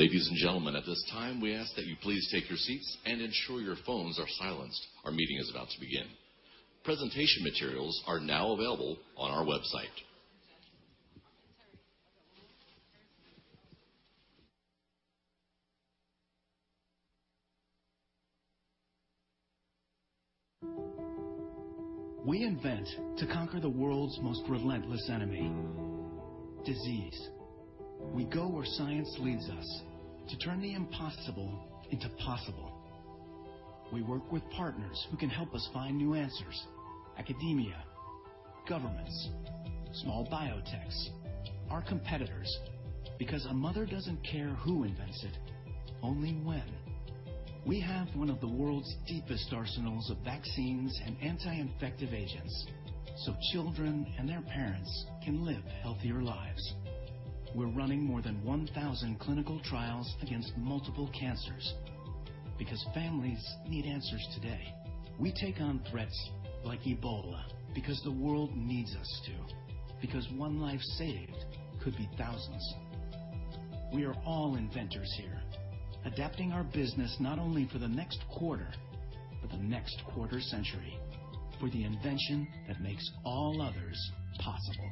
Ladies and gentlemen, at this time, we ask that you please take your seats and ensure your phones are silenced. Our meeting is about to begin. Presentation materials are now available on our website. We invent to conquer the world's most relentless enemy, disease. We go where science leads us to turn the impossible into possible. We work with partners who can help us find new answers, academia, governments, small biotechs, our competitors, because a mother doesn't care who invents it, only when. We have one of the world's deepest arsenals of vaccines and anti-infective agents so children and their parents can live healthier lives. We're running more than 1,000 clinical trials against multiple cancers because families need answers today. We take on threats like Ebola because the world needs us to, because one life saved could be thousands. We are all inventors here, adapting our business not only for the next quarter, but the next quarter century, for the invention that makes all others possible.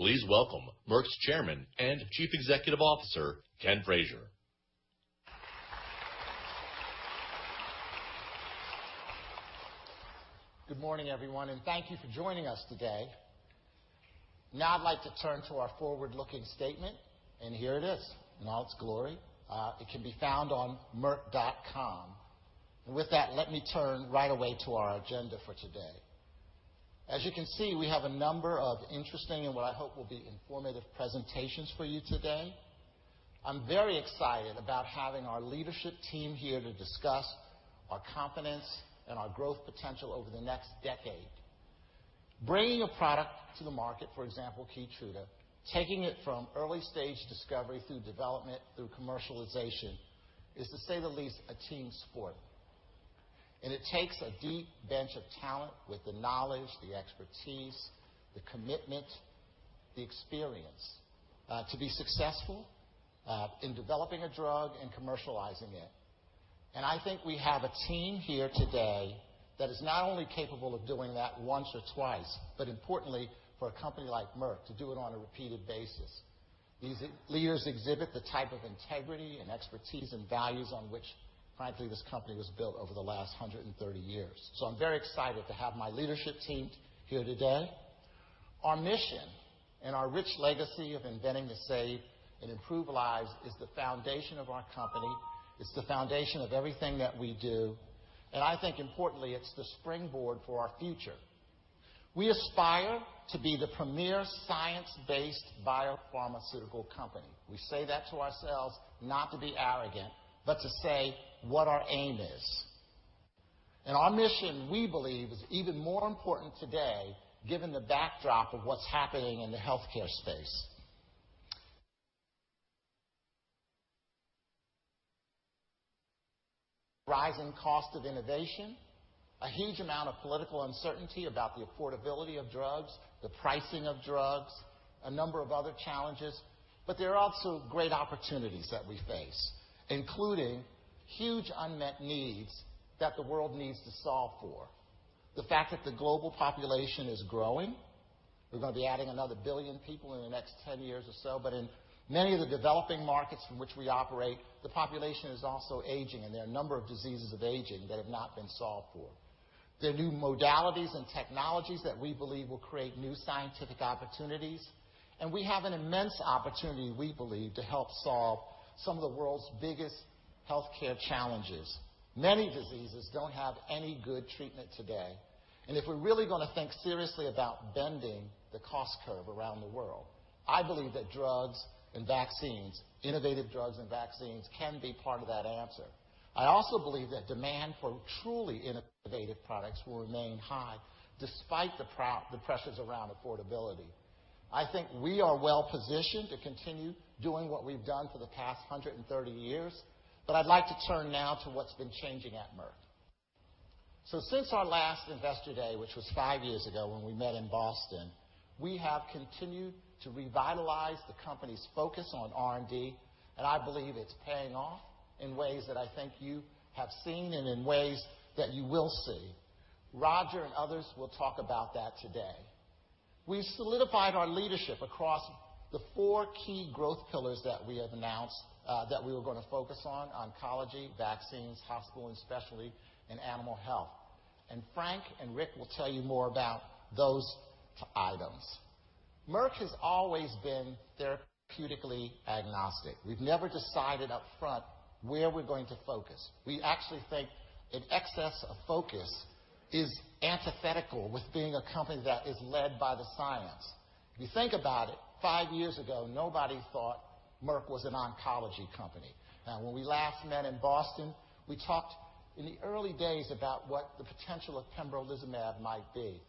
Please welcome Merck's Chairman and Chief Executive Officer, Ken Frazier. Good morning, everyone. Thank you for joining us today. Now I'd like to turn to our forward-looking statement. Here it is in all its glory. It can be found on merck.com. With that, let me turn right away to our agenda for today. As you can see, we have a number of interesting and what I hope will be informative presentations for you today. I'm very excited about having our leadership team here to discuss our confidence and our growth potential over the next decade. Bringing a product to the market, for example, KEYTRUDA, taking it from early-stage discovery through development, through commercialization, is, to say the least, a team sport. It takes a deep bench of talent with the knowledge, the expertise, the commitment, the experience, to be successful in developing a drug and commercializing it. I think we have a team here today that is not only capable of doing that once or twice, but importantly, for a company like Merck to do it on a repeated basis. These leaders exhibit the type of integrity and expertise, and values on which, frankly, this company was built over the last 130 years. I'm very excited to have my leadership team here today. Our mission and our rich legacy of inventing to save and improve lives is the foundation of our company. It's the foundation of everything that we do. I think importantly, it's the springboard for our future. We aspire to be the premier science-based biopharmaceutical company. We say that to ourselves not to be arrogant, but to say what our aim is. Our mission, we believe, is even more important today given the backdrop of what's happening in the healthcare space. Rising cost of innovation, a huge amount of political uncertainty about the affordability of drugs, the pricing of drugs, a number of other challenges. There are also great opportunities that we face, including huge unmet needs that the world needs to solve for. The fact that the global population is growing, we're going to be adding another billion people in the next 10 years or so, but in many of the developing markets from which we operate, the population is also aging, and there are a number of diseases of aging that have not been solved for. There are new modalities and technologies that we believe will create new scientific opportunities, and we have an immense opportunity, we believe, to help solve some of the world's biggest healthcare challenges. Many diseases don't have any good treatment today. If we're really going to think seriously about bending the cost curve around the world, I believe that drugs and vaccines, innovative drugs and vaccines can be part of that answer. I also believe that demand for truly innovative products will remain high despite the pressures around affordability. I think we are well-positioned to continue doing what we've done for the past 130 years, but I'd like to turn now to what's been changing at Merck. Since our last investor day, which was five years ago when we met in Boston, we have continued to revitalize the company's focus on R&D, and I believe it's paying off in ways that I think you have seen and in ways that you will see. Roger and others will talk about that today. We've solidified our leadership across the four key growth pillars that we have announced, that we were going to focus on, oncology, vaccines, hospital and specialty, and animal health. Frank and Rick will tell you more about those items. Merck has always been therapeutically agnostic. We've never decided up front where we're going to focus. We actually think an excess of focus is antithetical with being a company that is led by the science. If you think about it, five years ago, nobody thought Merck was an oncology company. Now, when we last met in Boston, we talked in the early days about what the potential of pembrolizumab might be.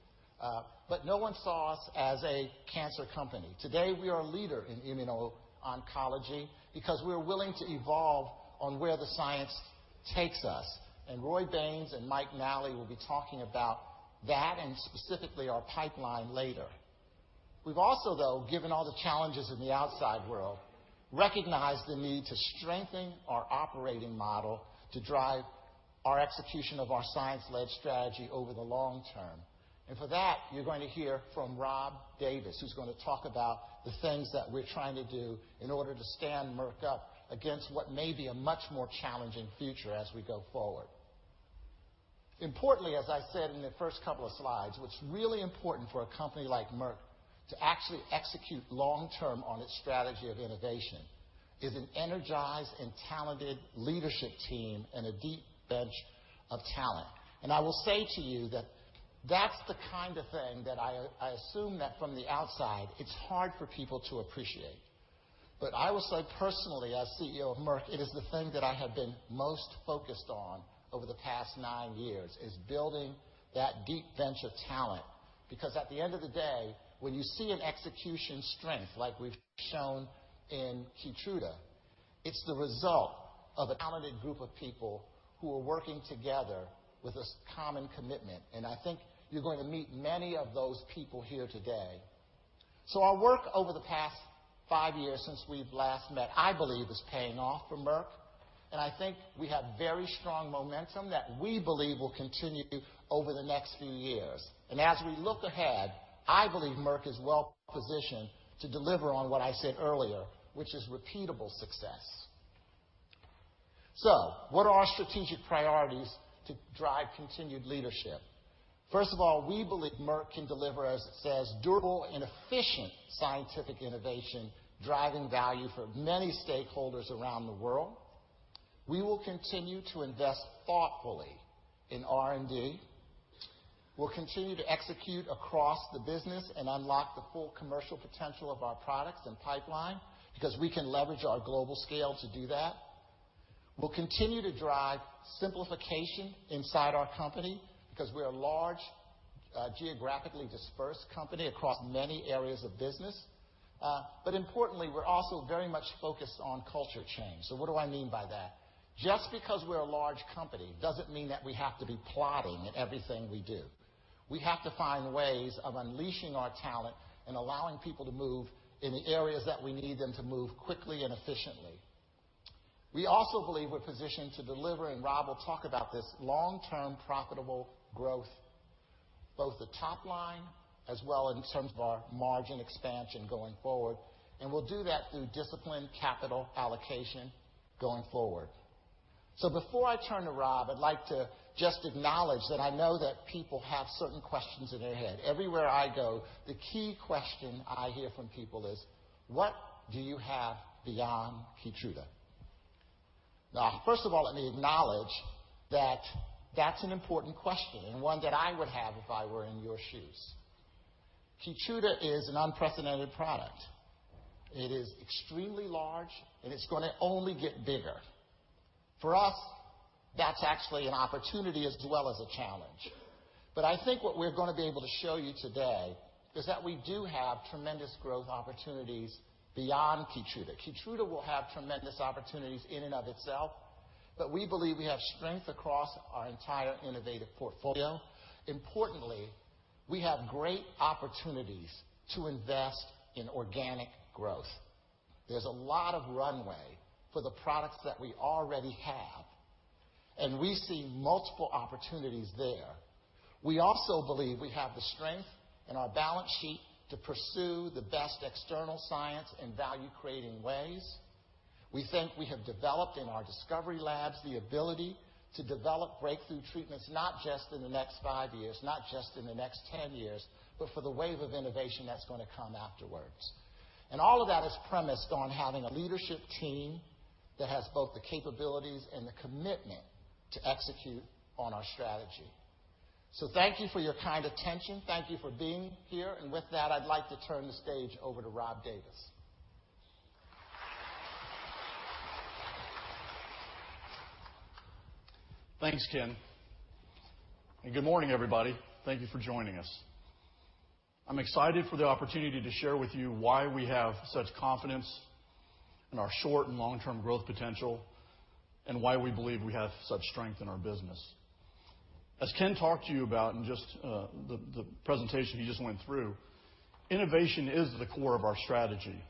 No one saw us as a cancer company. Today, we are a leader in immuno-oncology because we are willing to evolve on where the science takes us. Roy Baynes and Mike Nally will be talking about that and specifically our pipeline later. We've also, though, given all the challenges in the outside world, recognized the need to strengthen our operating model to drive our execution of our science-led strategy over the long term. For that, you're going to hear from Rob Davis, who's going to talk about the things that we're trying to do in order to stand Merck up against what may be a much more challenging future as we go forward. Importantly, as I said in the first couple of slides, what's really important for a company like Merck to actually execute long term on its strategy of innovation is an energized and talented leadership team and a deep bench of talent. I will say to you that that's the kind of thing that I assume that from the outside, it's hard for people to appreciate. I will say personally, as CEO of Merck, it is the thing that I have been most focused on over the past nine years, is building that deep bench of talent. Because at the end of the day, when you see an execution strength like we've shown in KEYTRUDA, it's the result of a talented group of people who are working together with a common commitment. I think you're going to meet many of those people here today. Our work over the past five years since we've last met, I believe, is paying off for Merck, and I think we have very strong momentum that we believe will continue over the next few years. As we look ahead, I believe Merck is well positioned to deliver on what I said earlier, which is repeatable success. What are our strategic priorities to drive continued leadership? First of all, we believe Merck can deliver, as it says, durable and efficient scientific innovation, driving value for many stakeholders around the world. We will continue to invest thoughtfully in R&D. We'll continue to execute across the business and unlock the full commercial potential of our products and pipeline, because we can leverage our global scale to do that. We'll continue to drive simplification inside our company because we're a large, geographically dispersed company across many areas of business. Importantly, we're also very much focused on culture change. What do I mean by that? Just because we're a large company doesn't mean that we have to be plodding in everything we do. We have to find ways of unleashing our talent and allowing people to move in the areas that we need them to move quickly and efficiently. We also believe we're positioned to deliver, and Rob will talk about this, long-term profitable growth, both the top line as well in terms of our margin expansion going forward. We'll do that through disciplined capital allocation going forward. Before I turn to Rob, I'd like to just acknowledge that I know that people have certain questions in their head. Everywhere I go, the key question I hear from people is: What do you have beyond KEYTRUDA? First of all, let me acknowledge that that's an important question and one that I would have if I were in your shoes. KEYTRUDA is an unprecedented product. It is extremely large, and it's going to only get bigger. For us, that's actually an opportunity as well as a challenge. I think what we're going to be able to show you today is that we do have tremendous growth opportunities beyond KEYTRUDA. KEYTRUDA will have tremendous opportunities in and of itself, but we believe we have strength across our entire innovative portfolio. Importantly, we have great opportunities to invest in organic growth. There's a lot of runway for the products that we already have, and we see multiple opportunities there. We also believe we have the strength in our balance sheet to pursue the best external science in value-creating ways. We think we have developed in our discovery labs the ability to develop breakthrough treatments, not just in the next five years, not just in the next 10 years, but for the wave of innovation that's going to come afterwards. All of that is premised on having a leadership team that has both the capabilities and the commitment to execute on our strategy. Thank you for your kind attention. Thank you for being here. With that, I'd like to turn the stage over to Rob Davis. Thanks, Ken, good morning, everybody. Thank you for joining us. I'm excited for the opportunity to share with you why we have such confidence in our short and long-term growth potential and why we believe we have such strength in our business. As Ken talked to you about in just the presentation he just went through, innovation is the core of our strategy.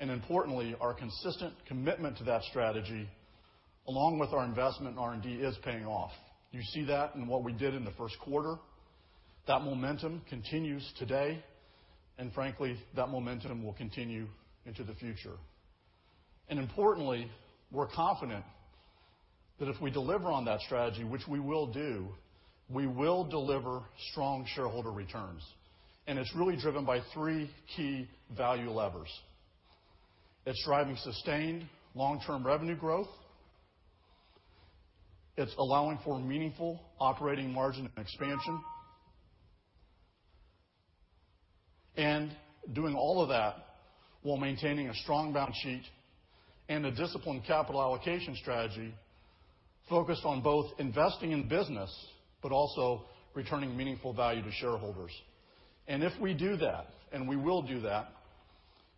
Importantly, our consistent commitment to that strategy, along with our investment in R&D, is paying off. You see that in what we did in the first quarter. That momentum continues today, and frankly, that momentum will continue into the future. Importantly, we're confident that if we deliver on that strategy, which we will do, we will deliver strong shareholder returns. It's really driven by three key value levers. It's driving sustained long-term revenue growth, it's allowing for meaningful operating margin expansion, and doing all of that while maintaining a strong balance sheet and a disciplined capital allocation strategy focused on both investing in business but also returning meaningful value to shareholders. If we do that, and we will do that,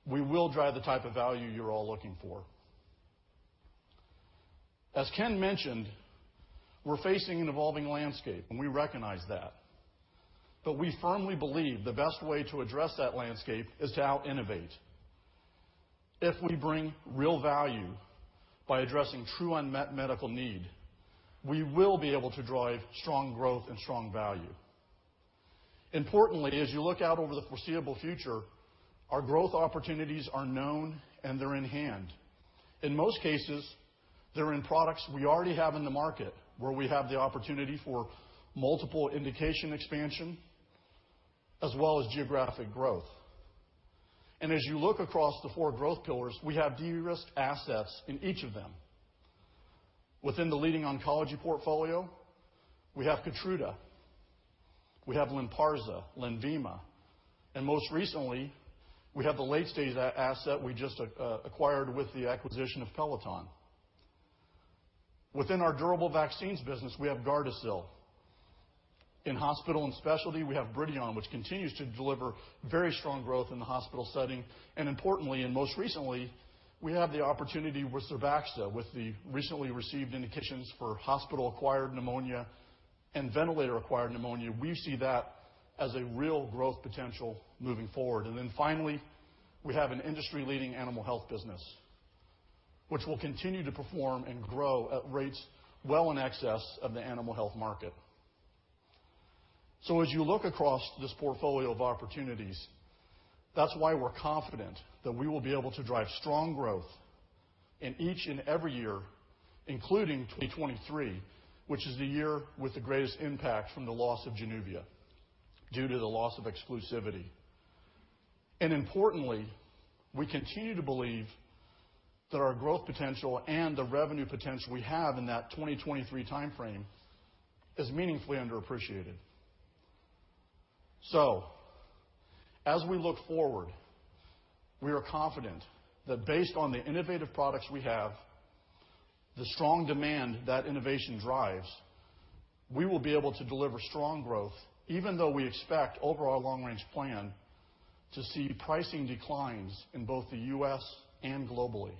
we will drive the type of value you're all looking for. As Ken mentioned, we're facing an evolving landscape, and we recognize that. We firmly believe the best way to address that landscape is to out-innovate. If we bring real value by addressing true unmet medical need, we will be able to drive strong growth and strong value. Importantly, as you look out over the foreseeable future, our growth opportunities are known and they're in hand. In most cases, they're in products we already have in the market, where we have the opportunity for multiple indication expansion, as well as geographic growth. As you look across the four growth pillars, we have de-risked assets in each of them. Within the leading oncology portfolio, we have KEYTRUDA, we have LYNPARZA, LENVIMA, and most recently, we have the late-stage asset we just acquired with the acquisition of Peloton. Within our durable vaccines business, we have GARDASIL. In hospital and specialty, we have BRIDION, which continues to deliver very strong growth in the hospital setting. Importantly, most recently, we have the opportunity with ZERBAXA, with the recently received indications for hospital-acquired pneumonia and ventilator-acquired pneumonia. We see that as a real growth potential moving forward. Finally, we have an industry-leading animal health business, which will continue to perform and grow at rates well in excess of the animal health market. As you look across this portfolio of opportunities, that's why we're confident that we will be able to drive strong growth in each and every year, including 2023, which is the year with the greatest impact from the loss of JANUVIA due to the loss of exclusivity. Importantly, we continue to believe that our growth potential and the revenue potential we have in that 2023 timeframe is meaningfully underappreciated. As we look forward, we are confident that based on the innovative products we have, the strong demand that innovation drives, we will be able to deliver strong growth, even though we expect overall long-range plan to see pricing declines in both the U.S. and globally.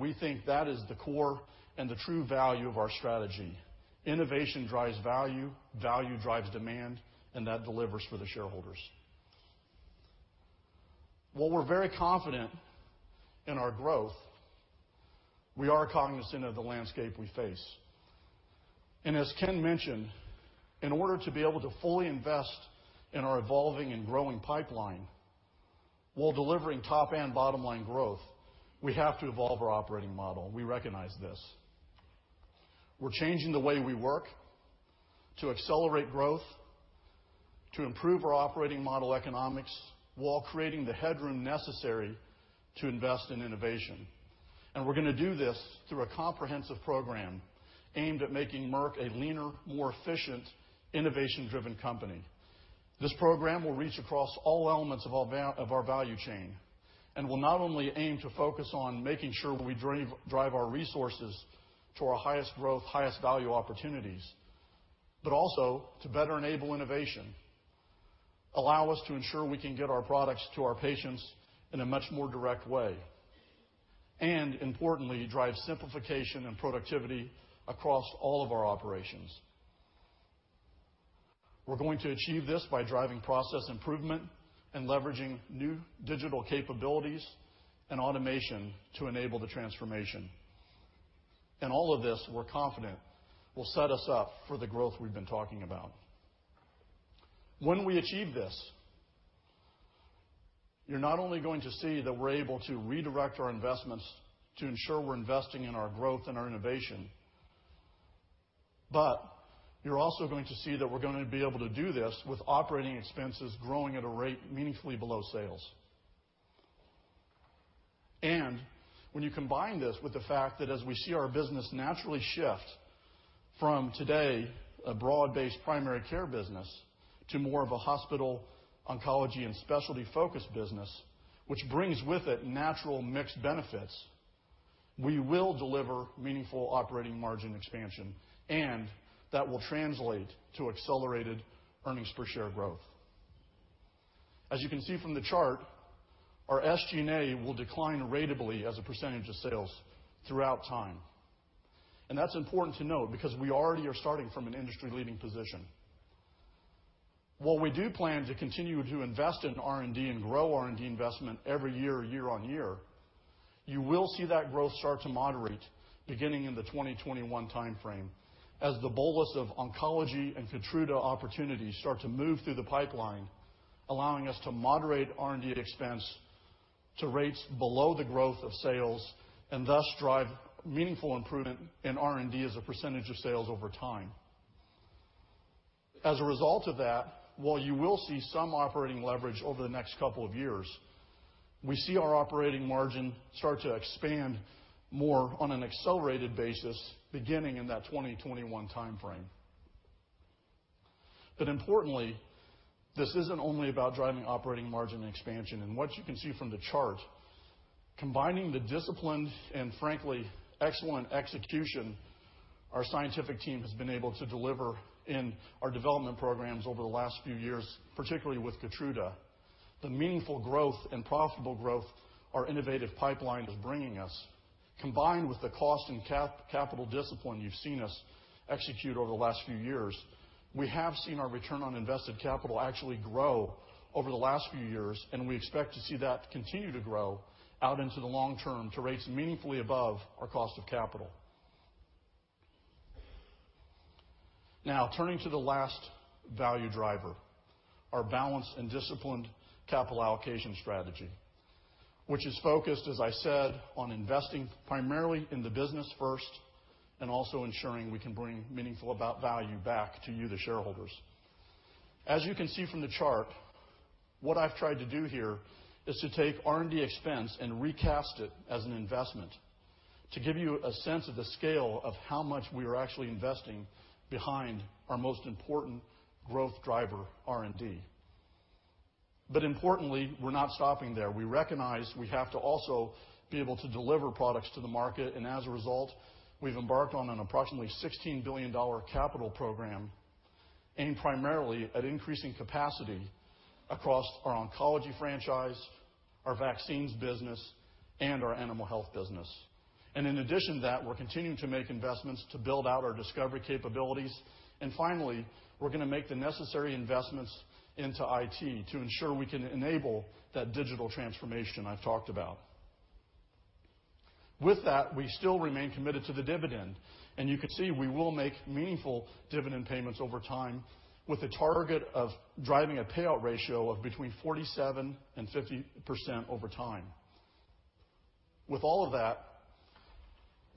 We think that is the core and the true value of our strategy. Innovation drives value drives demand, and that delivers for the shareholders. While we're very confident in our growth, we are cognizant of the landscape we face. As Ken mentioned, in order to be able to fully invest in our evolving and growing pipeline while delivering top and bottom-line growth, we have to evolve our operating model. We recognize this. We're changing the way we work to accelerate growth, to improve our operating model economics, while creating the headroom necessary to invest in innovation. We're going to do this through a comprehensive program aimed at making Merck a leaner, more efficient, innovation-driven company. This program will reach across all elements of our value chain, will not only aim to focus on making sure we drive our resources to our highest growth, highest value opportunities, but also to better enable innovation, allow us to ensure we can get our products to our patients in a much more direct way, and importantly, drive simplification and productivity across all of our operations. We're going to achieve this by driving process improvement and leveraging new digital capabilities and automation to enable the transformation. All of this, we're confident, will set us up for the growth we've been talking about. When we achieve this, you're not only going to see that we're able to redirect our investments to ensure we're investing in our growth and our innovation, but you're also going to see that we're going to be able to do this with operating expenses growing at a rate meaningfully below sales. When you combine this with the fact that as we see our business naturally shift from today, a broad-based primary care business, to more of a hospital, oncology, and specialty-focused business, which brings with it natural mixed benefits, we will deliver meaningful operating margin expansion, and that will translate to accelerated earnings per share growth. As you can see from the chart, our SG&A will decline ratably as a percentage of sales throughout time. That's important to note because we already are starting from an industry-leading position. While we do plan to continue to invest in R&D and grow R&D investment every year on year, you will see that growth start to moderate beginning in the 2021 timeframe as the bolus of oncology and KEYTRUDA opportunities start to move through the pipeline, allowing us to moderate R&D expense to rates below the growth of sales, and thus drive meaningful improvement in R&D as a percentage of sales over time. As a result of that, while you will see some operating leverage over the next couple of years, we see our operating margin start to expand more on an accelerated basis beginning in that 2021 timeframe. Importantly, this isn't only about driving operating margin expansion. What you can see from the chart, combining the disciplined and frankly excellent execution our scientific team has been able to deliver in our development programs over the last few years, particularly with KEYTRUDA. The meaningful growth and profitable growth our innovative pipeline is bringing us, combined with the cost and capital discipline you've seen us execute over the last few years, we have seen our return on invested capital actually grow over the last few years, and we expect to see that continue to grow out into the long term to rates meaningfully above our cost of capital. Turning to the last value driver, our balanced and disciplined capital allocation strategy, which is focused, as I said, on investing primarily in the business first and also ensuring we can bring meaningful value back to you, the shareholders. As you can see from the chart, what I've tried to do here is to take R&D expense and recast it as an investment to give you a sense of the scale of how much we are actually investing behind our most important growth driver, R&D. Importantly, we're not stopping there. We recognize we have to also be able to deliver products to the market. As a result, we've embarked on an approximately $16 billion capital program aimed primarily at increasing capacity across our oncology franchise, our vaccines business, and our animal health business. In addition to that, we're continuing to make investments to build out our discovery capabilities. Finally, we're going to make the necessary investments into IT to ensure we can enable that digital transformation I've talked about. With that, we still remain committed to the dividend, you can see we will make meaningful dividend payments over time with a target of driving a payout ratio of between 47% and 50% over time. With all of that,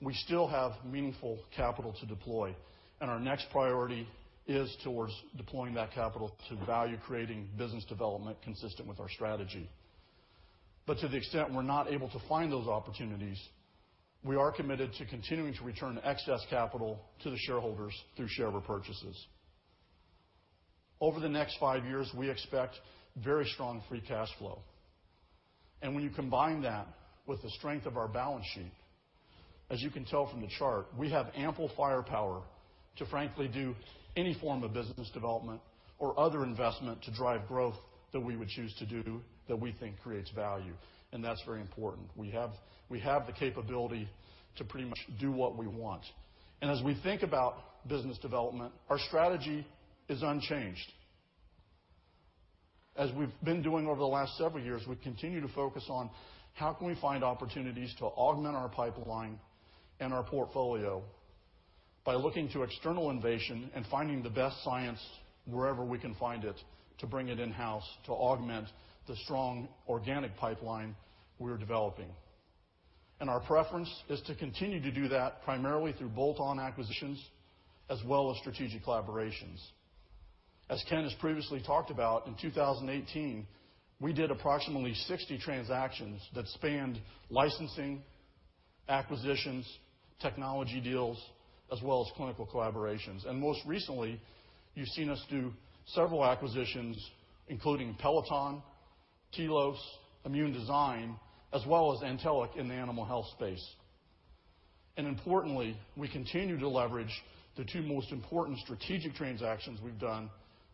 we still have meaningful capital to deploy, our next priority is towards deploying that capital to value-creating business development consistent with our strategy. To the extent we're not able to find those opportunities, we are committed to continuing to return excess capital to the shareholders through share repurchases. Over the next five years, we expect very strong free cash flow. When you combine that with the strength of our balance sheet, as you can tell from the chart, we have ample firepower to frankly do any form of business development or other investment to drive growth that we would choose to do that we think creates value. That's very important. We have the capability to pretty much do what we want. As we think about business development, our strategy is unchanged. As we've been doing over the last several years, we continue to focus on how can we find opportunities to augment our pipeline and our portfolio by looking to external innovation and finding the best science wherever we can find it to bring it in-house to augment the strong organic pipeline we're developing. Our preference is to continue to do that primarily through bolt-on acquisitions as well as strategic collaborations. As Ken has previously talked about, in 2018, we did approximately 60 transactions that spanned licensing, acquisitions, technology deals, as well as clinical collaborations. Most recently, you've seen us do several acquisitions, including Peloton, Tilos, Immune Design, as well as Antelliq in the animal health space. Importantly, we continue to leverage the two most important strategic transactions we've done,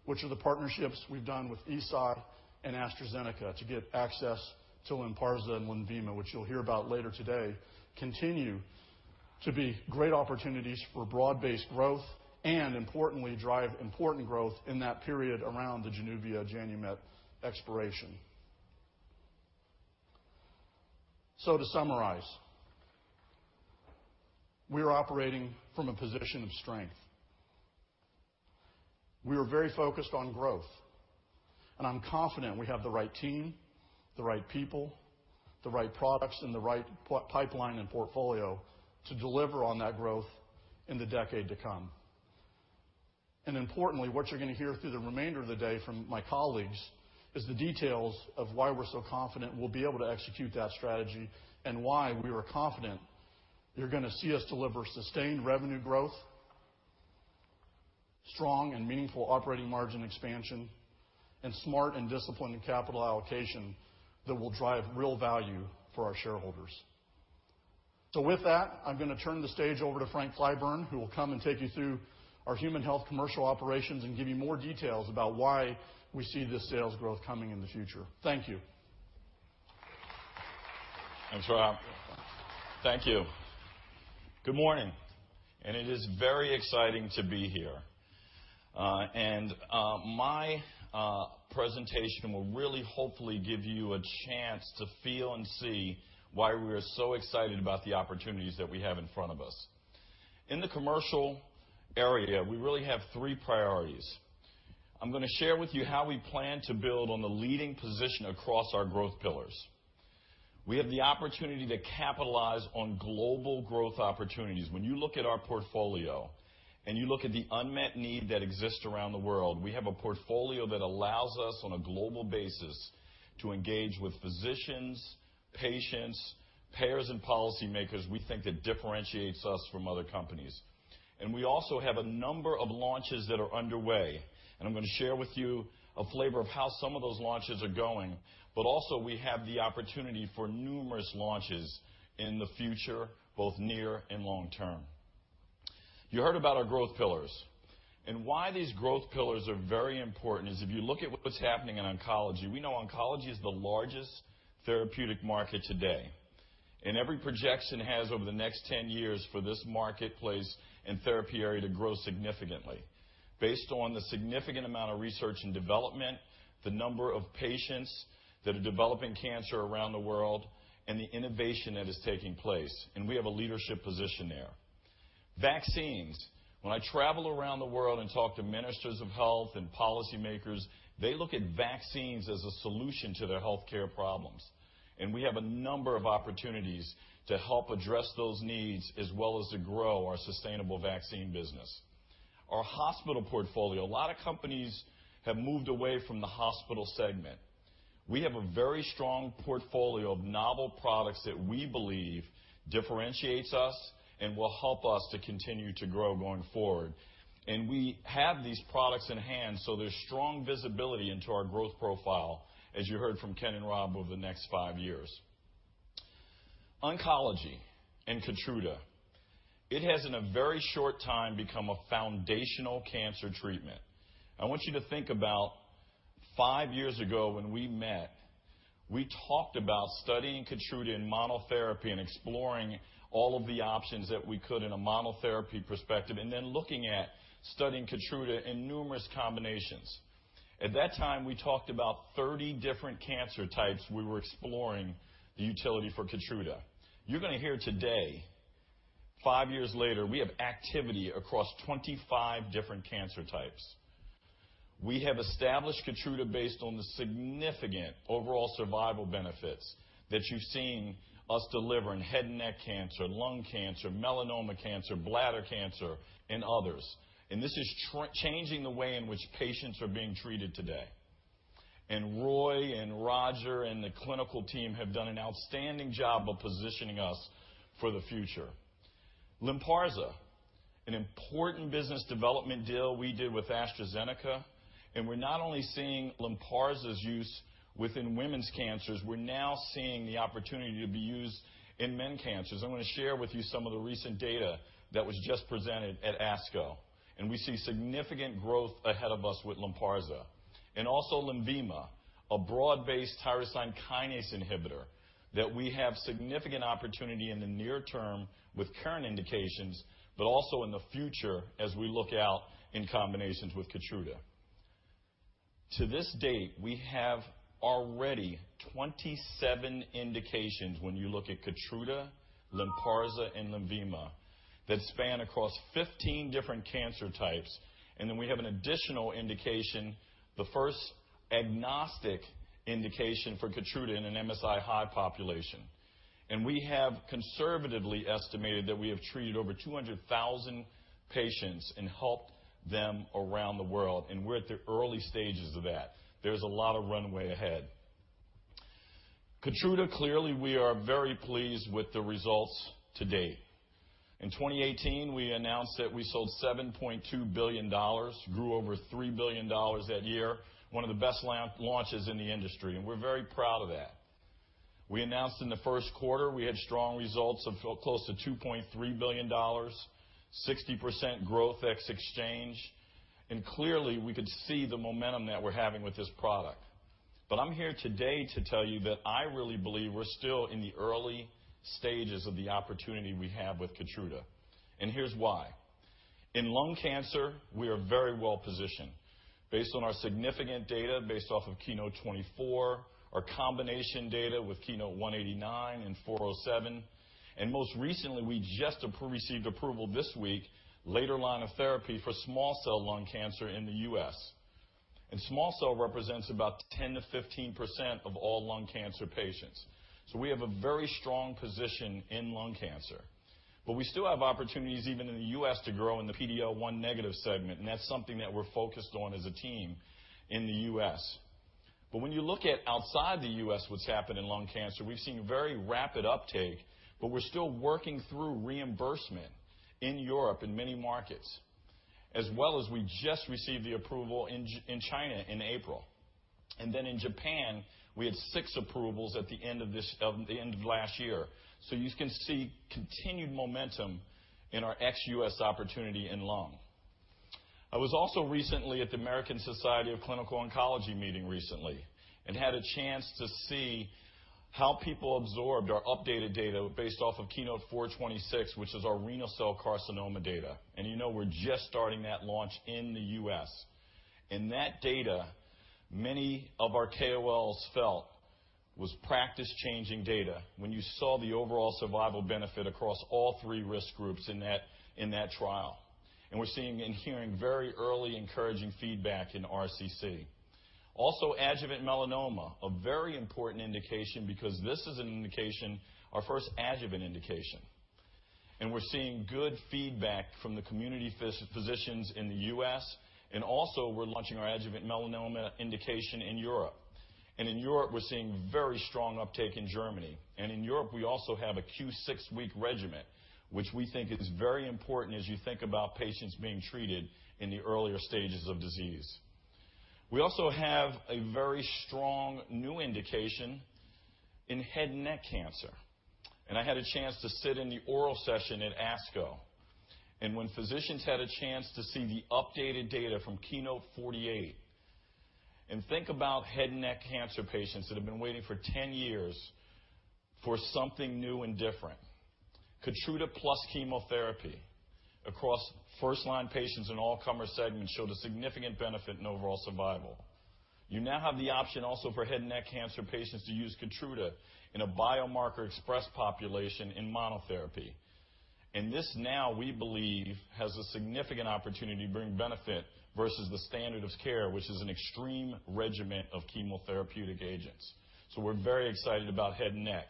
which are the partnerships we've done with Eisai and AstraZeneca to get access to LYNPARZA and LENVIMA, which you'll hear about later today, continue to be great opportunities for broad-based growth, importantly, drive important growth in that period around the JANUVIA-JANUMET expiration. To summarize, we are operating from a position of strength. We are very focused on growth, I'm confident we have the right team, the right people, the right products, and the right pipeline and portfolio to deliver on that growth in the decade to come. Importantly, what you're going to hear through the remainder of the day from my colleagues is the details of why we're so confident we'll be able to execute that strategy and why we are confident you're going to see us deliver sustained revenue growth, strong and meaningful operating margin expansion, and smart and disciplined capital allocation that will drive real value for our shareholders. With that, I'm going to turn the stage over to Frank Clyburn, who will come and take you through our Human Health commercial operations and give you more details about why we see this sales growth coming in the future. Thank you. Thanks, Rob. Thank you. Good morning. It is very exciting to be here. My presentation will really hopefully give you a chance to feel and see why we are so excited about the opportunities that we have in front of us. In the commercial area, we really have three priorities. I'm going to share with you how we plan to build on the leading position across our growth pillars. We have the opportunity to capitalize on global growth opportunities. When you look at our portfolio and you look at the unmet need that exists around the world, we have a portfolio that allows us on a global basis to engage with physicians, patients, payers, and policymakers. We think that differentiates us from other companies. We also have a number of launches that are underway, and I'm going to share with you a flavor of how some of those launches are going. Also, we have the opportunity for numerous launches in the future, both near and long term. You heard about our growth pillars. Why these growth pillars are very important is if you look at what's happening in oncology, we know oncology is the largest therapeutic market today. Every projection has over the next 10 years for this marketplace and therapy area to grow significantly based on the significant amount of research and development, the number of patients that are developing cancer around the world, and the innovation that is taking place. We have a leadership position there. Vaccines. When I travel around the world and talk to ministers of health and policymakers, they look at vaccines as a solution to their healthcare problems. We have a number of opportunities to help address those needs as well as to grow our sustainable vaccine business. Our hospital portfolio, a lot of companies have moved away from the hospital segment. We have a very strong portfolio of novel products that we believe differentiates us and will help us to continue to grow going forward. We have these products in hand, so there's strong visibility into our growth profile, as you heard from Ken and Rob, over the next five years. Oncology and KEYTRUDA. It has in a very short time become a foundational cancer treatment. I want you to think about five years ago when we met. We talked about studying KEYTRUDA in monotherapy and exploring all of the options that we could in a monotherapy perspective, then looking at studying KEYTRUDA in numerous combinations. At that time, we talked about 30 different cancer types we were exploring the utility for KEYTRUDA. You're going to hear today, five years later, we have activity across 25 different cancer types. We have established KEYTRUDA based on the significant overall survival benefits that you've seen us deliver in head and neck cancer, lung cancer, melanoma cancer, bladder cancer, and others. This is changing the way in which patients are being treated today. Roy and Roger and the clinical team have done an outstanding job of positioning us for the future. LYNPARZA, an important business development deal we did with AstraZeneca. We're not only seeing LYNPARZA’s use within women's cancers, we're now seeing the opportunity to be used in men cancers. I'm going to share with you some of the recent data that was just presented at ASCO. We see significant growth ahead of us with LYNPARZA. Also LENVIMA, a broad-based tyrosine kinase inhibitor that we have significant opportunity in the near term with current indications, but also in the future as we look out in combinations with KEYTRUDA. To this date, we have already 27 indications when you look at KEYTRUDA, LYNPARZA, and LENVIMA that span across 15 different cancer types. We have an additional indication, the first agnostic indication for KEYTRUDA in an MSI-high population. We have conservatively estimated that we have treated over 200,000 patients and helped them around the world, and we're at the early stages of that. There's a lot of runway ahead. KEYTRUDA, clearly, we are very pleased with the results to date. In 2018, we announced that we sold $7.2 billion, grew over $3 billion that year, one of the best launches in the industry. We're very proud of that. We announced in the first quarter we had strong results of close to $2.3 billion, 60% growth ex exchange. Clearly, we could see the momentum that we're having with this product. I'm here today to tell you that I really believe we're still in the early stages of the opportunity we have with KEYTRUDA. Here's why. In lung cancer, we are very well-positioned based on our significant data, based off of KEYNOTE-024, our combination data with KEYNOTE-189 and KEYNOTE-407. Most recently, we just received approval this week, later line of therapy for small cell lung cancer in the U.S. Small cell represents about 10%-15% of all lung cancer patients. We have a very strong position in lung cancer. We still have opportunities even in the U.S. to grow in the PD-L1 negative segment, and that's something that we're focused on as a team in the U.S. When you look at outside the U.S. what's happened in lung cancer, we've seen very rapid uptake, but we're still working through reimbursement in Europe in many markets, as well as we just received the approval in China in April. In Japan, we had six approvals at the end of last year. You can see continued momentum in our ex-U.S. opportunity in lung. I was also recently at the American Society of Clinical Oncology meeting recently and had a chance to see how people absorbed our updated data based off of KEYNOTE-426, which is our renal cell carcinoma data. You know we're just starting that launch in the U.S. That data, many of our KOLs felt was practice-changing data when you saw the overall survival benefit across all three risk groups in that trial. We're seeing and hearing very early encouraging feedback in RCC. Also adjuvant melanoma, a very important indication because this is our first adjuvant indication. We're seeing good feedback from the community physicians in the U.S., and also we're launching our adjuvant melanoma indication in Europe. In Europe, we're seeing very strong uptake in Germany. In Europe, we also have a Q six-week regimen, which we think is very important as you think about patients being treated in the earlier stages of disease. We also have a very strong new indication in head and neck cancer. I had a chance to sit in the oral session at ASCO, when physicians had a chance to see the updated data from KEYNOTE-048, and think about head and neck cancer patients that have been waiting for 10 years for something new and different. KEYTRUDA plus chemotherapy across first-line patients in all-comer segments showed a significant benefit in overall survival. You now have the option also for head and neck cancer patients to use KEYTRUDA in a biomarker-express population in monotherapy. This now, we believe, has a significant opportunity to bring benefit versus the standard of care, which is an extreme regimen of chemotherapeutic agents. We're very excited about head and neck.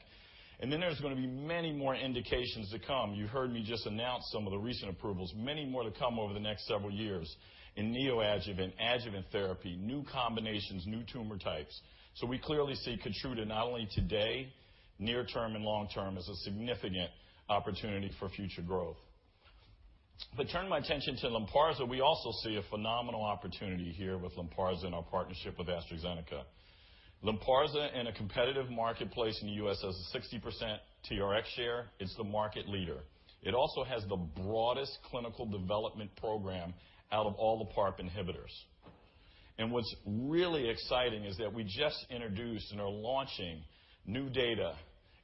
There's going to be many more indications to come. You heard me just announce some of the recent approvals, many more to come over the next several years in neoadjuvant, adjuvant therapy, new combinations, new tumor types. We clearly see KEYTRUDA not only today, near-term and long-term, as a significant opportunity for future growth. If I turn my attention to LYNPARZA, we also see a phenomenal opportunity here with LYNPARZA in our partnership with AstraZeneca. LYNPARZA in a competitive marketplace in the U.S. has a 60% TRx share, it's the market leader. It also has the broadest clinical development program out of all the PARP inhibitors. What's really exciting is that we just introduced and are launching new data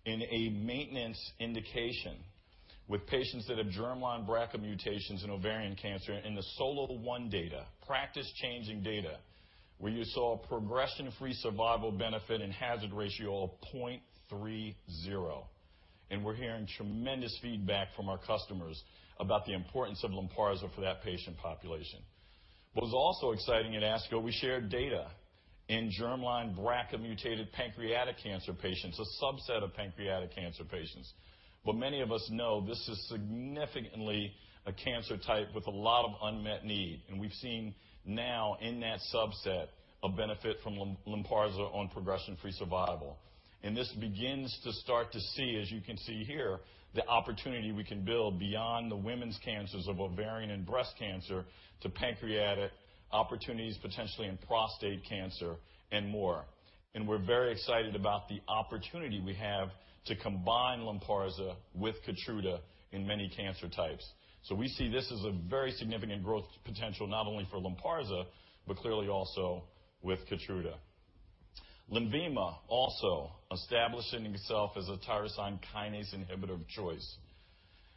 in a maintenance indication with patients that have germline BRCA mutations in ovarian cancer in the SOLO-1 data, practice-changing data, where you saw a progression-free survival benefit and hazard ratio of 0.30. We're hearing tremendous feedback from our customers about the importance of LYNPARZA for that patient population. What was also exciting at ASCO, we shared data in germline BRCA-mutated pancreatic cancer patients, a subset of pancreatic cancer patients. Many of us know this is significantly a cancer type with a lot of unmet need. We've seen now in that subset a benefit from LYNPARZA on progression-free survival. This begins to start to see, as you can see here, the opportunity we can build beyond the women's cancers of ovarian and breast cancer to pancreatic opportunities, potentially in prostate cancer and more. We're very excited about the opportunity we have to combine LYNPARZA with KEYTRUDA in many cancer types. We see this as a very significant growth potential, not only for LYNPARZA, but clearly also with KEYTRUDA. LENVIMA also establishing itself as a tyrosine kinase inhibitor of choice.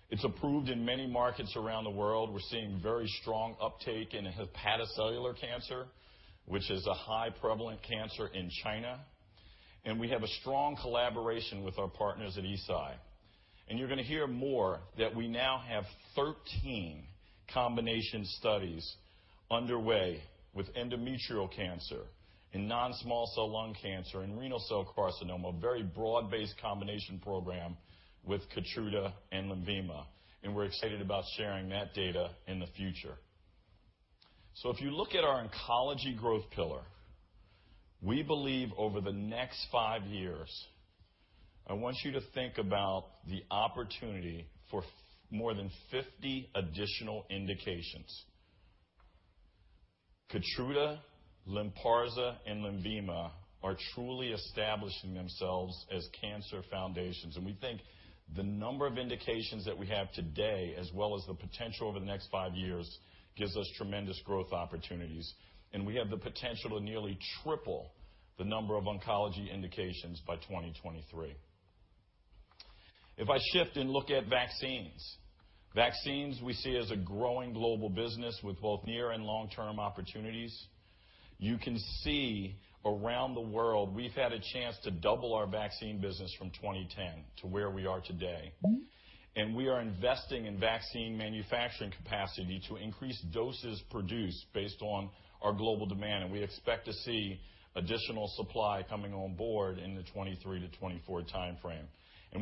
It's approved in many markets around the world. We're seeing very strong uptake in hepatocellular cancer, which is a high prevalent cancer in China. We have a strong collaboration with our partners at Eisai. You're going to hear more that we now have 13 combination studies underway with endometrial cancer, in non-small cell lung cancer, in renal cell carcinoma, a very broad-based combination program with KEYTRUDA and LENVIMA, and we're excited about sharing that data in the future. If you look at our oncology growth pillar, we believe over the next 5 years, I want you to think about the opportunity for more than 50 additional indications. KEYTRUDA, LYNPARZA, and LENVIMA are truly establishing themselves as cancer foundations, and we think the number of indications that we have today, as well as the potential over the next 5 years, gives us tremendous growth opportunities, and we have the potential to nearly triple the number of oncology indications by 2023. If I shift and look at vaccines we see as a growing global business with both near and long-term opportunities. You can see around the world, we've had a chance to double our vaccine business from 2010 to where we are today. We are investing in vaccine manufacturing capacity to increase doses produced based on our global demand, and we expect to see additional supply coming on board in the 2023 to 2024 timeframe.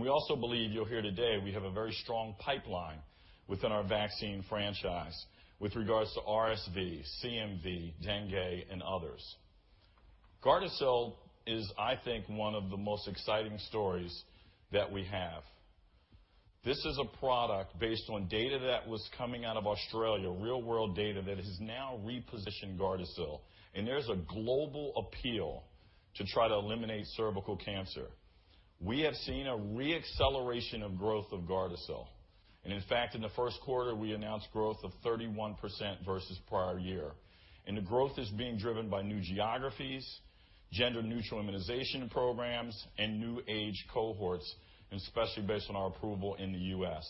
We also believe you'll hear today, we have a very strong pipeline within our vaccine franchise with regards to RSV, CMV, dengue, and others. GARDASIL is, I think, one of the most exciting stories that we have. This is a product based on data that was coming out of Australia, real-world data that has now repositioned GARDASIL. There's a global appeal to try to eliminate cervical cancer. We have seen a re-acceleration of growth of GARDASIL. In fact, in the first quarter, we announced growth of 31% versus prior year. The growth is being driven by new geographies, gender-neutral immunization programs, and new age cohorts, and especially based on our approval in the U.S.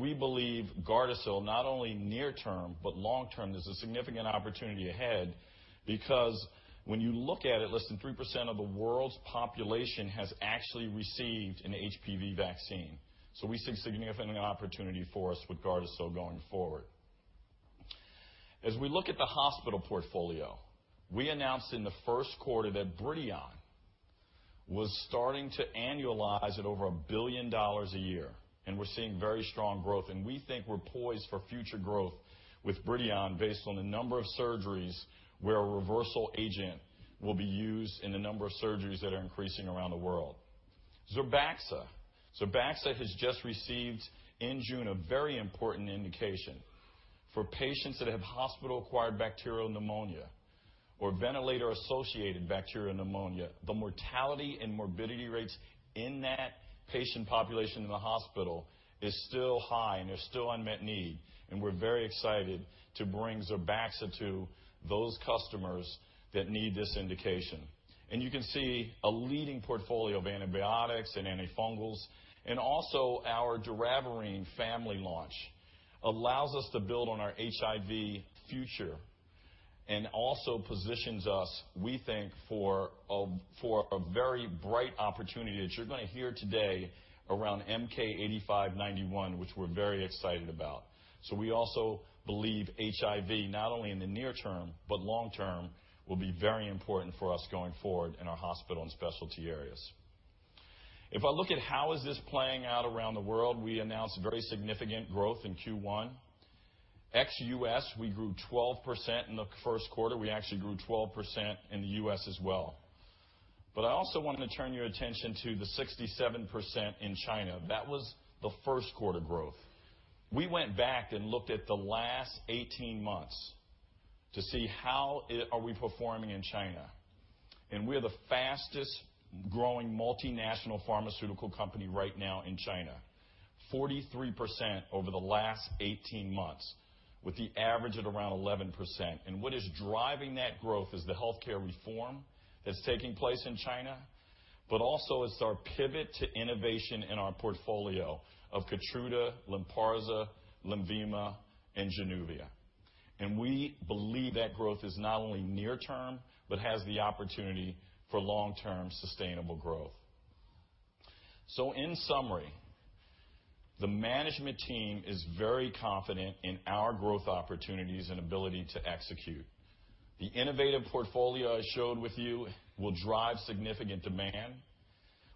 We believe GARDASIL, not only near-term but long-term, there's a significant opportunity ahead because when you look at it, less than 3% of the world's population has actually received an HPV vaccine. We see significant opportunity for us with GARDASIL going forward. As we look at the hospital portfolio, we announced in the first quarter that BRIDION was starting to annualize at over $1 billion a year, and we're seeing very strong growth, and we think we're poised for future growth with BRIDION based on the number of surgeries where a reversal agent will be used in the number of surgeries that are increasing around the world. ZERBAXA. ZERBAXA has just received, in June, a very important indication for patients that have hospital-acquired bacterial pneumonia or ventilator-associated bacterial pneumonia. The mortality and morbidity rates in that patient population in the hospital is still high and there's still unmet need, and we're very excited to bring ZERBAXA to those customers that need this indication. You can see a leading portfolio of antibiotics and antifungals. Also our doravirine family launch allows us to build on our HIV future and also positions us, we think, for a very bright opportunity that you're going to hear today around MK-8591, which we're very excited about. We also believe HIV, not only in the near term, but long-term, will be very important for us going forward in our hospital and specialty areas. If I look at how is this playing out around the world, we announced very significant growth in Q1. Ex-U.S., we grew 12% in the first quarter. We actually grew 12% in the U.S. as well. I also want to turn your attention to the 67% in China. That was the first quarter growth. We went back and looked at the last 18 months to see how are we performing in China, and we're the fastest-growing multinational pharmaceutical company right now in China. 43% over the last 18 months, with the average at around 11%. What is driving that growth is the healthcare reform that's taking place in China, but also it's our pivot to innovation in our portfolio of KEYTRUDA, LYNPARZA, LENVIMA, and JANUVIA. We believe that growth is not only near term, but has the opportunity for long-term sustainable growth. In summary, the management team is very confident in our growth opportunities and ability to execute. The innovative portfolio I showed with you will drive significant demand.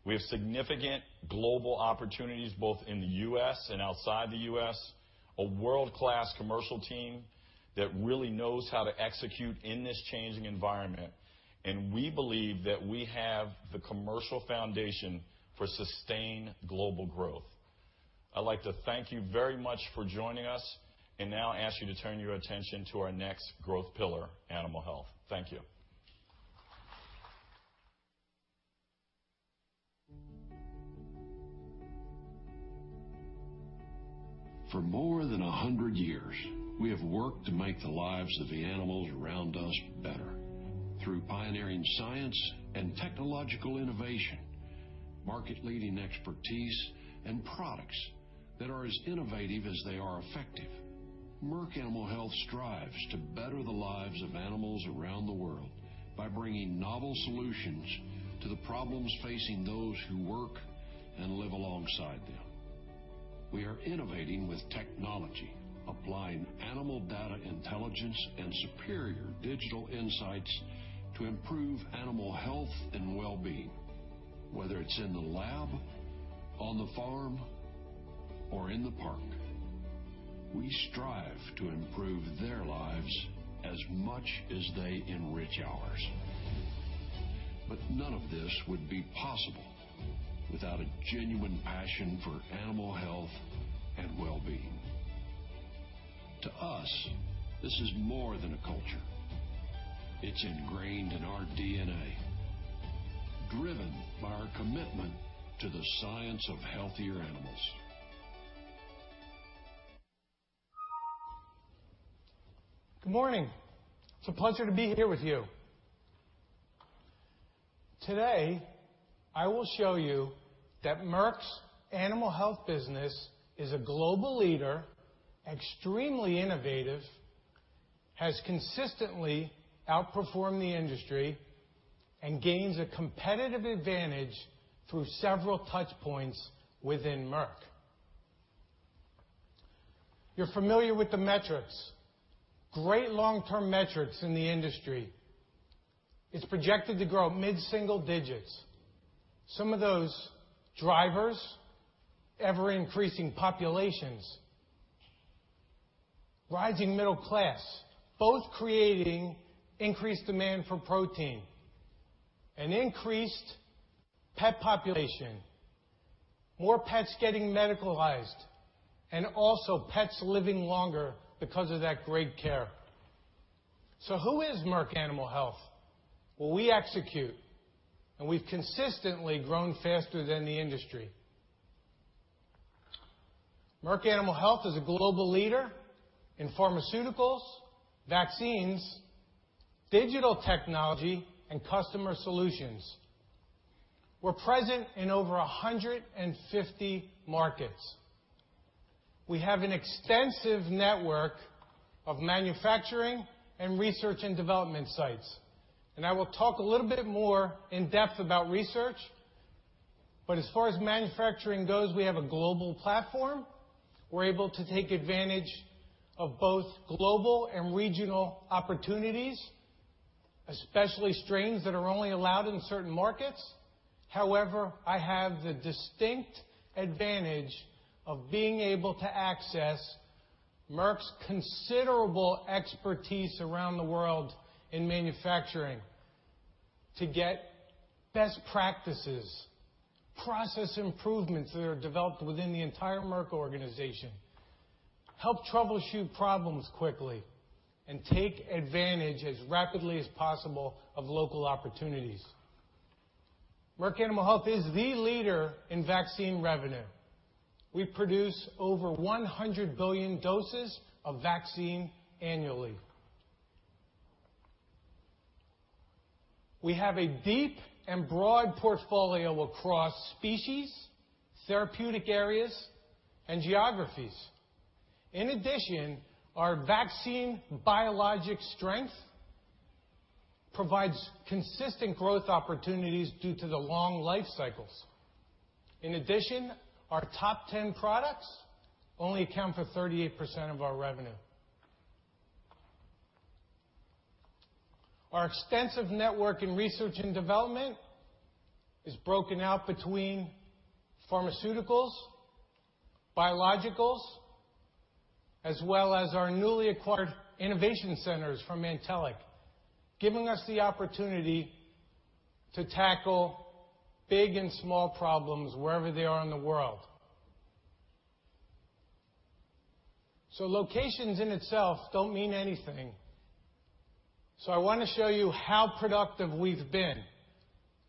We have significant global opportunities both in the U.S. and outside the U.S., a world-class commercial team that really knows how to execute in this changing environment. We believe that we have the commercial foundation for sustained global growth. I'd like to thank you very much for joining us and now ask you to turn your attention to our next growth pillar, Animal Health. Thank you. For more than 100 years, we have worked to make the lives of the animals around us better through pioneering science and technological innovation, market-leading expertise, and products that are as innovative as they are effective. Merck Animal Health strives to better the lives of animals around the world by bringing novel solutions to the problems facing those who work and live alongside them. We are innovating with technology, applying animal data intelligence, and superior digital insights to improve animal health and well-being. Whether it's in the lab, on the farm, or in the park, we strive to improve their lives as much as they enrich ours. None of this would be possible without a genuine passion for animal health and well-being. To us, this is more than a culture. It's ingrained in our DNA, driven by our commitment to the science of healthier animals. Good morning. It's a pleasure to be here with you. Today, I will show you that Merck's Animal Health business is a global leader, extremely innovative, has consistently outperformed the industry, and gains a competitive advantage through several touchpoints within Merck. You're familiar with the metrics, great long-term metrics in the industry. It's projected to grow mid-single digits. Some of those drivers, ever-increasing populations, rising middle class, both creating increased demand for protein. An increased pet population, more pets getting medicalized, and also pets living longer because of that great care. Who is Merck Animal Health? Well, we execute, and we've consistently grown faster than the industry. Merck Animal Health is a global leader in pharmaceuticals, vaccines, digital technology, and customer solutions. We're present in over 150 markets. We have an extensive network of manufacturing and R&D sites. I will talk a little bit more in depth about research, but as far as manufacturing goes, we have a global platform. We're able to take advantage of both global and regional opportunities, especially strains that are only allowed in certain markets. However, I have the distinct advantage of being able to access Merck's considerable expertise around the world in manufacturing to get best practices, process improvements that are developed within the entire Merck organization, help troubleshoot problems quickly, and take advantage as rapidly as possible of local opportunities. Merck Animal Health is the leader in vaccine revenue. We produce over 100 billion doses of vaccine annually. We have a deep and broad portfolio across species, therapeutic areas, and geographies. In addition, our vaccine biologic strength provides consistent growth opportunities due to the long life cycles. In addition, our top 10 products only account for 38% of our revenue. Our extensive network in research and development is broken out between pharmaceuticals, biologicals, as well as our newly acquired innovation centers from Antelliq, giving us the opportunity to tackle big and small problems wherever they are in the world. Locations in itself don't mean anything. I want to show you how productive we've been.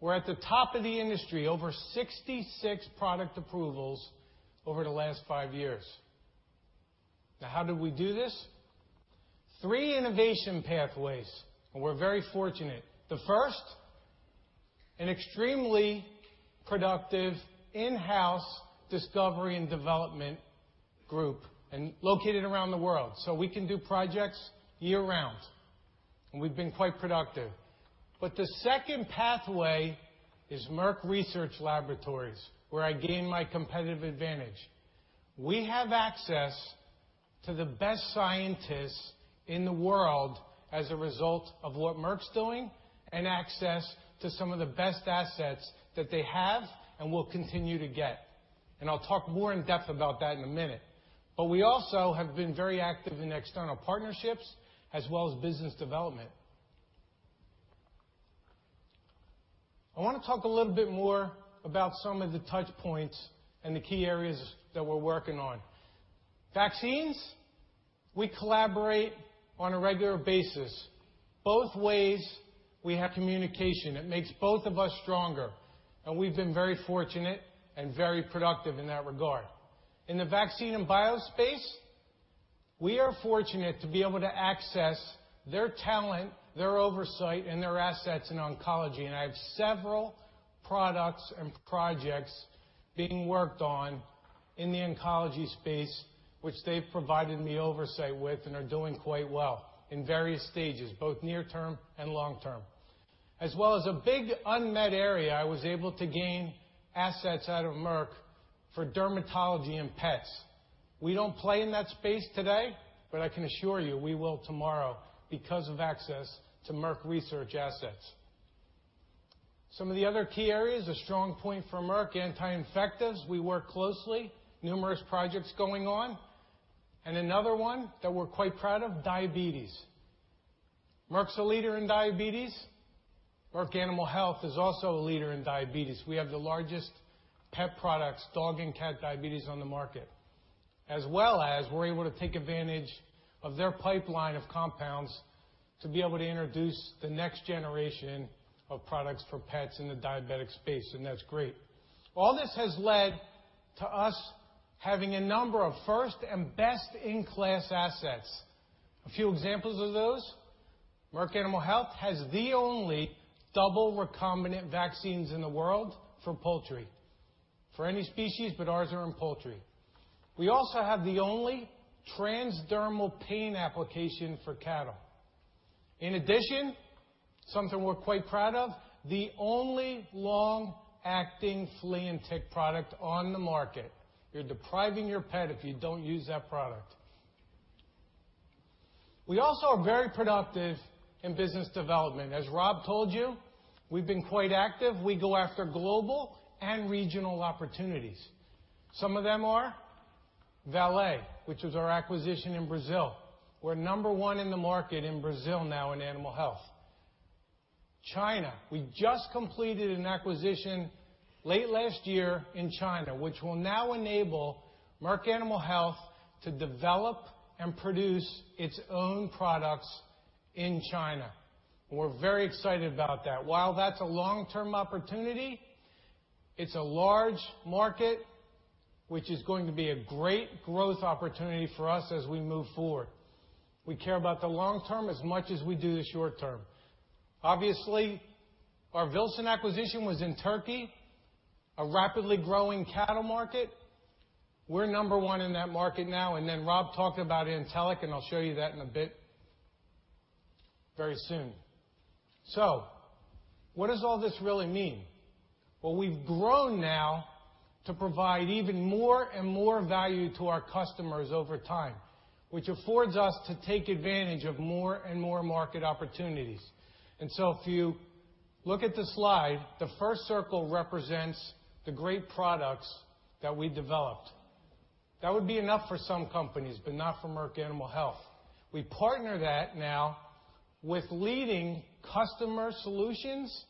We're at the top of the industry, over 66 product approvals over the last five years. How did we do this? Three innovation pathways, and we're very fortunate. The first, an extremely productive in-house discovery and development group and located around the world, so we can do projects year-round, and we've been quite productive. The second pathway is Merck Research Laboratories, where I gain my competitive advantage. We have access to the best scientists in the world as a result of what Merck's doing, and access to some of the best assets that they have and will continue to get. I'll talk more in depth about that in a minute. We also have been very active in external partnerships as well as business development. I want to talk a little bit more about some of the touch points and the key areas that we're working on. Vaccines, we collaborate on a regular basis. Both ways, we have communication. It makes both of us stronger, and we've been very fortunate and very productive in that regard. In the vaccine and bio space, we are fortunate to be able to access their talent, their oversight, and their assets in oncology. I have several products and projects being worked on in the oncology space, which they've provided me oversight with and are doing quite well in various stages, both near term and long term. As well as a big unmet area, I was able to gain assets out of Merck for dermatology and pets. We don't play in that space today, but I can assure you we will tomorrow because of access to Merck Research assets. Some of the other key areas, a strong point for Merck, anti-infectives. We work closely, numerous projects going on. Another one that we're quite proud of, diabetes. Merck's a leader in diabetes. Merck Animal Health is also a leader in diabetes. We have the largest pet products, dog and cat diabetes on the market, as well as we're able to take advantage of their pipeline of compounds to be able to introduce the next generation of products for pets in the diabetic space. That's great. All this has led to us having a number of first and best-in-class assets. A few examples of those, Merck Animal Health has the only double recombinant vaccines in the world for poultry. For any species, but ours are in poultry. We also have the only transdermal pain application for cattle. In addition, something we're quite proud of, the only long-acting flea and tick product on the market. You're depriving your pet if you don't use that product. We also are very productive in business development. As Rob told you, we've been quite active. We go after global and regional opportunities. Some of them are Vallée, which was our acquisition in Brazil. We're number 1 in the market in Brazil now in animal health. China. We just completed an acquisition late last year in China, which will now enable Merck Animal Health to develop and produce its own products in China. We're very excited about that. While that's a long-term opportunity, it's a large market, which is going to be a great growth opportunity for us as we move forward. We care about the long term as much as we do the short term. Obviously, our Vilsan acquisition was in Turkey, a rapidly growing cattle market. We're number 1 in that market now. Rob talked about Antelliq, I'll show you that in a bit, very soon. What does all this really mean? Well, we've grown now to provide even more and more value to our customers over time, which affords us to take advantage of more and more market opportunities. If you look at the slide. The first circle represents the great products that we developed. That would be enough for some companies, not for Merck Animal Health. We partner that now with leading customer solutions,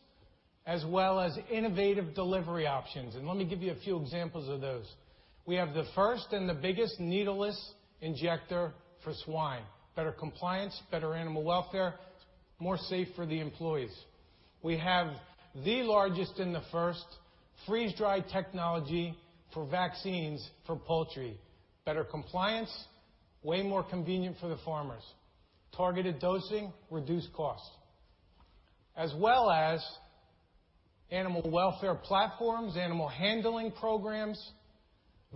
as well as innovative delivery options. Let me give you a few examples of those. We have the first and the biggest needleless injector for swine. Better compliance, better animal welfare, more safe for the employees. We have the largest and the first freeze-dried technology for vaccines for poultry. Better compliance, way more convenient for the farmers, targeted dosing, reduced cost, as well as animal welfare platforms, animal handling programs,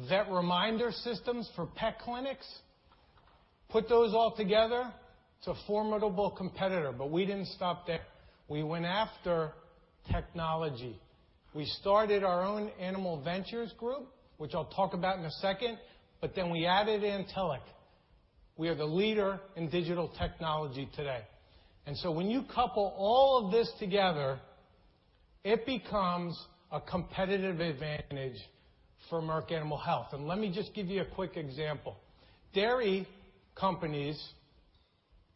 vet reminder systems for pet clinics. Put those all together, it's a formidable competitor. We didn't stop there. We went after technology. We started our own Animal Ventures Group, which I'll talk about in a second. We added Antelliq. We are the leader in digital technology today. When you couple all of this together, it becomes a competitive advantage for Merck Animal Health. Let me just give you a quick example. Dairy companies,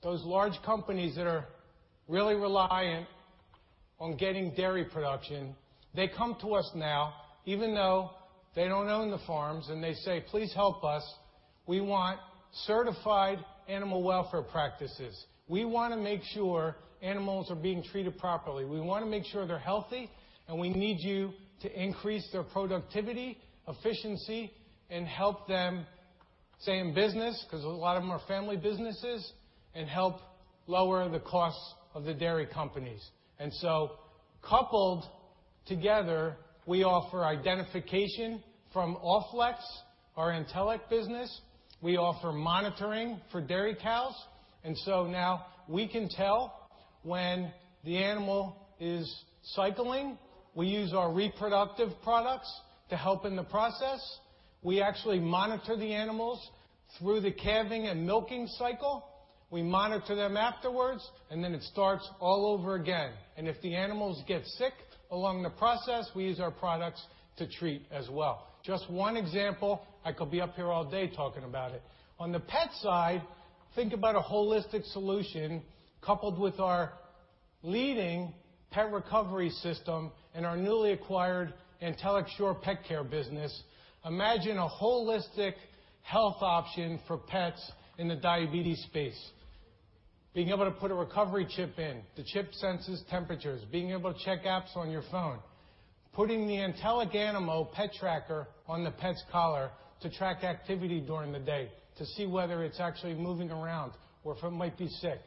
those large companies that are really reliant on getting dairy production, they come to us now, even though they don't own the farms, and they say, "Please help us. We want certified animal welfare practices. We want to make sure animals are being treated properly. We want to make sure they're healthy, and we need you to increase their productivity, efficiency, and help them stay in business," because a lot of them are family businesses, "and help lower the costs of the dairy companies." Coupled together, we offer identification from Allflex, our Antelliq business. We offer monitoring for dairy cows. Now we can tell when the animal is cycling. We use our reproductive products to help in the process. We actually monitor the animals through the calving and milking cycle. We monitor them afterwards. It starts all over again. If the animals get sick along the process, we use our products to treat as well. Just one example. I could be up here all day talking about it. On the pet side, think about a holistic solution coupled with our leading pet recovery system and our newly acquired Antelliq Sure Petcare business. Imagine a holistic health option for pets in the diabetes space. Being able to put a recovery chip in. The chip senses temperatures. Being able to check apps on your phone. Putting the Antelliq Animal pet tracker on the pet's collar to track activity during the day to see whether it's actually moving around or if it might be sick.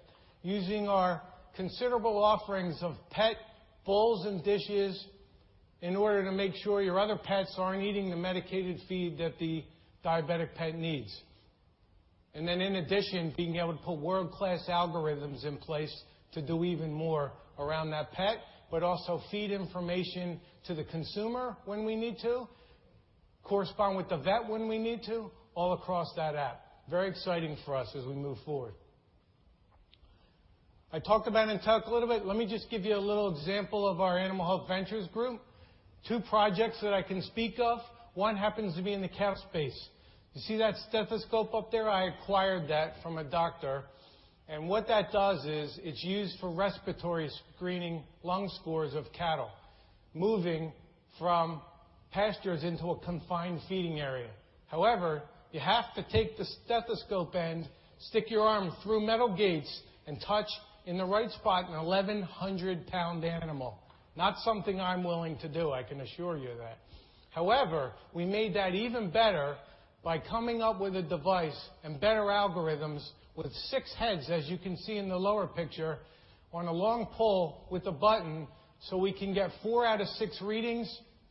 Using our considerable offerings of pet bowls and dishes in order to make sure your other pets aren't eating the medicated feed that the diabetic pet needs. In addition, being able to put world-class algorithms in place to do even more around that pet, but also feed information to the consumer when we need to, correspond with the vet when we need to, all across that app. Very exciting for us as we move forward. I talked about Antelliq a little bit. Let me just give you a little example of our Animal Health Ventures group. Two projects that I can speak of. One happens to be in the cow space. You see that stethoscope up there? I acquired that from a doctor, and what that does is, it's used for respiratory screening lung scores of cattle moving from pastures into a confined feeding area. However, you have to take the stethoscope end, stick your arm through metal gates, and touch in the right spot an 1,100-pound animal. Not something I'm willing to do, I can assure you that. However, we made that even better by coming up with a device and better algorithms with six heads, as you can see in the lower picture, on a long pole with a button, so we can get four out of six readings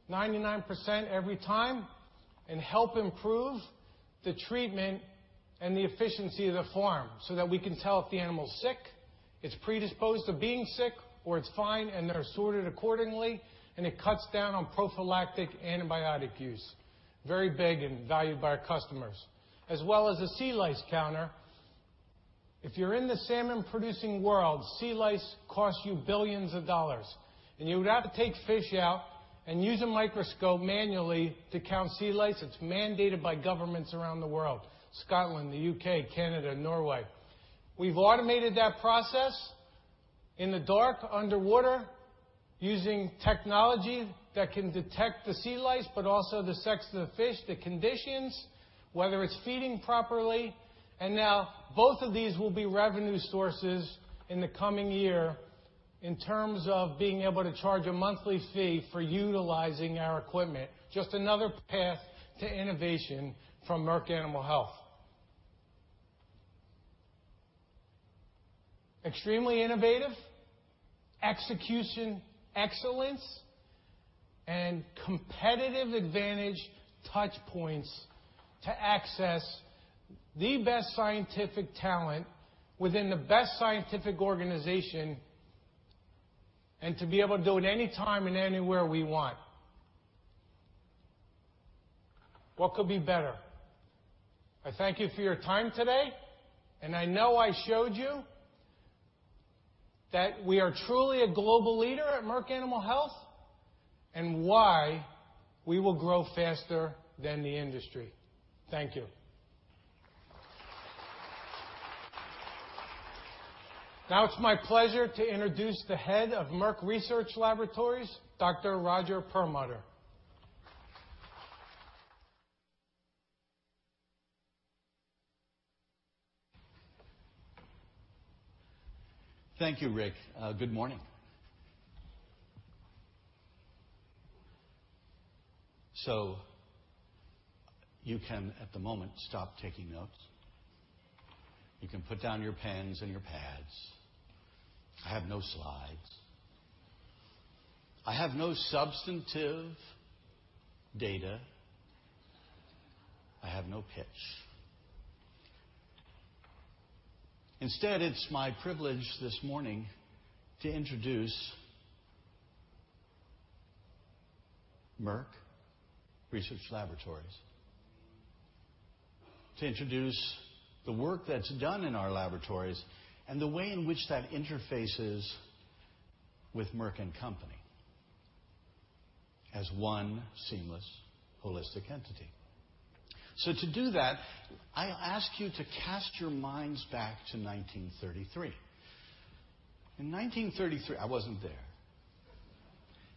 99% every time and help improve the treatment and the efficiency of the farm so that we can tell if the animal's sick, it's predisposed to being sick, or it's fine, and they're sorted accordingly. It cuts down on prophylactic antibiotic use. Very big and valued by our customers. As well as a sea lice counter. If you're in the salmon-producing world, sea lice costs you billions of dollars, and you would have to take fish out and use a microscope manually to count sea lice. It's mandated by governments around the world, Scotland, the U.K., Canada, Norway. We've automated that process in the dark, underwater, using technology that can detect the sea lice, but also the sex of the fish, the conditions, whether it's feeding properly. Now both of these will be revenue sources in the coming year in terms of being able to charge a monthly fee for utilizing our equipment. Just another path to innovation from Merck Animal Health. Extremely innovative, execution excellence, and competitive advantage touchpoints to access the best scientific talent within the best scientific organization and to be able to do it anytime and anywhere we want. What could be better? I thank you for your time today, and I know I showed you that we are truly a global leader at Merck Animal Health and why we will grow faster than the industry. Thank you. It's my pleasure to introduce the head of Merck Research Laboratories, Dr. Roger Perlmutter. Thank you, Rick. Good morning. You can, at the moment, stop taking notes. You can put down your pens and your pads. I have no slides. I have no substantive data. I have no pitch. Instead, it's my privilege this morning to introduce Merck Research Laboratories, to introduce the work that's done in our laboratories and the way in which that interfaces with Merck & Company as one seamless, holistic entity. To do that, I'll ask you to cast your minds back to 1933. In 1933, I wasn't there.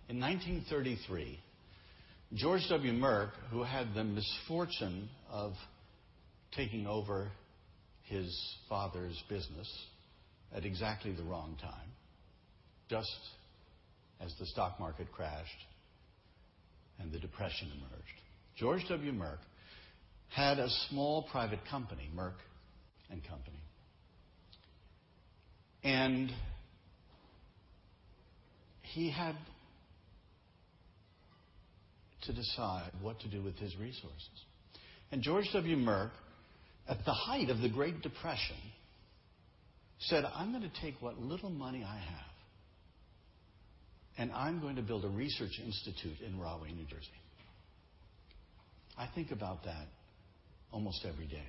In 1933, George W. Merck, who had the misfortune of taking over his father's business at exactly the wrong time, just as the stock market crashed and the Depression emerged. George W. Merck had a small private company, Merck & Company, and he had to decide what to do with his resources. George W. Merck, at the height of the Great Depression, said, "I'm going to take what little money I have, and I'm going to build a research institute in Rahway, New Jersey." I think about that almost every day.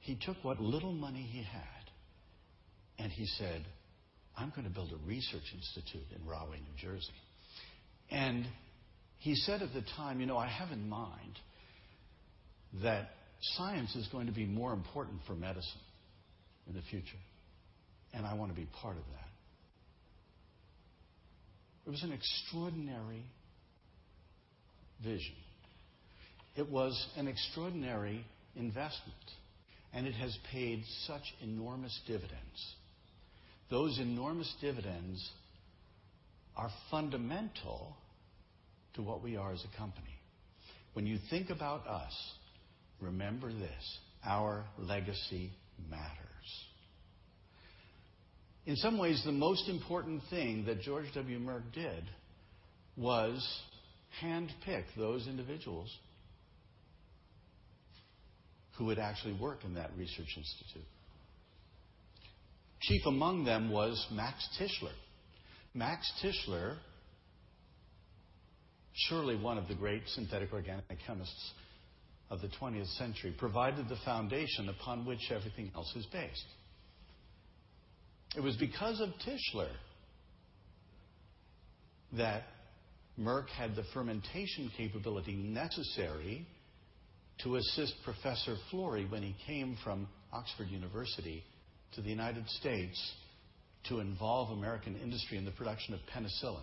He took what little money he had and he said, "I'm going to build a research institute in Rahway, New Jersey." He said at the time, "You know, I have in mind that science is going to be more important for medicine in the future, and I want to be part of that." It was an extraordinary vision. It was an extraordinary investment, and it has paid such enormous dividends. Those enormous dividends are fundamental to what we are as a company. When you think about us, remember this: our legacy matters. In some ways, the most important thing that George W. Merck did was handpick those individuals who would actually work in that research institute. Chief among them was Max Tishler. Max Tishler, surely one of the great synthetic organic chemists of the 20th century, provided the foundation upon which everything else is based. It was because of Tishler that Merck had the fermentation capability necessary to assist Professor Florey when he came from Oxford University to the United States to involve American industry in the production of penicillin,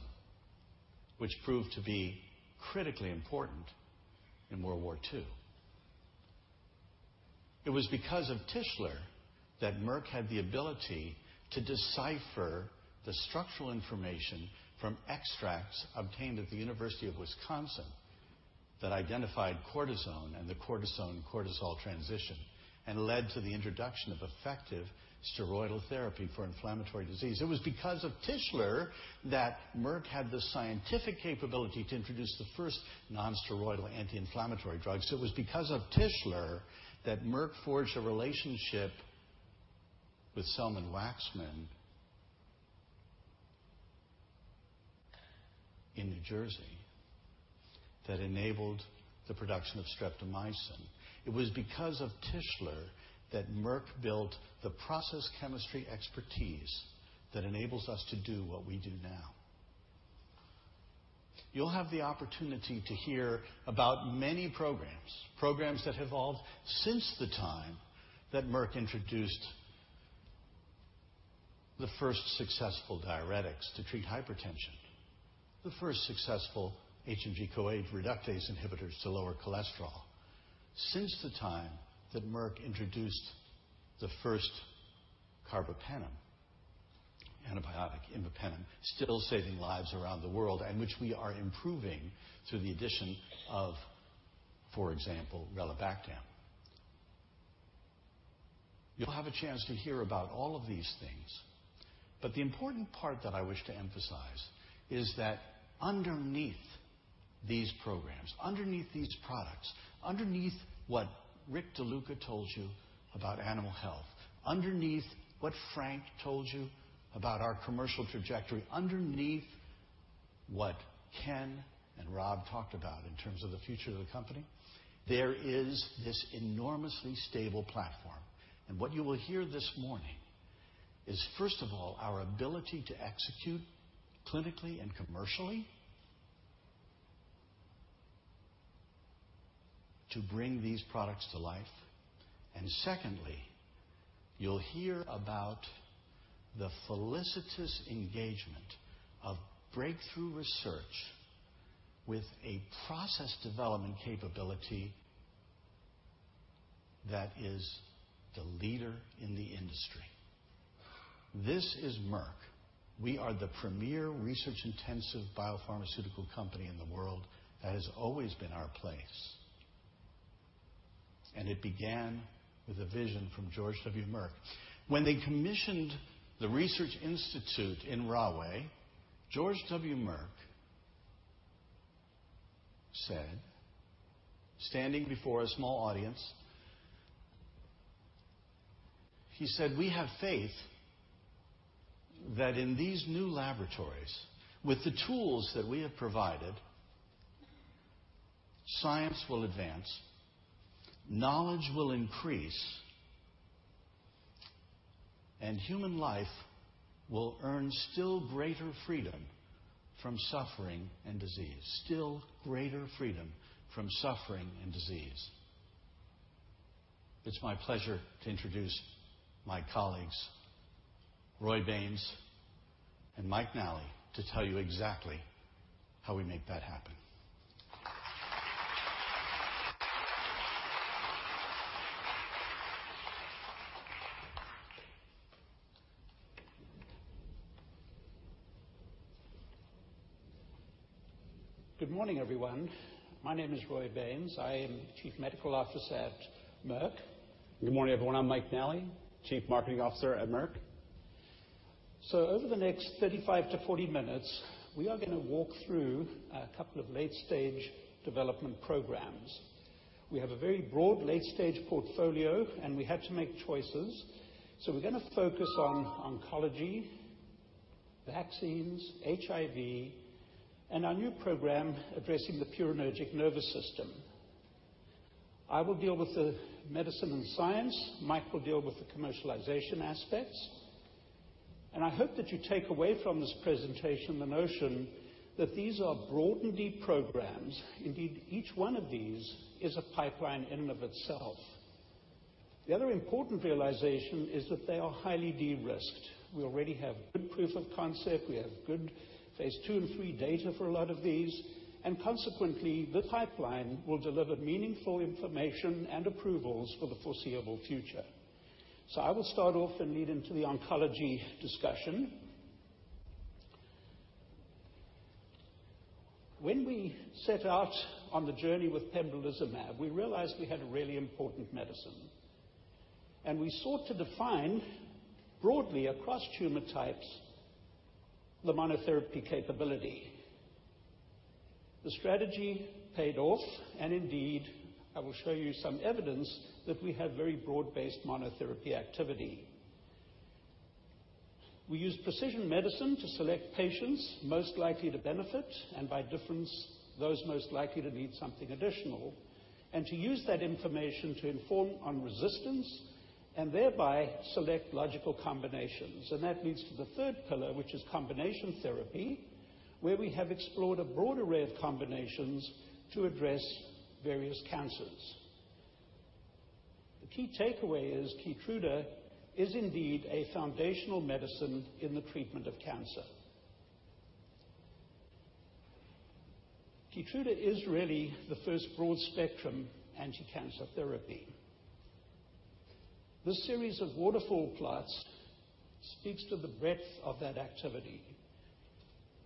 which proved to be critically important in World War II. It was because of Tishler that Merck had the ability to decipher the structural information from extracts obtained at the University of Wisconsin that identified cortisone and the cortisone-cortisol transition and led to the introduction of effective steroidal therapy for inflammatory disease. It was because of Tishler that Merck had the scientific capability to introduce the first non-steroidal anti-inflammatory drugs. It was because of Tishler that Merck forged a relationship with Selman Waksman in New Jersey that enabled the production of streptomycin. It was because of Tishler that Merck built the process chemistry expertise that enables us to do what we do now. You'll have the opportunity to hear about many programs that have evolved since the time that Merck introduced the first successful diuretics to treat hypertension, the first successful HMG-CoA reductase inhibitors to lower cholesterol, since the time that Merck introduced the first carbapenem antibiotic, imipenem, still saving lives around the world and which we are improving through the addition of, for example, relebactam. You'll have a chance to hear about all of these things, the important part that I wish to emphasize is that underneath these programs, underneath these products, underneath what Rick DeLuca told you about animal health, underneath what Frank told you about our commercial trajectory, underneath what Ken and Rob talked about in terms of the future of the company, there is this enormously stable platform. What you will hear this morning is, first of all, our ability to execute clinically and commercially to bring these products to life. Secondly, you'll hear about the felicitous engagement of breakthrough research with a process development capability that is the leader in the industry. This is Merck. We are the premier research-intensive biopharmaceutical company in the world. That has always been our place, and it began with a vision from George W. Merck. When they commissioned the research institute in Rahway, George W. Merck said, standing before a small audience, "We have faith that in these new laboratories, with the tools that we have provided, science will advance, knowledge will increase, and human life will earn still greater freedom from suffering and disease." Still greater freedom from suffering and disease. It's my pleasure to introduce my colleagues, Roy Baynes and Mike Nally, to tell you exactly how we make that happen. Good morning, everyone. My name is Roy Baynes. I am Chief Medical Officer at Merck. Good morning, everyone. I'm Mike Nally, Chief Marketing Officer at Merck. Over the next 35-40 minutes, we are going to walk through a couple of late-stage development programs. We have a very broad late-stage portfolio, and we had to make choices. We're going to focus on oncology, vaccines, HIV, and our new program addressing the purinergic nervous system. I will deal with the medicine and science. Mike will deal with the commercialization aspects. I hope that you take away from this presentation the notion that these are broad and deep programs. Indeed, each one of these is a pipeline in and of itself. The other important realization is that they are highly de-risked. We already have good proof of concept. We have good phase II and III data for a lot of these, and consequently, the pipeline will deliver meaningful information and approvals for the foreseeable future. I will start off and lead into the oncology discussion. When we set out on the journey with pembrolizumab, we realized we had a really important medicine, and we sought to define broadly across tumor types the monotherapy capability. The strategy paid off, and indeed, I will show you some evidence that we have very broad-based monotherapy activity. We use precision medicine to select patients most likely to benefit, and by difference, those most likely to need something additional, and to use that information to inform on resistance, and thereby select logical combinations. That leads to the third pillar, which is combination therapy, where we have explored a broad array of combinations to address various cancers. The key takeaway is KEYTRUDA is indeed a foundational medicine in the treatment of cancer. KEYTRUDA is really the first broad-spectrum anti-cancer therapy. This series of waterfall plots speaks to the breadth of that activity.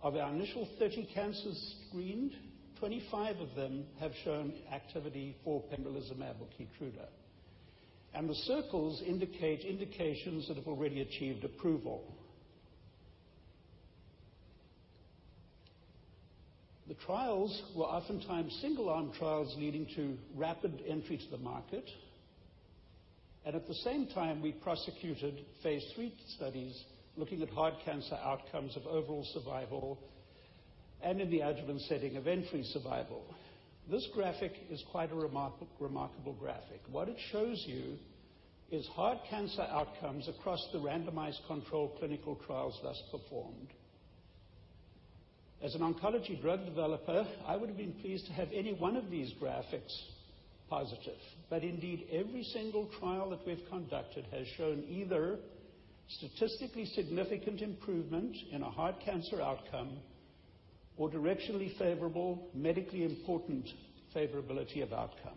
Of our initial 30 cancers screened, 25 of them have shown activity for pembrolizumab or KEYTRUDA, and the circles indicate indications that have already achieved approval. The trials were oftentimes single-arm trials leading to rapid entry to the market. At the same time, we prosecuted phase III studies looking at hard cancer outcomes of overall survival and in the adjuvant setting of entry survival. This graphic is quite a remarkable graphic. What it shows you is hard cancer outcomes across the randomized control clinical trials thus performed. As an oncology drug developer, I would have been pleased to have any one of these graphics positive, but indeed, every single trial that we've conducted has shown either statistically significant improvement in a hard cancer outcome or directionally favorable, medically important favorability of outcome.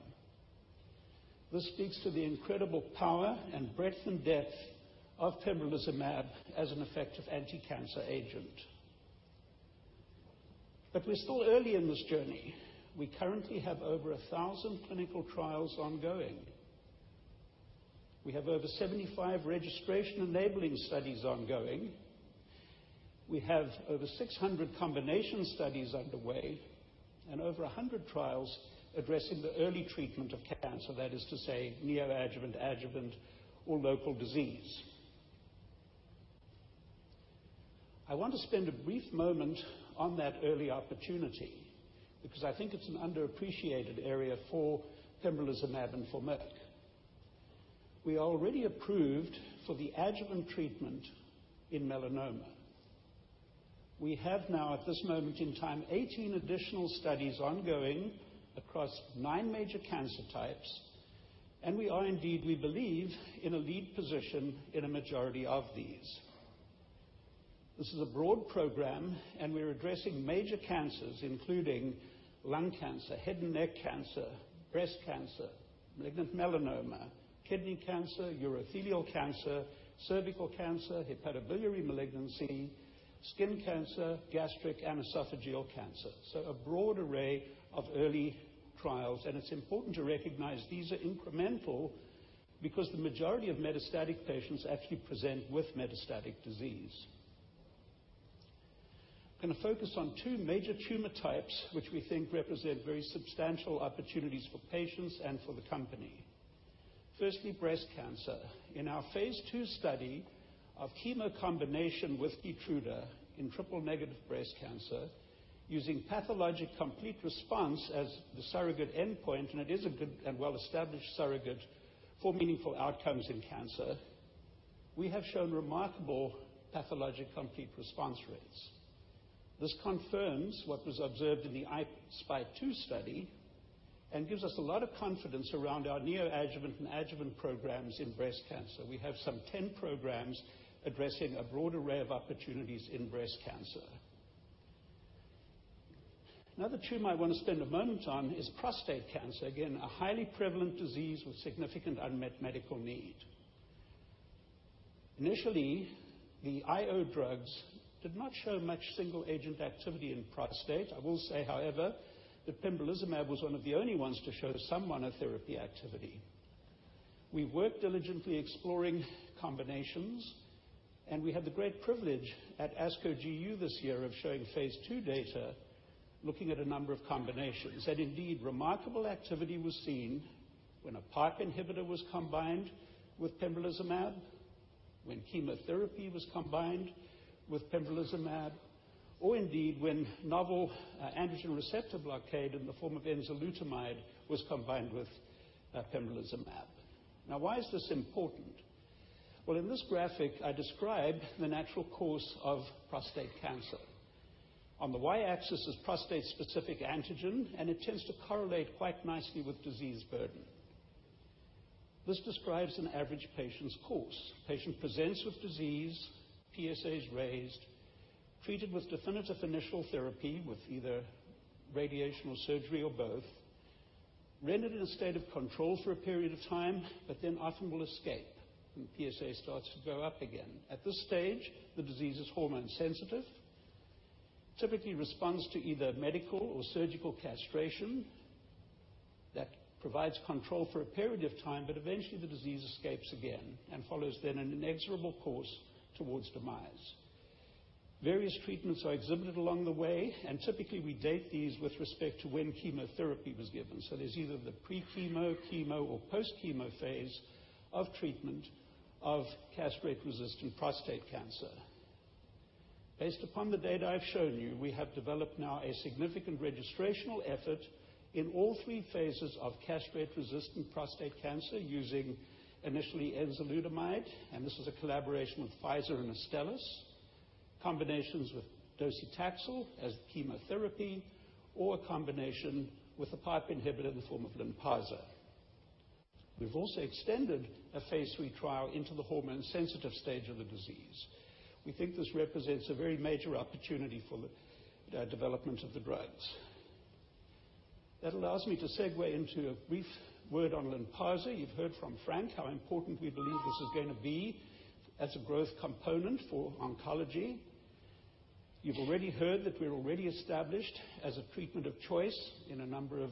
This speaks to the incredible power and breadth and depth of pembrolizumab as an effective anti-cancer agent. We're still early in this journey. We currently have over 1,000 clinical trials ongoing. We have over 75 registration-enabling studies ongoing. We have over 600 combination studies underway and over 100 trials addressing the early treatment of cancer. That is to say neoadjuvant, adjuvant, or local disease. I want to spend a brief moment on that early opportunity because I think it's an underappreciated area for pembrolizumab and for Merck. We are already approved for the adjuvant treatment in melanoma. We have now at this moment in time 18 additional studies ongoing across nine major cancer types, and we are indeed, we believe, in a lead position in a majority of these. This is a broad program and we're addressing major cancers including lung cancer, head and neck cancer, breast cancer, malignant melanoma, kidney cancer, urothelial cancer, cervical cancer, hepatobiliary malignancy, skin cancer, gastric and esophageal cancer. A broad array of early trials. It's important to recognize these are incremental because the majority of metastatic patients actually present with metastatic disease. I'm going to focus on two major tumor types, which we think represent very substantial opportunities for patients and for the company. Firstly, breast cancer. In our phase II study of chemo combination with KEYTRUDA in triple-negative breast cancer using pathologic complete response as the surrogate endpoint, and it is a good and well-established surrogate for meaningful outcomes in cancer, we have shown remarkable pathologic complete response rates. This confirms what was observed in the I-SPY 2 study and gives us a lot of confidence around our neoadjuvant and adjuvant programs in breast cancer. We have some 10 programs addressing a broad array of opportunities in breast cancer. Another tumor I want to spend a moment on is prostate cancer. Again, a highly prevalent disease with significant unmet medical need. Initially, the IO drugs did not show much single-agent activity in prostate. I will say, however, that pembrolizumab was one of the only ones to show some monotherapy activity. We've worked diligently exploring combinations, and we had the great privilege at ASCO GU this year of showing phase II data looking at a number of combinations. Indeed, remarkable activity was seen when a PI3K inhibitor was combined with pembrolizumab, when chemotherapy was combined with pembrolizumab, or indeed when novel androgen receptor blockade in the form of enzalutamide was combined with pembrolizumab. Why is this important? Well, in this graphic, I describe the natural course of prostate cancer. On the Y-axis is prostate-specific antigen, and it tends to correlate quite nicely with disease burden. This describes an average patient's course. Patient presents with disease, PSA is raised, treated with definitive initial therapy with either radiation or surgery or both, rendered in a state of control for a period of time, but then often will escape when PSA starts to go up again. At this stage, the disease is hormone sensitive, typically responds to either medical or surgical castration. That provides control for a period of time, but eventually the disease escapes again and follows an inexorable course towards demise. Various treatments are exhibited along the way, and typically we date these with respect to when chemotherapy was given. There's either the pre-chemo, chemo, or post-chemo phase of treatment of castrate-resistant prostate cancer. Based upon the data I've shown you, we have developed a significant registrational effort in all 3 phases of castrate-resistant prostate cancer using initially enzalutamide, and this is a collaboration with Pfizer and Astellas, combinations with docetaxel as chemotherapy, or a combination with a PI3K inhibitor in the form of LYNPARZA. We've also extended a phase III trial into the hormone sensitive stage of the disease. We think this represents a very major opportunity for the development of the drugs. That allows me to segue into a brief word on LYNPARZA. You've heard from Frank Clyburn how important we believe this is going to be as a growth component for oncology. You've already heard that we're already established as a treatment of choice in a number of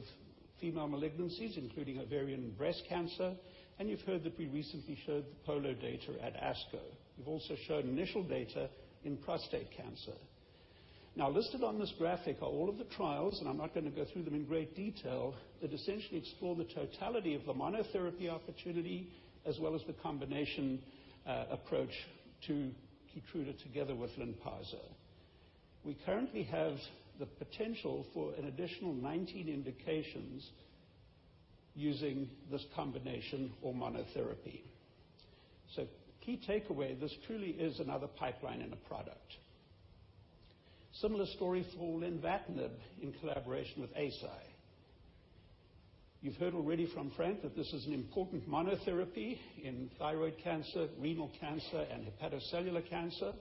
female malignancies, including ovarian breast cancer, and you've heard that we recently showed the POLO data at ASCO. We've also shown initial data in prostate cancer. Listed on this graphic are all of the trials, and I'm not going to go through them in great detail. That essentially explore the totality of the monotherapy opportunity, as well as the combination approach to KEYTRUDA together with LYNPARZA. We currently have the potential for an additional 19 indications using this combination for monotherapy. So key takeaway, this truly is another pipeline and a product. Similar story for lenvatinib in collaboration with Eisai. You've heard already from Frank Clyburn that this is an important monotherapy in thyroid cancer, renal cancer, and hepatocellular cancer.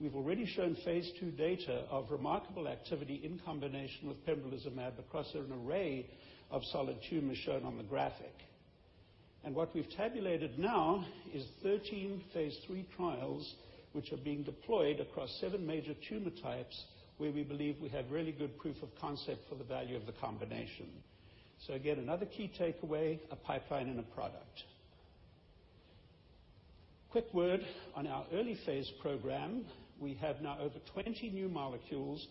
We've already shown phase II data of remarkable activity in combination with pembrolizumab across an array of solid tumors shown on the graphic. And what we've tabulated is 13 phase III trials which are being deployed across 7 major tumor types where we believe we have really good proof of concept for the value of the combination. Again, another key takeaway, a pipeline and a product. Quick word on our early phase program. We have over 20 new molecules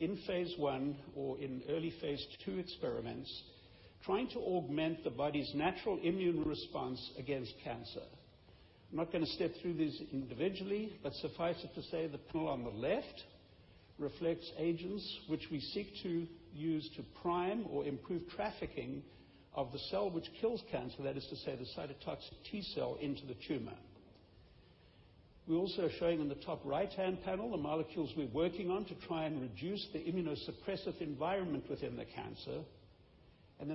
in phase I or in early phase II experiments. Trying to augment the body's natural immune response against cancer. I'm not going to step through this individually, but suffice it to say, the panel on the left reflects agents which we seek to use to prime or improve trafficking of the cell which kills cancer, that is to say, the cytotoxic T cell into the tumor. We also are showing in the top right-hand panel the molecules we're working on to try and reduce the immunosuppressive environment within the cancer.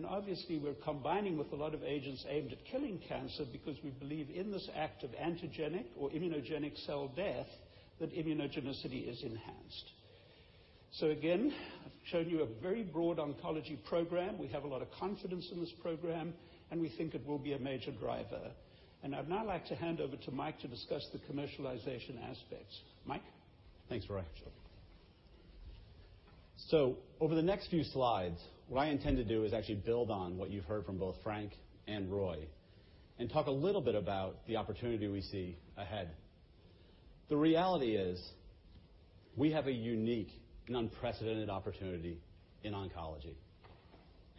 Obviously, we're combining with a lot of agents aimed at killing cancer because we believe in this act of antigenic or immunogenic cell death, that immunogenicity is enhanced. Again, I've shown you a very broad oncology program. We have a lot of confidence in this program, and we think it will be a major driver. I'd now like to hand over to Mike to discuss the commercialization aspects. Mike? Thanks, Roy. Sure. Over the next few slides, what I intend to do is actually build on what you've heard from both Frank and Roy, and talk a little bit about the opportunity we see ahead. The reality is, we have a unique and unprecedented opportunity in oncology.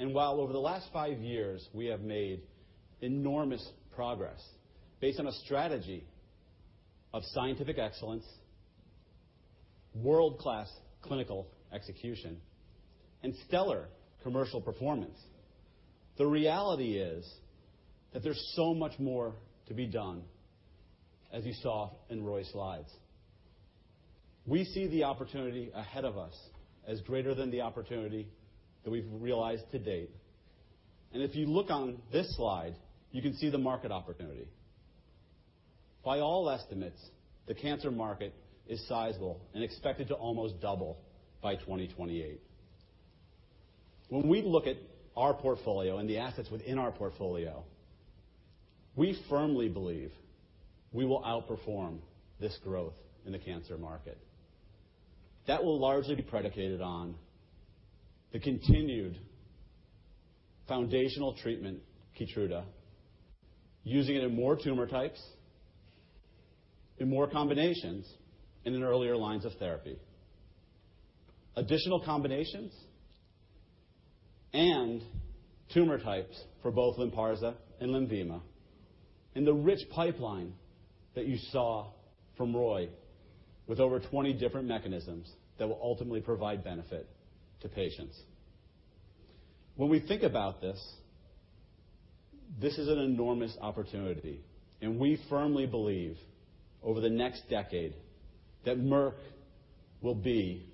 While over the last five years, we have made enormous progress based on a strategy of scientific excellence, world-class clinical execution, and stellar commercial performance, the reality is that there's so much more to be done, as you saw in Roy's slides. We see the opportunity ahead of us as greater than the opportunity that we've realized to date. If you look on this slide, you can see the market opportunity. By all estimates, the cancer market is sizable and expected to almost double by 2028. When we look at our portfolio and the assets within our portfolio, we firmly believe we will outperform this growth in the cancer market. That will largely be predicated on the continued foundational treatment, KEYTRUDA, using it in more tumor types, in more combinations, and in earlier lines of therapy. Additional combinations and tumor types for both LYNPARZA and LENVIMA, and the rich pipeline that you saw from Roy with over 20 different mechanisms that will ultimately provide benefit to patients. When we think about this is an enormous opportunity, and we firmly believe over the next decade that Merck will be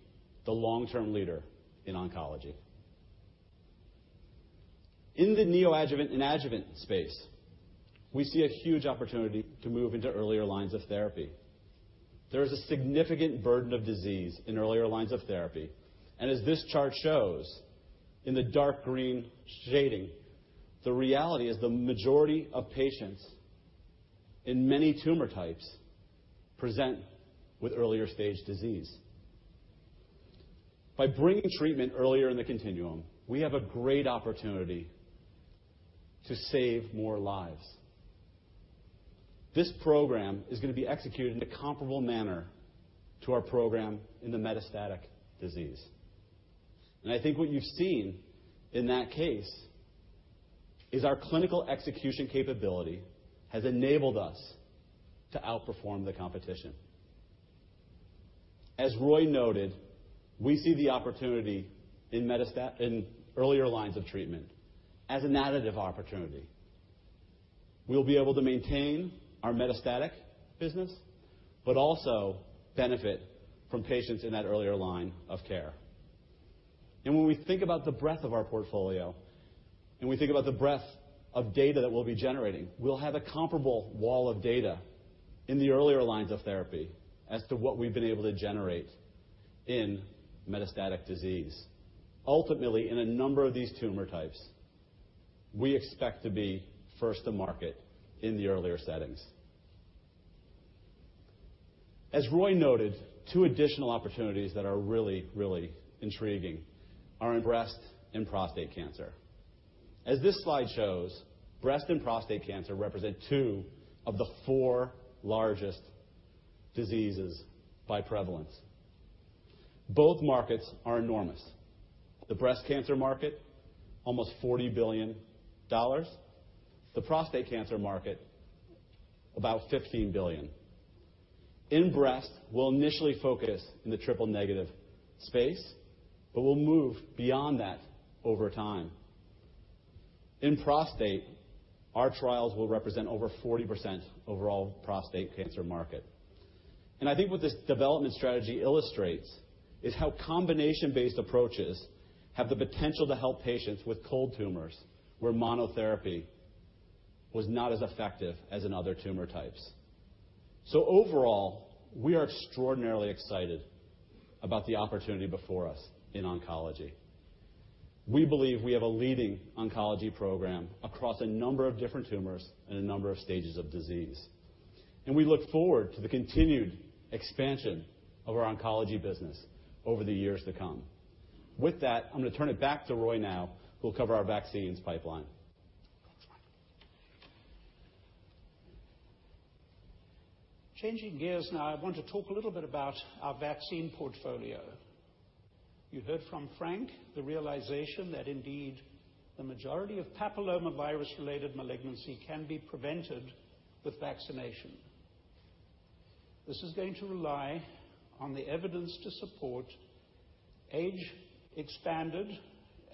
the long-term leader in oncology. In the neoadjuvant and adjuvant space, we see a huge opportunity to move into earlier lines of therapy. There is a significant burden of disease in earlier lines of therapy. As this chart shows in the dark green shading, the reality is the majority of patients in many tumor types present with earlier stage disease. By bringing treatment earlier in the continuum, we have a great opportunity to save more lives. This program is going to be executed in a comparable manner to our program in the metastatic disease. I think what you've seen in that case is our clinical execution capability has enabled us to outperform the competition. As Roy noted, we see the opportunity in earlier lines of treatment as an additive opportunity. We'll be able to maintain our metastatic business, but also benefit from patients in that earlier line of care. When we think about the breadth of our portfolio, and we think about the breadth of data that we'll be generating, we'll have a comparable wall of data in the earlier lines of therapy as to what we've been able to generate in metastatic disease. Ultimately, in a number of these tumor types, we expect to be first to market in the earlier settings. As Roy noted, two additional opportunities that are really intriguing are in breast and prostate cancer. As this slide shows, breast and prostate cancer represent two of the four largest diseases by prevalence. Both markets are enormous. The breast cancer market, almost $40 billion. The prostate cancer market, about $15 billion. In breast, we'll initially focus in the triple-negative space, but we'll move beyond that over time. In prostate, our trials will represent over 40% overall prostate cancer market. I think what this development strategy illustrates is how combination-based approaches have the potential to help patients with cold tumors where monotherapy was not as effective as in other tumor types. Overall, we are extraordinarily excited about the opportunity before us in oncology. We believe we have a leading oncology program across a number of different tumors and a number of stages of disease. We look forward to the continued expansion of our oncology business over the years to come. With that, I'm going to turn it back to Roy now, who will cover our vaccines pipeline. Changing gears now, I want to talk a little bit about our vaccine portfolio. You heard from Frank the realization that indeed the majority of papillomavirus-related malignancy can be prevented with vaccination. This is going to rely on the evidence to support age-expanded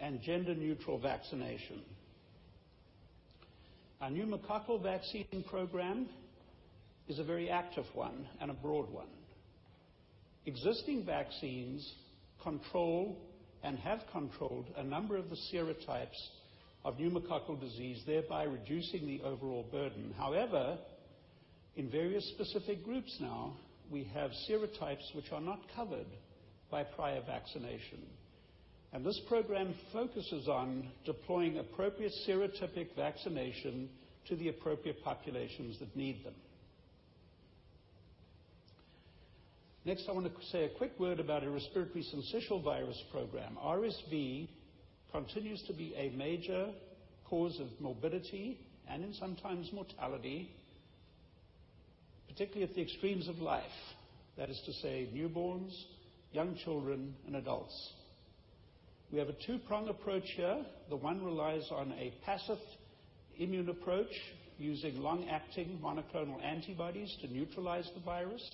and gender-neutral vaccination. Our pneumococcal vaccine program is a very active one and a broad one. Existing vaccines control and have controlled a number of the serotypes of pneumococcal disease, thereby reducing the overall burden. In various specific groups now, we have serotypes which are not covered by prior vaccination, and this program focuses on deploying appropriate serotypic vaccination to the appropriate populations that need them. I want to say a quick word about our Respiratory Syncytial Virus program. RSV continues to be a major cause of morbidity and sometimes mortality, particularly at the extremes of life. That is to say newborns, young children, and adults. We have a two-pronged approach here. The one relies on a passive immune approach using long-acting monoclonal antibodies to neutralize the virus.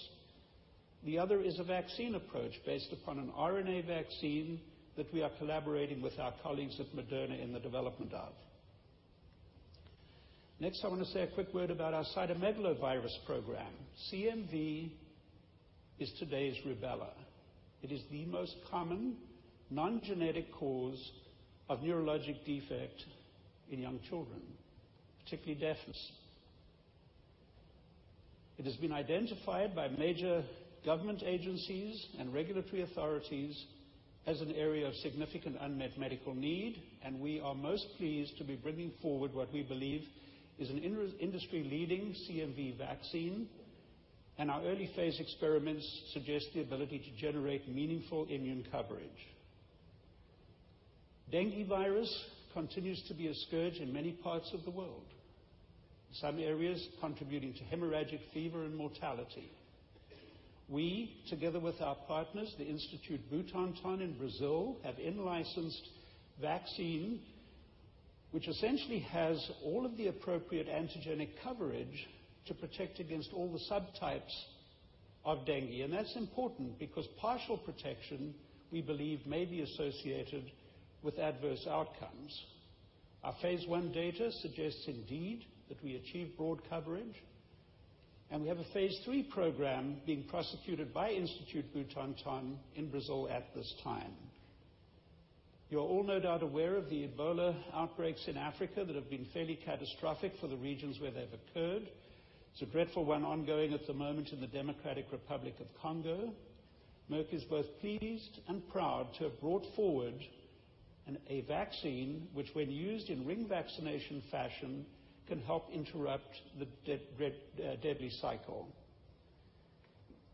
The other is a vaccine approach based upon an RNA vaccine that we are collaborating with our colleagues at Moderna in the development of. Next, I want to say a quick word about our cytomegalovirus program. CMV is today's rubella. It is the most common non-genetic cause of neurologic defect in young children, particularly deafness. It has been identified by major government agencies and regulatory authorities as an area of significant unmet medical need, and we are most pleased to be bringing forward what we believe is an industry-leading CMV vaccine, and our early-phase experiments suggest the ability to generate meaningful immune coverage. Dengue virus continues to be a scourge in many parts of the world. In some areas, contributing to hemorrhagic fever and mortality. We, together with our partners, the Instituto Butantan in Brazil, have in-licensed vaccine, which essentially has all of the appropriate antigenic coverage to protect against all the subtypes of dengue. That's important because partial protection, we believe, may be associated with adverse outcomes. Our phase I data suggests indeed that we achieve broad coverage, and we have a phase III program being prosecuted by Instituto Butantan in Brazil at this time. You are all no doubt aware of the Ebola outbreaks in Africa that have been fairly catastrophic for the regions where they've occurred. There's a dreadful one ongoing at the moment in the Democratic Republic of Congo. Merck is both pleased and proud to have brought forward a vaccine, which when used in ring vaccination fashion, can help interrupt the deadly cycle.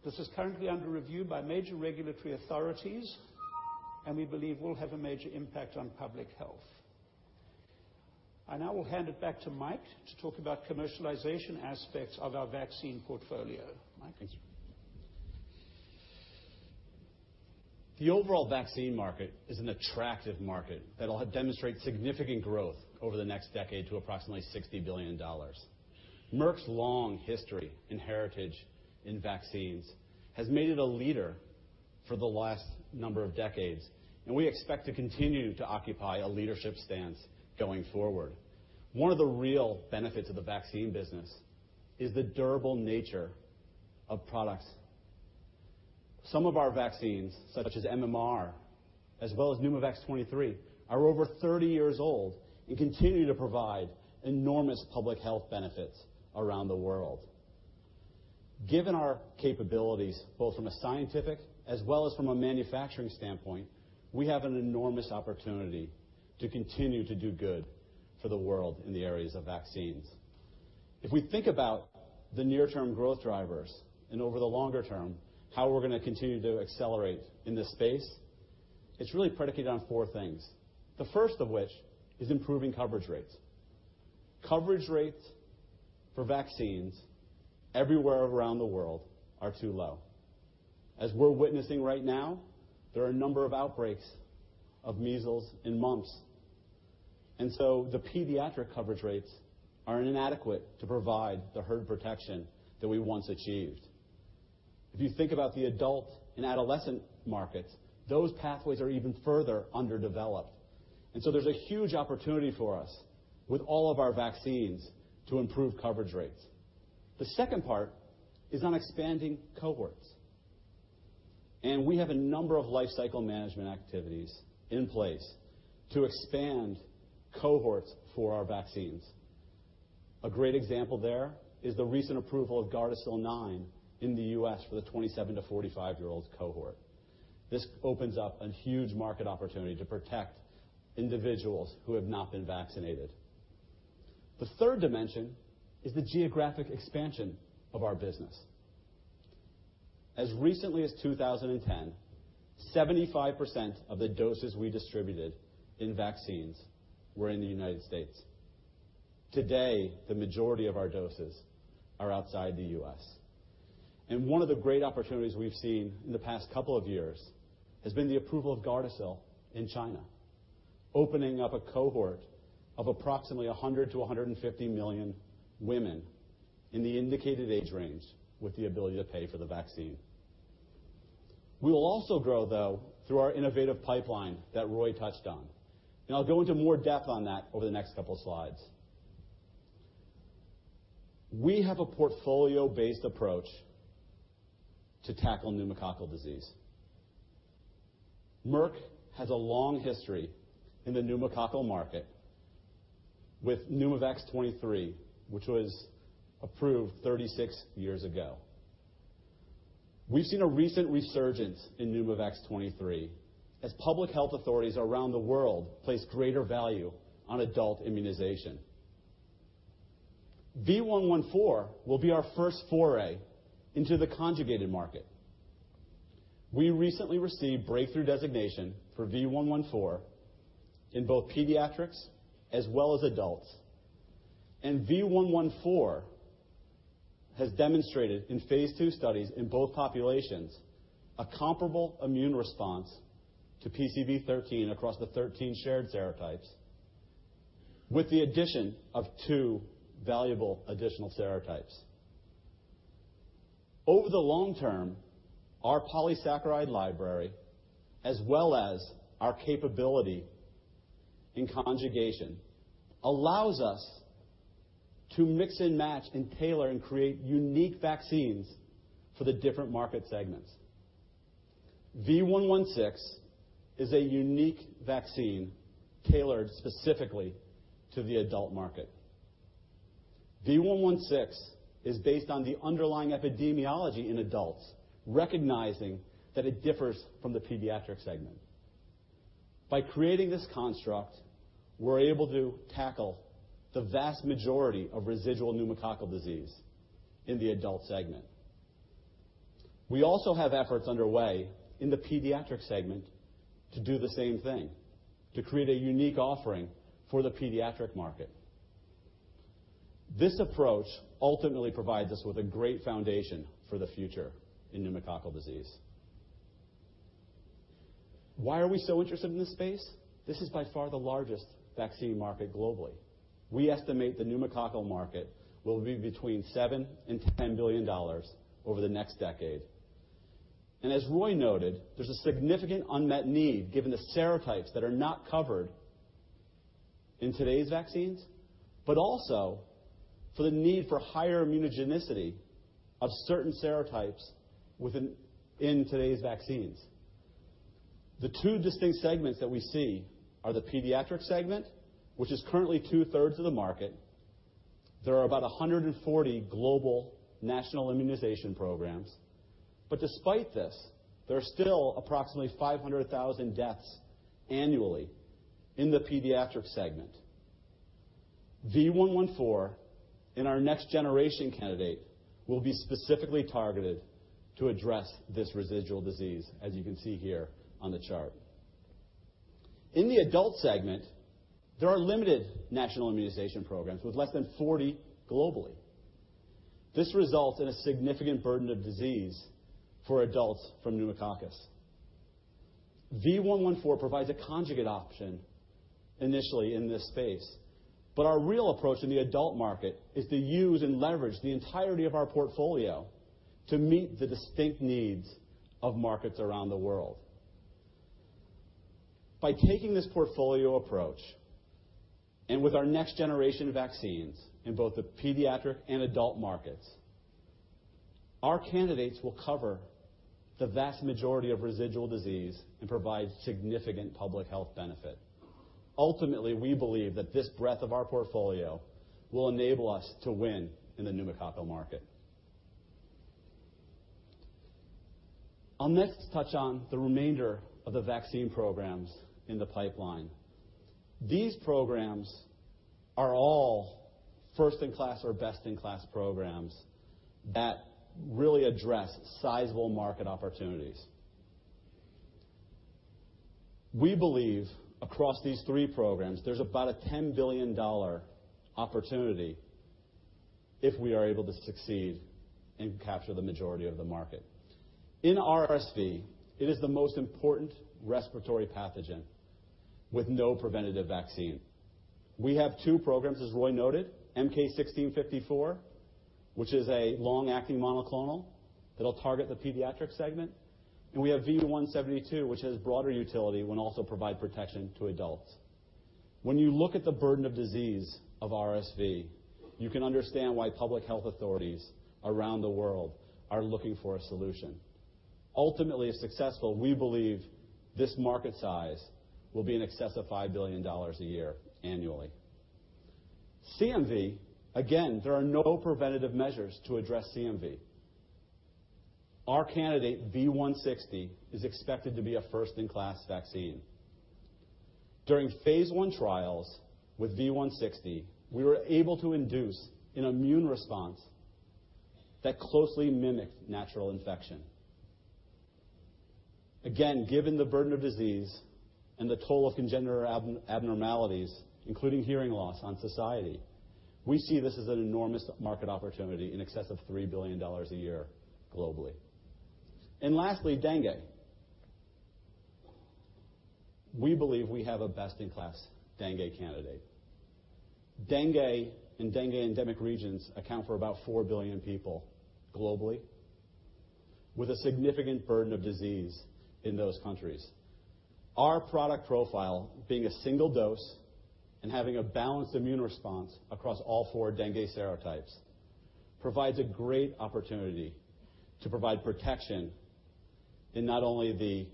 This is currently under review by major regulatory authorities. We believe will have a major impact on public health. I now will hand it back to Mike to talk about commercialization aspects of our vaccine portfolio. Mike. The overall vaccine market is an attractive market that will demonstrate significant growth over the next decade to approximately $60 billion. Merck's long history and heritage in vaccines has made it a leader for the last number of decades. We expect to continue to occupy a leadership stance going forward. One of the real benefits of the vaccine business is the durable nature of products. Some of our vaccines, such as MMR, as well as PNEUMOVAX 23, are over 30 years old and continue to provide enormous public health benefits around the world. Given our capabilities, both from a scientific as well as from a manufacturing standpoint, we have an enormous opportunity to continue to do good for the world in the areas of vaccines. If we think about the near-term growth drivers and over the longer term, how we're going to continue to accelerate in this space, it's really predicated on four things. The first of which is improving coverage rates. Coverage rates for vaccines everywhere around the world are too low. As we're witnessing right now, there are a number of outbreaks of measles and mumps. The pediatric coverage rates are inadequate to provide the herd protection that we once achieved. If you think about the adult and adolescent markets, those pathways are even further underdeveloped. There's a huge opportunity for us with all of our vaccines to improve coverage rates. The second part is on expanding cohorts. We have a number of life cycle management activities in place to expand cohorts for our vaccines. A great example there is the recent approval of GARDASIL 9 in the U.S. for the 27 to 45-year-old cohort. This opens up a huge market opportunity to protect individuals who have not been vaccinated. The third dimension is the geographic expansion of our business. As recently as 2010, 75% of the doses we distributed in vaccines were in the United States. Today, the majority of our doses are outside the U.S. One of the great opportunities we've seen in the past couple of years has been the approval of GARDASIL in China, opening up a cohort of approximately 100 to 150 million women in the indicated age range with the ability to pay for the vaccine. We will also grow, though, through our innovative pipeline that Roy touched on. I'll go into more depth on that over the next couple of slides. We have a portfolio-based approach to tackle pneumococcal disease. Merck has a long history in the pneumococcal market with PNEUMOVAX 23, which was approved 36 years ago. We've seen a recent resurgence in PNEUMOVAX 23 as public health authorities around the world place greater value on adult immunization. V114 will be our first foray into the conjugated market. We recently received breakthrough designation for V114 in both pediatrics as well as adults, and V114 has demonstrated in phase II studies in both populations, a comparable immune response to PCV13 across the 13 shared serotypes with the addition of two valuable additional serotypes. Over the long term, our polysaccharide library, as well as our capability in conjugation, allows us to mix and match and tailor and create unique vaccines for the different market segments. V116 is a unique vaccine tailored specifically to the adult market. V116 is based on the underlying epidemiology in adults, recognizing that it differs from the pediatric segment. By creating this construct, we're able to tackle the vast majority of residual pneumococcal disease in the adult segment. We also have efforts underway in the pediatric segment to do the same thing, to create a unique offering for the pediatric market. This approach ultimately provides us with a great foundation for the future in pneumococcal disease. Why are we so interested in this space? This is by far the largest vaccine market globally. We estimate the pneumococcal market will be between $7 billion and $10 billion over the next decade. As Roy noted, there's a significant unmet need given the serotypes that are not covered in today's vaccines, but also for the need for higher immunogenicity of certain serotypes within today's vaccines. The two distinct segments that we see are the pediatric segment, which is currently two-thirds of the market. There are about 140 global national immunization programs. Despite this, there are still approximately 500,000 deaths annually in the pediatric segment. V114 and our next-generation candidate will be specifically targeted to address this residual disease, as you can see here on the chart. In the adult segment, there are limited national immunization programs, with less than 40 globally. This results in a significant burden of disease for adults from pneumococcus. V114 provides a conjugate option initially in this space, our real approach in the adult market is to use and leverage the entirety of our portfolio to meet the distinct needs of markets around the world. By taking this portfolio approach, with our next generation of vaccines in both the pediatric and adult markets, our candidates will cover the vast majority of residual disease and provide significant public health benefit. Ultimately, we believe that this breadth of our portfolio will enable us to win in the pneumococcal market. I'll next touch on the remainder of the vaccine programs in the pipeline. These programs are all first-in-class or best-in-class programs that really address sizable market opportunities. We believe across these three programs, there's about a $10 billion opportunity if we are able to succeed and capture the majority of the market. In RSV, it is the most important respiratory pathogen with no preventative vaccine. We have two programs, as Roy noted, MK-1654, which is a long-acting monoclonal that'll target the pediatric segment. We have V172, which has broader utility and will also provide protection to adults. When you look at the burden of disease of RSV, you can understand why public health authorities around the world are looking for a solution. Ultimately, if successful, we believe this market size will be in excess of $5 billion a year annually. CMV, again, there are no preventative measures to address CMV. Our candidate, V160, is expected to be a first-in-class vaccine. During phase I trials with V160, we were able to induce an immune response that closely mimicked natural infection. Again, given the burden of disease and the toll of congenital abnormalities, including hearing loss on society, we see this as an enormous market opportunity in excess of $3 billion a year globally. Lastly, dengue. We believe we have a best-in-class dengue candidate. Dengue and dengue-endemic regions account for about 4 billion people globally, with a significant burden of disease in those countries. Our product profile, being a single dose and having a balanced immune response across all 4 dengue serotypes, provides a great opportunity to provide protection in not only the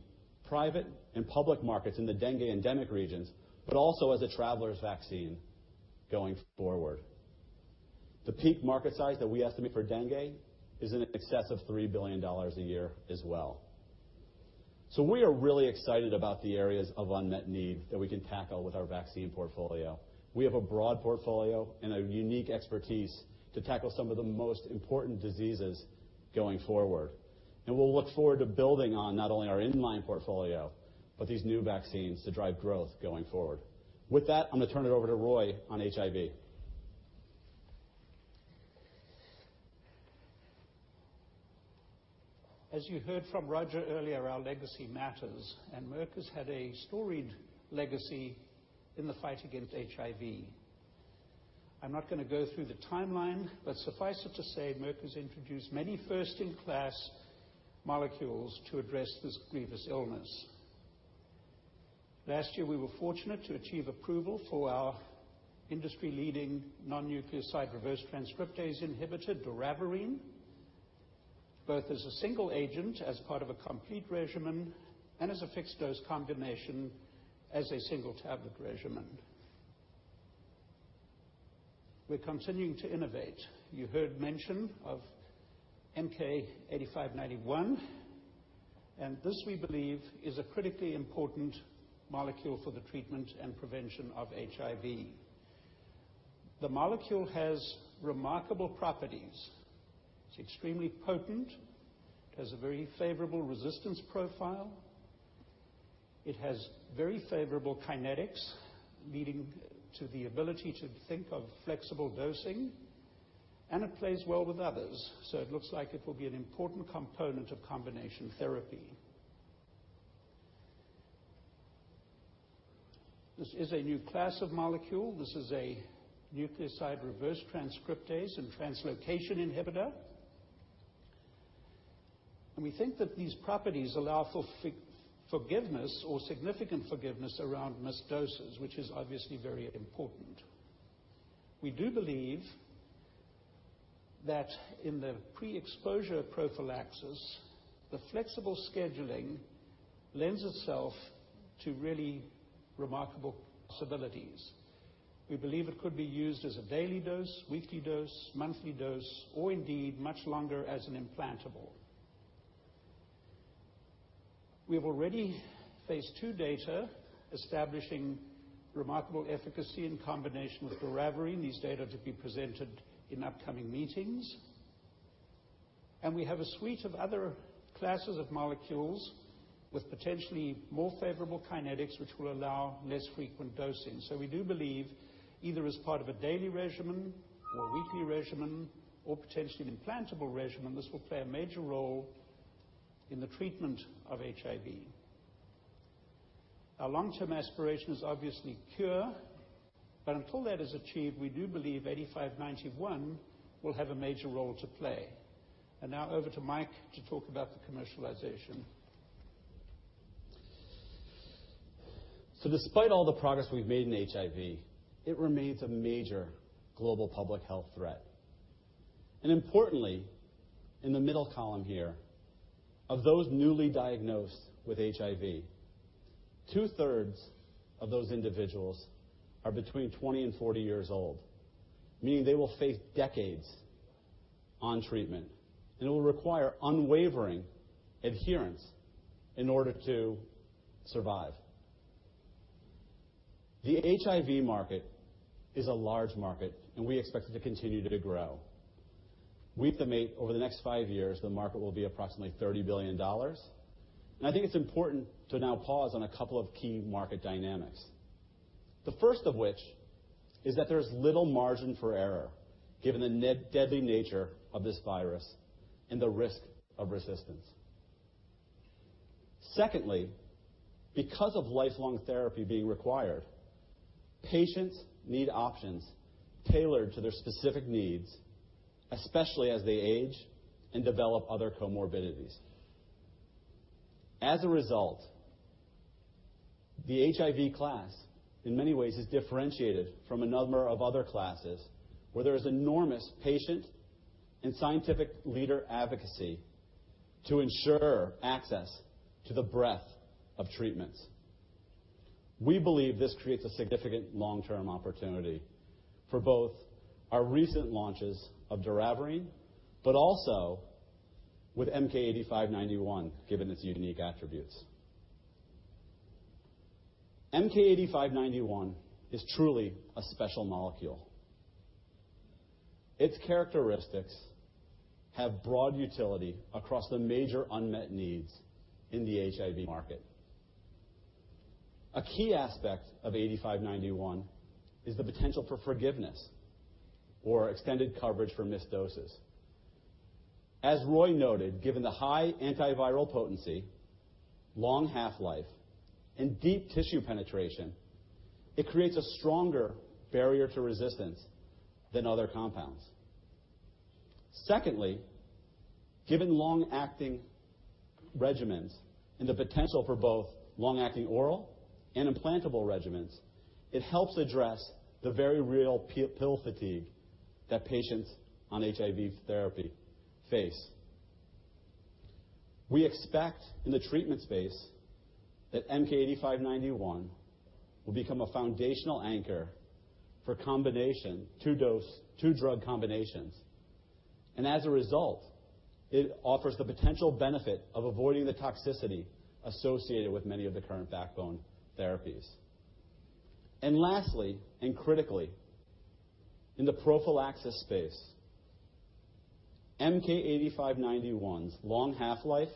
private and public markets in the dengue-endemic regions, but also as a traveler's vaccine going forward. The peak market size that we estimate for dengue is in excess of $3 billion a year as well. We are really excited about the areas of unmet need that we can tackle with our vaccine portfolio. We have a broad portfolio and a unique expertise to tackle some of the most important diseases going forward. We'll look forward to building on not only our in-line portfolio, but these new vaccines to drive growth going forward. With that, I'm going to turn it over to Roy on HIV. As you heard from Roger earlier, our legacy matters. Merck has had a storied legacy in the fight against HIV. I'm not going to go through the timeline, suffice it to say, Merck has introduced many first-in-class molecules to address this grievous illness. Last year, we were fortunate to achieve approval for our industry-leading non-nucleoside reverse transcriptase inhibitor, doravirine, both as a single agent, as part of a complete regimen, and as a fixed-dose combination as a single-tablet regimen. We're continuing to innovate. You heard mention of MK-8591. This, we believe, is a critically important molecule for the treatment and prevention of HIV. The molecule has remarkable properties. It's extremely potent, it has a very favorable resistance profile. It has very favorable kinetics, leading to the ability to think of flexible dosing. It plays well with others, it looks like it will be an important component of combination therapy. This is a new class of molecule. This is a nucleoside reverse transcriptase and translocation inhibitor. We think that these properties allow for forgiveness or significant forgiveness around missed doses, which is obviously very important. We do believe that in the pre-exposure prophylaxis, the flexible scheduling lends itself to really remarkable possibilities. We believe it could be used as a daily dose, weekly dose, monthly dose, or indeed, much longer as an implantable. We have already phase II data establishing remarkable efficacy in combination with doravirine. These data to be presented in upcoming meetings. We have a suite of other classes of molecules with potentially more favorable kinetics, which will allow less frequent dosing. We do believe, either as part of a daily regimen or a weekly regimen, or potentially an implantable regimen, this will play a major role in the treatment of HIV. Our long-term aspiration is obviously cure, until that is achieved, we do believe 8591 will have a major role to play. Now over to Mike to talk about the commercialization. Despite all the progress we've made in HIV, it remains a major global public health threat. Importantly, in the middle column here, of those newly diagnosed with HIV, two-thirds of those individuals are between 20 and 40 years old, meaning they will face decades on treatment, and it will require unwavering adherence in order to survive. The HIV market is a large market, and we expect it to continue to grow. We estimate over the next five years, the market will be approximately $30 billion. I think it's important to now pause on a couple of key market dynamics. The first of which is that there's little margin for error given the deadly nature of this virus and the risk of resistance. Secondly, because of lifelong therapy being required, patients need options tailored to their specific needs, especially as they age and develop other comorbidities. As a result, the HIV class, in many ways, is differentiated from a number of other classes where there is enormous patient and scientific leader advocacy to ensure access to the breadth of treatments. We believe this creates a significant long-term opportunity for both our recent launches of doravirine, but also with MK-8591, given its unique attributes. MK-8591 is truly a special molecule. Its characteristics have broad utility across the major unmet needs in the HIV market. A key aspect of 8591 is the potential for forgiveness or extended coverage for missed doses. As Roy noted, given the high antiviral potency, long half-life, and deep tissue penetration, it creates a stronger barrier to resistance than other compounds. Secondly, given long-acting regimens and the potential for both long-acting oral and implantable regimens, it helps address the very real pill fatigue that patients on HIV therapy face. We expect in the treatment space that MK-8591 will become a foundational anchor for combination two-dose, two-drug combinations. As a result, it offers the potential benefit of avoiding the toxicity associated with many of the current backbone therapies. Lastly, and critically, in the prophylaxis space, MK-8591's long half-life,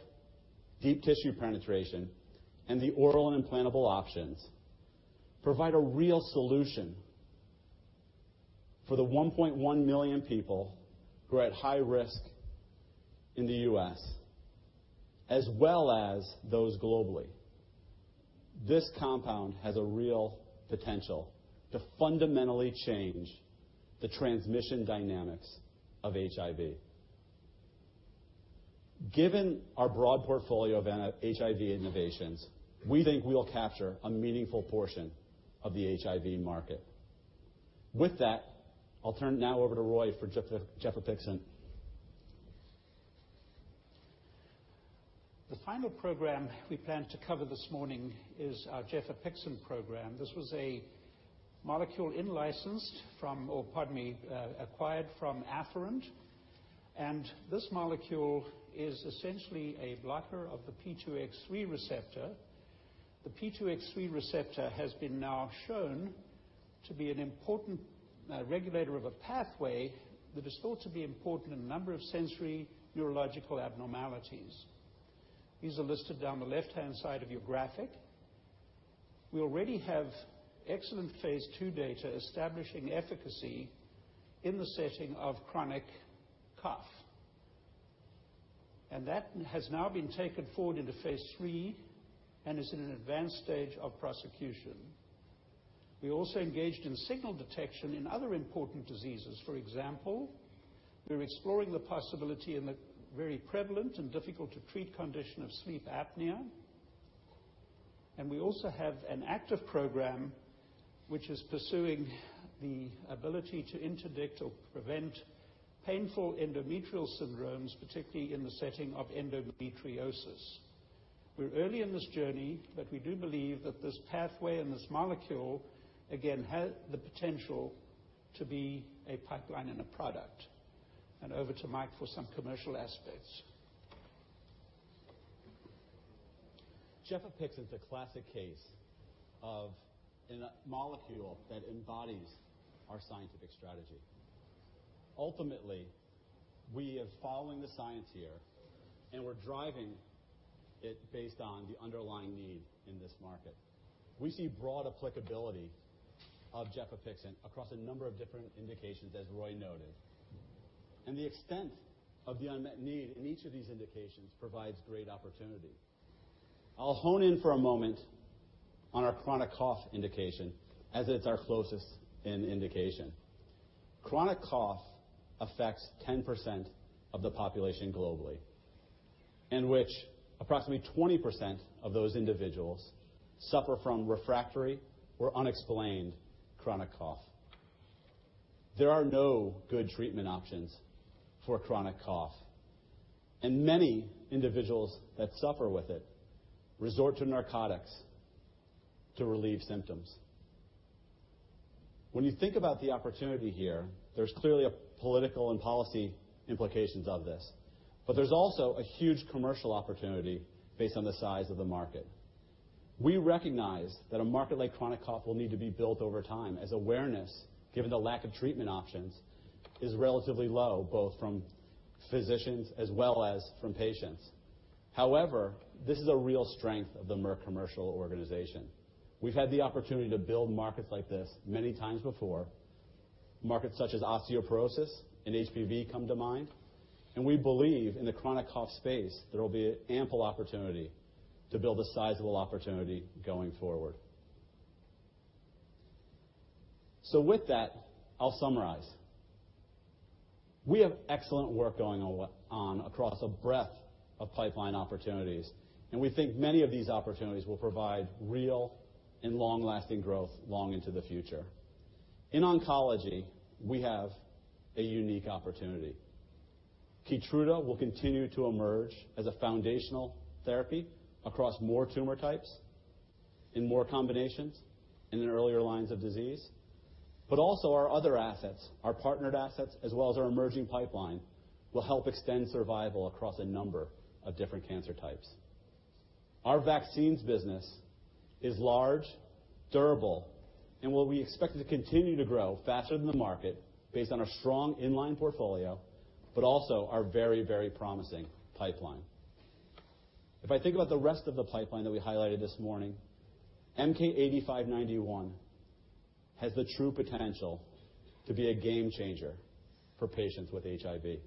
deep tissue penetration, and the oral and implantable options provide a real solution for the 1.1 million people who are at high risk in the U.S., as well as those globally. This compound has a real potential to fundamentally change the transmission dynamics of HIV. Given our broad portfolio of HIV innovations, we think we will capture a meaningful portion of the HIV market. With that, I'll turn now over to Roy for gefapixant. The final program we plan to cover this morning is our gefapixant program. This was a molecule in-licensed from, or pardon me, acquired from Afferent, this molecule is essentially a blocker of the P2X3 receptor. The P2X3 receptor has been now shown to be an important regulator of a pathway that is thought to be important in a number of sensory neurological abnormalities. These are listed down the left-hand side of your graphic. We already have excellent phase II data establishing efficacy in the setting of chronic cough, that has now been taken forward into phase III and is in an advanced stage of prosecution. We also engaged in signal detection in other important diseases. For example, we're exploring the possibility in the very prevalent and difficult-to-treat condition of sleep apnea. We also have an active program which is pursuing the ability to interdict or prevent painful endometrial syndromes, particularly in the setting of endometriosis. We're early in this journey, but we do believe that this pathway and this molecule again, have the potential to be a pipeline and a product. Over to Mike for some commercial aspects. Gefapixant's a classic case of a molecule that embodies our scientific strategy. Ultimately, we are following the science here, and we're driving it based on the underlying need in this market. We see broad applicability of gefapixant across a number of different indications, as Roy noted, and the extent of the unmet need in each of these indications provides great opportunity. I'll hone in for a moment on our chronic cough indication as it's our closest in indication. Chronic cough affects 10% of the population globally, in which approximately 20% of those individuals suffer from refractory or unexplained chronic cough. There are no good treatment options for chronic cough, and many individuals that suffer with it resort to narcotics to relieve symptoms. When you think about the opportunity here, there's clearly political and policy implications of this, but there's also a huge commercial opportunity based on the size of the market. We recognize that a market like chronic cough will need to be built over time as awareness, given the lack of treatment options, is relatively low, both from physicians as well as from patients. However, this is a real strength of the Merck commercial organization. We've had the opportunity to build markets like this many times before. Markets such as osteoporosis and HPV come to mind. We believe in the chronic cough space there will be ample opportunity to build a sizable opportunity going forward. With that, I'll summarize. We have excellent work going on across a breadth of pipeline opportunities. We think many of these opportunities will provide real and long-lasting growth long into the future. In oncology, we have a unique opportunity. KEYTRUDA will continue to emerge as a foundational therapy across more tumor types, in more combinations, in the earlier lines of disease. Also our other assets, our partnered assets, as well as our emerging pipeline, will help extend survival across a number of different cancer types. Our vaccines business is large, durable, and what we expect to continue to grow faster than the market based on our strong in-line portfolio, but also our very, very promising pipeline. If I think about the rest of the pipeline that we highlighted this morning, MK-8591 has the true potential to be a game changer for patients with HIV.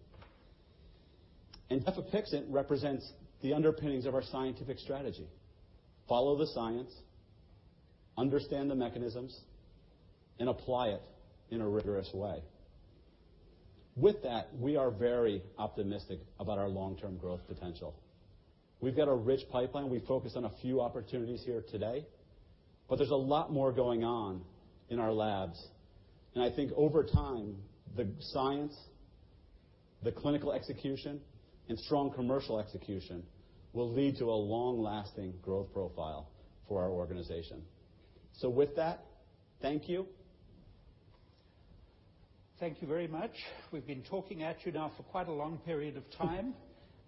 Gefapixant represents the underpinnings of our scientific strategy. Follow the science, understand the mechanisms, and apply it in a rigorous way. With that, we are very optimistic about our long-term growth potential. We've got a rich pipeline. We focused on a few opportunities here today, but there's a lot more going on in our labs. I think over time, the science, the clinical execution, and strong commercial execution will lead to a long-lasting growth profile for our organization. With that, thank you. Thank you very much. We've been talking at you now for quite a long period of time,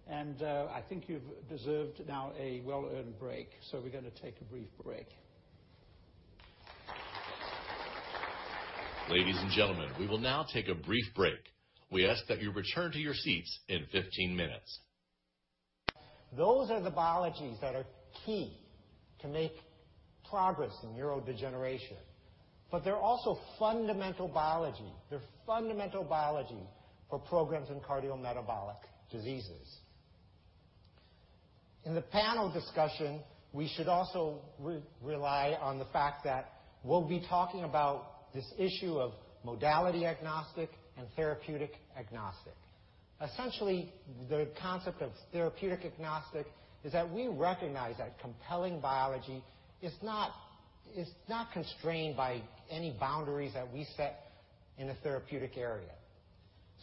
and I think you've deserved now a well-earned break. We're going to take a brief break. Ladies and gentlemen, we will now take a brief break. We ask that you return to your seats in 15 minutes. Those are the biologies that are key to make progress in neurodegeneration. They're also fundamental biology. They're fundamental biology for programs in cardiometabolic diseases. In the panel discussion, we should also rely on the fact that we'll be talking about this issue of modality agnostic and therapeutic agnostic. Essentially, the concept of therapeutic agnostic is that we recognize that compelling biology is not constrained by any boundaries that we set in a therapeutic area.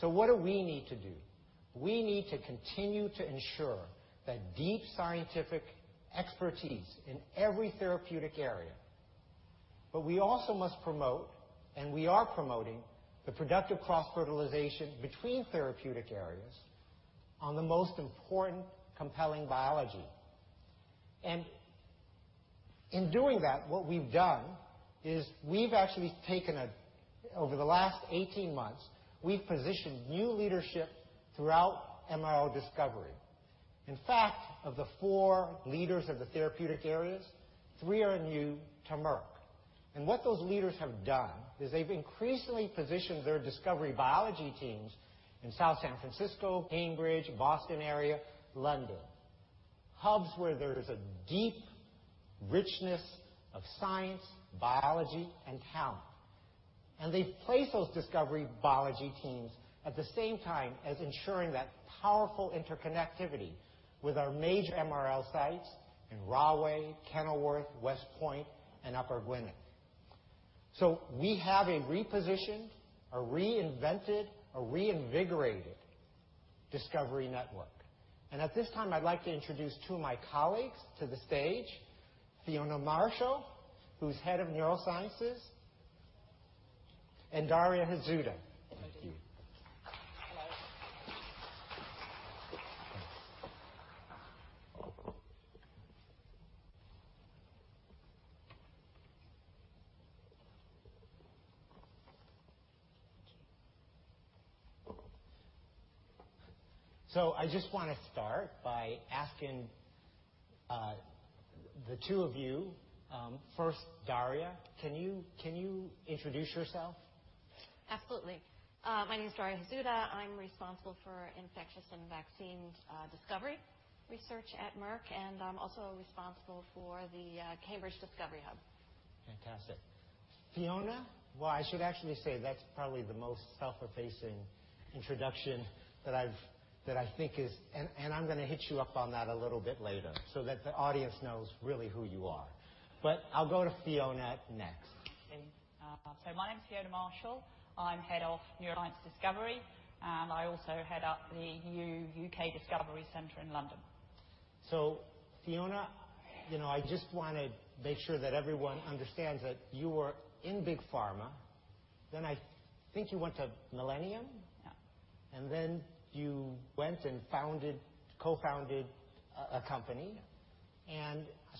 What do we need to do? We need to continue to ensure that deep scientific expertise in every therapeutic area, but we also must promote, and we are promoting, the productive cross-fertilization between therapeutic areas on the most important compelling biology. In doing that, what we've done is we've actually taken Over the last 18 months, we've positioned new leadership throughout MRL Discovery. In fact, of the four leaders of the therapeutic areas, three are new to Merck. What those leaders have done is they've increasingly positioned their discovery biology teams in South San Francisco, Cambridge, Boston area, London, hubs where there's a deep richness of science, biology, and talent. They've placed those discovery biology teams at the same time as ensuring that powerful interconnectivity with our major MRL sites in Rahway, Kenilworth, West Point, and Upper Gwynedd. We have a repositioned, a reinvented, a reinvigorated discovery network. At this time, I'd like to introduce two of my colleagues to the stage, Fiona Marshall, who's Head of Neurosciences, and Daria Hazuda. Thank you. I just want to start by asking the two of you, first, Daria, can you introduce yourself? Absolutely. My name is Daria Hazuda. I'm responsible for Infectious and Vaccines Discovery Research at Merck, and I'm also responsible for the Cambridge Discovery Hub. Fantastic. Fiona. Well, I should actually say that's probably the most self-effacing introduction that I think. I'm going to hit you up on that a little bit later so that the audience knows really who you are. I'll go to Fiona next. My name is Fiona Marshall. I'm head of Neuroscience Discovery, and I also head up the new U.K. Discovery Center in London. Fiona, I just want to make sure that everyone understands that you were in big pharma, then I think you went to Millennium. Yeah. You went and co-founded a company.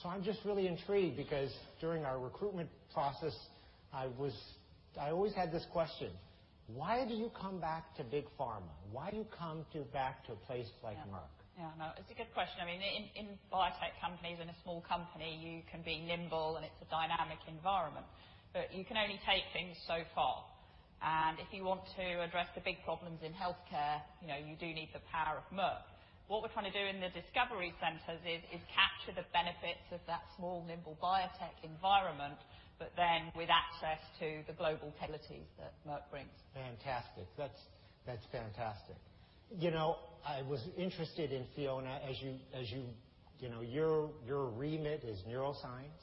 I'm just really intrigued because during our recruitment process, I always had this question: Why did you come back to big pharma? Why do you come back to a place like Merck? Yeah. No, it's a good question. In biotech companies, in a small company, you can be nimble and it's a dynamic environment, but you can only take things so far. If you want to address the big problems in healthcare, you do need the power of Merck. What we're trying to do in the discovery centers is capture the benefits of that small, nimble biotech environment, with access to the global capabilities that Merck brings. Fantastic. That's fantastic. I was interested in Fiona, as you know, your remit is neuroscience.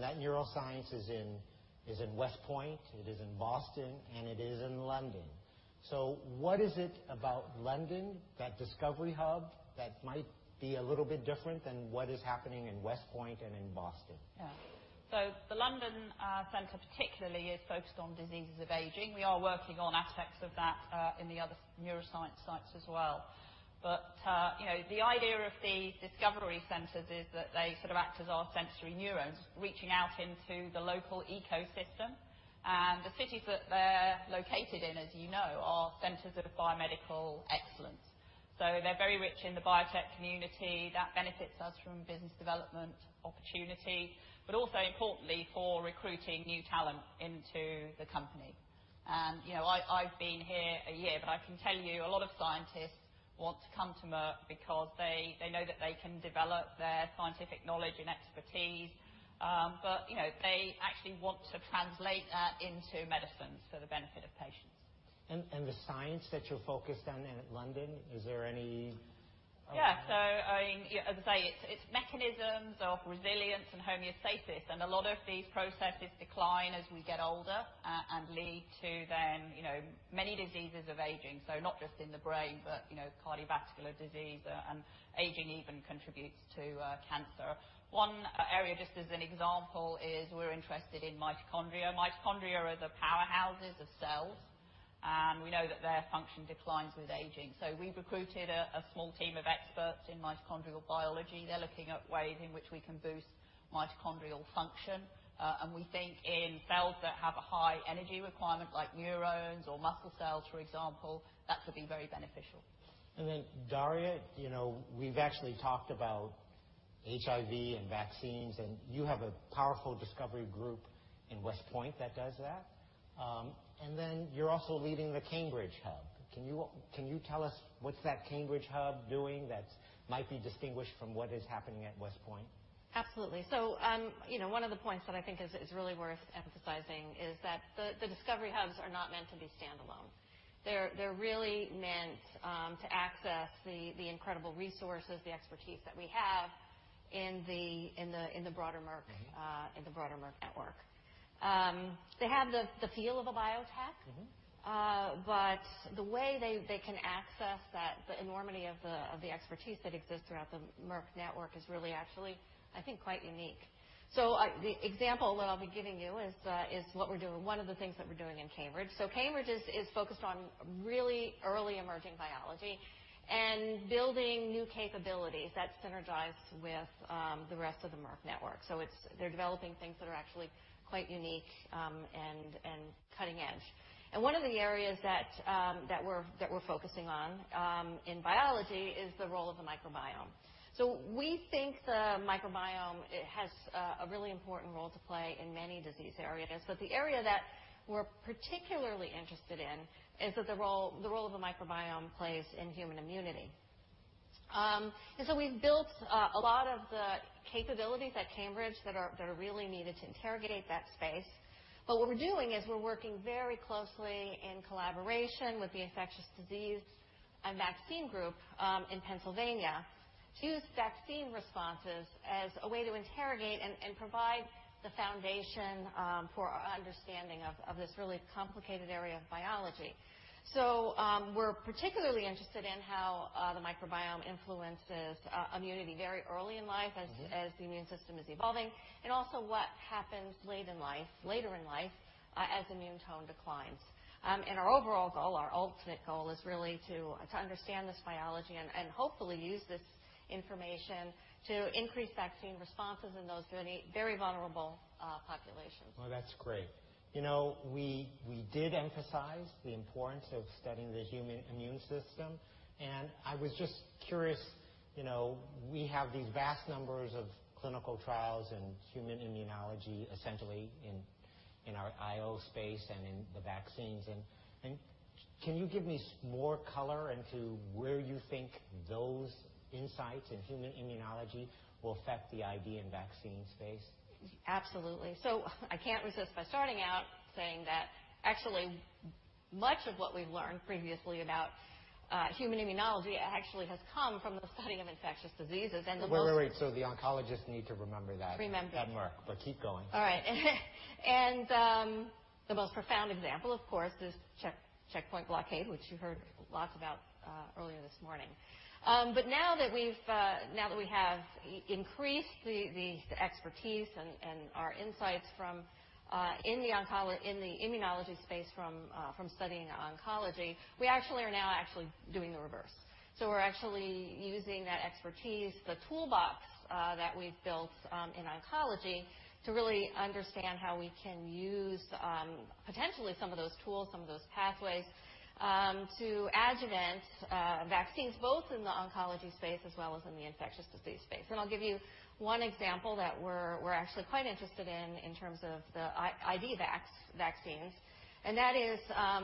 That neuroscience is in West Point, it is in Boston, and it is in London. What is it about London, that discovery hub, that might be a little bit different than what is happening in West Point and in Boston? Yeah. The London center particularly is focused on diseases of aging. We are working on aspects of that in the other neuroscience sites as well. The idea of the discovery centers is that they sort of act as our sensory neurons, reaching out into the local ecosystem. The cities that they're located in, as you know, are centers of biomedical excellence. They're very rich in the biotech community. That benefits us from business development opportunity, also importantly, for recruiting new talent into the company. I've been here a year, but I can tell you a lot of scientists want to come to Merck because they know that they can develop their scientific knowledge and expertise. They actually want to translate that into medicines for the benefit of patients. The science that you're focused on in London, is there any- As I say, it's mechanisms of resilience and homeostasis, a lot of these processes decline as we get older, and lead to many diseases of aging. Not just in the brain, but cardiovascular disease, and aging even contributes to cancer. One area, just as an example, is we're interested in mitochondria. Mitochondria are the powerhouses of cells. We know that their function declines with aging. We've recruited a small team of experts in mitochondrial biology. They're looking at ways in which we can boost mitochondrial function. We think in cells that have a high energy requirement, like neurons or muscle cells, for example, that could be very beneficial. Daria, we've actually talked about HIV and vaccines, and you have a powerful discovery group in West Point that does that. You're also leading the Cambridge hub. Can you tell us what's that Cambridge hub doing that might be distinguished from what is happening at West Point? One of the points that I think is really worth emphasizing is that the discovery hubs are not meant to be standalone. They're really meant to access the incredible resources, the expertise that we have in the broader Merck network. They have the feel of a biotech. The way they can access the enormity of the expertise that exists throughout the Merck network is really actually, I think, quite unique. The example that I'll be giving you is one of the things that we're doing in Cambridge. Cambridge is focused on really early emerging biology and building new capabilities that synergize with the rest of the Merck network. They're developing things that are actually quite unique and cutting edge. One of the areas that we're focusing on in biology is the role of the microbiome. We think the microbiome has a really important role to play in many disease areas. The area that we're particularly interested in is the role the microbiome plays in human immunity. We've built a lot of the capabilities at Cambridge that are really needed to interrogate that space. What we're doing is we're working very closely in collaboration with the infectious disease and vaccine group in Pennsylvania to use vaccine responses as a way to interrogate and provide the foundation for our understanding of this really complicated area of biology. We're particularly interested in how the microbiome influences immunity very early in life as the immune system is evolving, and also what happens later in life as immune tone declines. Our overall goal, our ultimate goal, is really to understand this biology and hopefully use this information to increase vaccine responses in those very vulnerable populations. Oh, that's great. We did emphasize the importance of studying the human immune system, and I was just curious, we have these vast numbers of clinical trials in human immunology, essentially in our IO space and in the vaccines. Can you give me more color into where you think those insights in human immunology will affect the IO and vaccine space? Absolutely. I can't resist by starting out saying that actually, much of what we've learned previously about human immunology actually has come from the studying of infectious diseases, and the most- Wait. The oncologists need to remember that- Remember at Merck. Keep going. All right. The most profound example, of course, is checkpoint blockade, which you heard lots about earlier this morning. Now that we have increased the expertise and our insights in the immunology space from studying oncology, we actually are now doing the reverse. We're actually using that expertise, the toolbox that we've built in oncology, to really understand how we can use potentially some of those tools, some of those pathways, to adjuvant vaccines, both in the oncology space as well as in the infectious disease space. I'll give you one example that we're actually quite interested in terms of the IV vaccines, and that is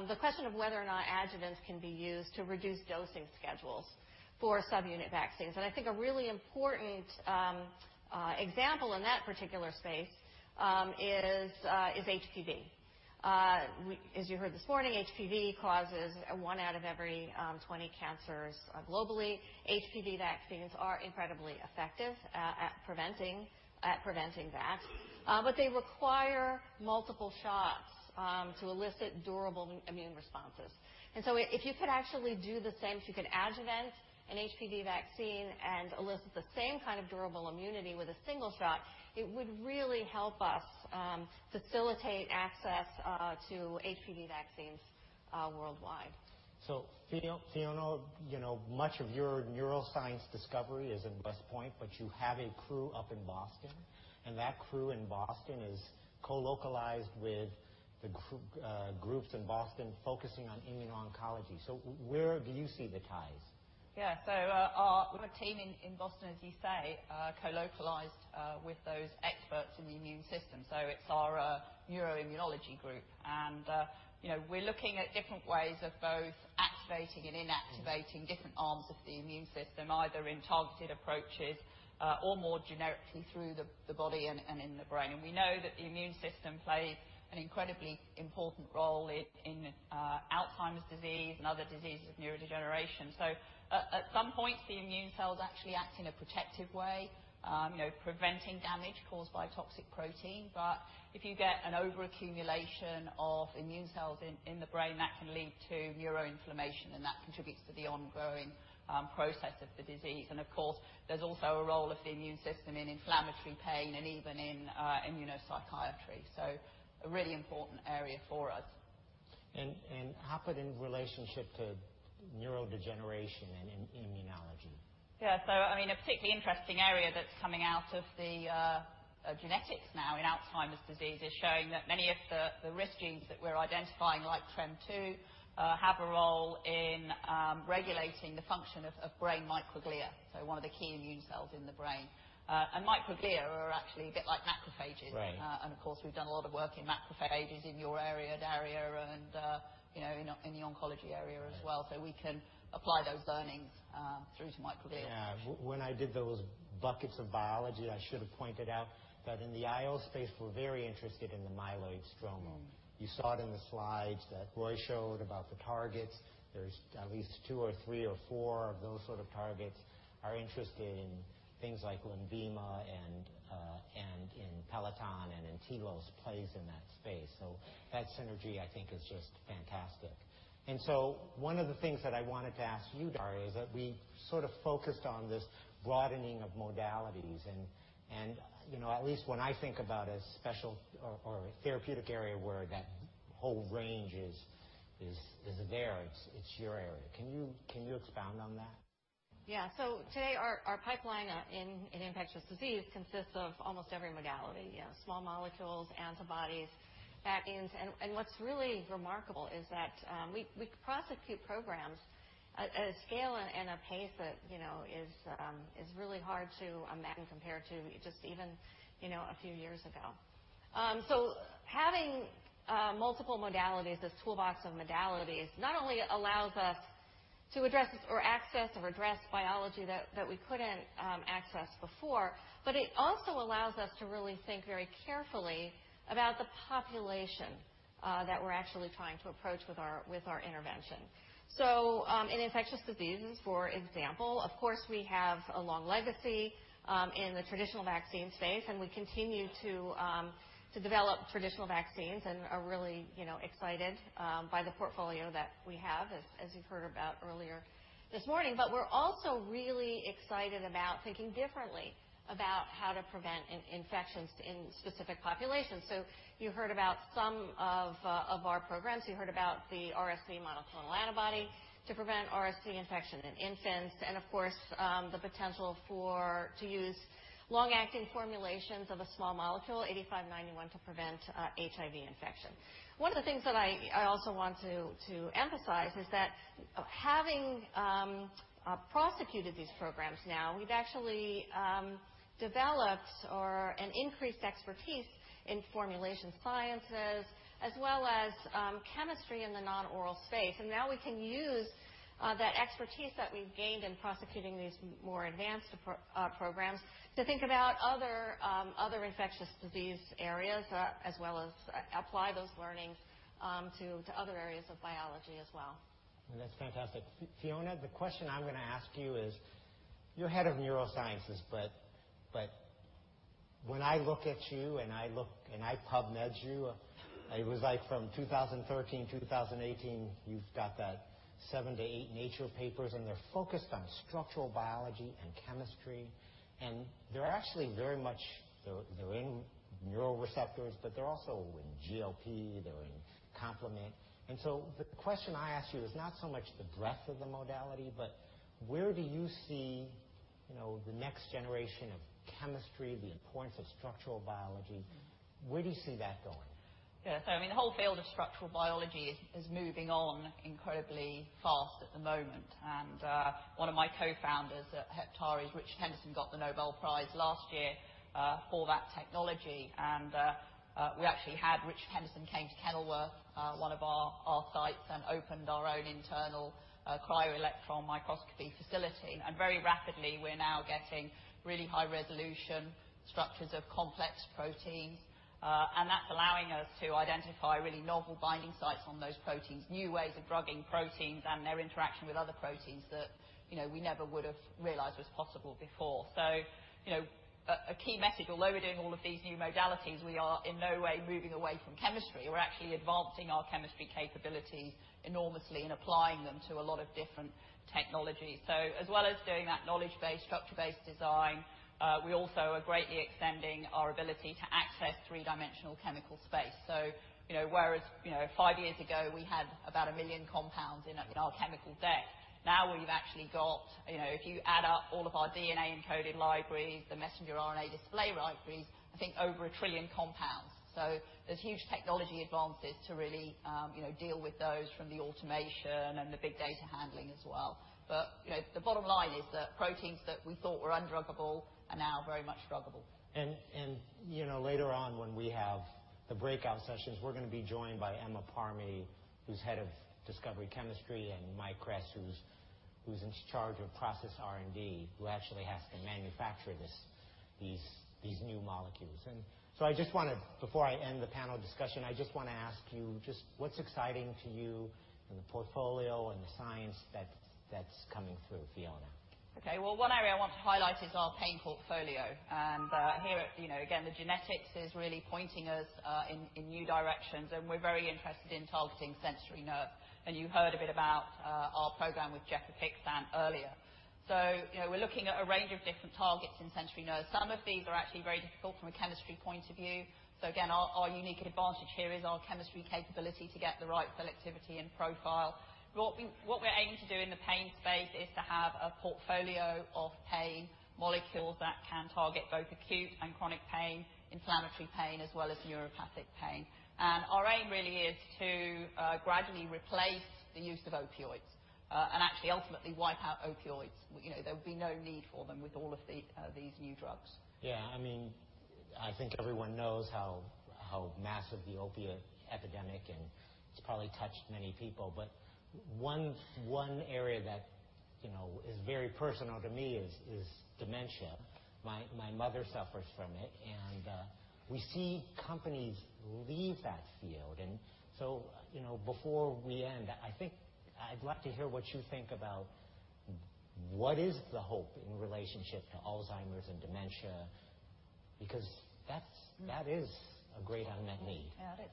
the question of whether or not adjuvants can be used to reduce dosing schedules for subunit vaccines. I think a really important example in that particular space is HPV. As you heard this morning, HPV causes one out of every 20 cancers globally. HPV vaccines are incredibly effective at preventing that. They require multiple shots to elicit durable immune responses. If you could actually do the same, if you could adjuvant an HPV vaccine and elicit the same kind of durable immunity with a single shot, it would really help us facilitate access to HPV vaccines worldwide. Fiona, much of your neuroscience discovery is at West Point, but you have a crew up in Boston, and that crew in Boston is co-localized with the groups in Boston focusing on immuno-oncology. Where do you see the ties? Yeah. We have a team in Boston, as you say, co-localized with those experts in the immune system. It's our neuroimmunology group. We're looking at different ways of both activating and inactivating different arms of the immune system, either in targeted approaches or more generically through the body and in the brain. We know that the immune system plays an incredibly important role in Alzheimer's disease and other diseases of neurodegeneration. At some points, the immune cells actually act in a protective way, preventing damage caused by toxic protein. If you get an over-accumulation of immune cells in the brain, that can lead to neuroinflammation, and that contributes to the ongoing process of the disease. Of course, there's also a role of the immune system in inflammatory pain and even in immunopsychiatry. A really important area for us. How put in relationship to neurodegeneration and immunology? Yeah. A particularly interesting area that's coming out of the genetics now in Alzheimer's disease is showing that many of the risk genes that we're identifying, like TREM2, have a role in regulating the function of brain microglia, so one of the key immune cells in the brain. Microglia are actually a bit like macrophages. Right. Of course, we've done a lot of work in macrophages in your area, Daria, and in the oncology area as well. We can apply those learnings through to microglia. Yeah. When I did those buckets of biology, I should have pointed out that in the IO space, we're very interested in the myeloid stroma. You saw it in the slides that Roy showed about the targets. There's at least two or three or four of those sort of targets are interested in things like LENVIMA and in Peloton and Tilos plays in that space. That synergy, I think, is just fantastic. One of the things that I wanted to ask you, Daria, is that we sort of focused on this broadening of modalities and at least when I think about a special or a therapeutic area where that whole range is there, it's your area. Can you expound on that? Yeah. Today our pipeline in infectious disease consists of almost every modality, small molecules, antibodies, vaccines. What's really remarkable is that we could prosecute programs at a scale and a pace that is really hard to imagine compared to just even a few years ago. Having multiple modalities, this toolbox of modalities, not only allows us to address or access or address biology that we couldn't access before, but it also allows us to really think very carefully about the population that we're actually trying to approach with our intervention. In infectious diseases, for example, of course, we have a long legacy in the traditional vaccine space, and we continue to develop traditional vaccines and are really excited by the portfolio that we have, as you've heard about earlier this morning. We're also really excited about thinking differently about how to prevent infections in specific populations. You heard about some of our programs. You heard about the RSV monoclonal antibody to prevent RSV infection in infants, and of course, the potential to use long-acting formulations of a small molecule, MK-8591, to prevent HIV infection. One of the things that I also want to emphasize is that having prosecuted these programs now, we've actually developed or an increased expertise in formulation sciences as well as chemistry in the non-oral space. Now we can use that expertise that we've gained in prosecuting these more advanced programs to think about other infectious disease areas, as well as apply those learnings to other areas of biology as well. That's fantastic. Fiona, the question I'm going to ask you is, you're head of neurosciences, when I look at you and I look and I PubMed you, it was like from 2013, 2018, you've got that 7 to 8 Nature papers, and they're focused on structural biology and chemistry, and they're actually very much They're in neural receptors, they're also in GLP-1, they're in complement. The question I ask you is not so much the breadth of the modality, where do you see the next generation of chemistry, the importance of structural biology? Where do you see that going? The whole field of structural biology is moving on incredibly fast at the moment. One of my co-founders at Heptares, Richard Henderson, got the Nobel Prize last year for that technology. We actually had Richard Henderson came to Kenilworth, one of our sites and opened our own internal cryo-electron microscopy facility. Very rapidly, we're now getting really high-resolution structures of complex proteins, and that's allowing us to identify really novel binding sites on those proteins, new ways of drugging proteins, and their interaction with other proteins that we never would've realized was possible before. A key message, although we're doing all of these new modalities, we are in no way moving away from chemistry. We're actually advancing our chemistry capabilities enormously and applying them to a lot of different technologies. As well as doing that knowledge-based, structure-based design, we also are greatly extending our ability to access three-dimensional chemical space. Whereas five years ago we had about 1 million compounds in our chemical deck, now we've actually got, if you add up all of our DNA-encoded libraries, the mRNA display libraries, I think over 1 trillion compounds. There's huge technology advances to really deal with those from the automation and the big data handling as well. The bottom line is that proteins that we thought were undruggable are now very much druggable. Later on when we have the breakout sessions, we're going to be joined by Emma Parmee, who's head of Discovery Chemistry, and Michael Kress, who's in charge of process R&D, who actually has to manufacture these new molecules. I just want to, before I end the panel discussion, I just want to ask you what's exciting to you in the portfolio and the science that's coming through, Fiona? Well, one area I want to highlight is our pain portfolio. Here, again, the genetics is really pointing us in new directions, and we're very interested in targeting sensory nerves. You heard a bit about our program with gefapixant earlier. We're looking at a range of different targets in sensory nerves. Some of these are actually very difficult from a chemistry point of view. Again, our unique advantage here is our chemistry capability to get the right selectivity and profile. What we're aiming to do in the pain space is to have a portfolio of pain molecules that can target both acute and chronic pain, inflammatory pain, as well as neuropathic pain. Our aim really is to gradually replace the use of opioids, and actually ultimately wipe out opioids. There would be no need for them with all of these new drugs. I think everyone knows how massive the opioid epidemic, and it's probably touched many people. One area that is very personal to me is dementia. My mother suffers from it. We see companies leave that field. Before we end, I think I'd like to hear what you think about what is the hope in relationship to Alzheimer's and dementia, because that is a great unmet need. It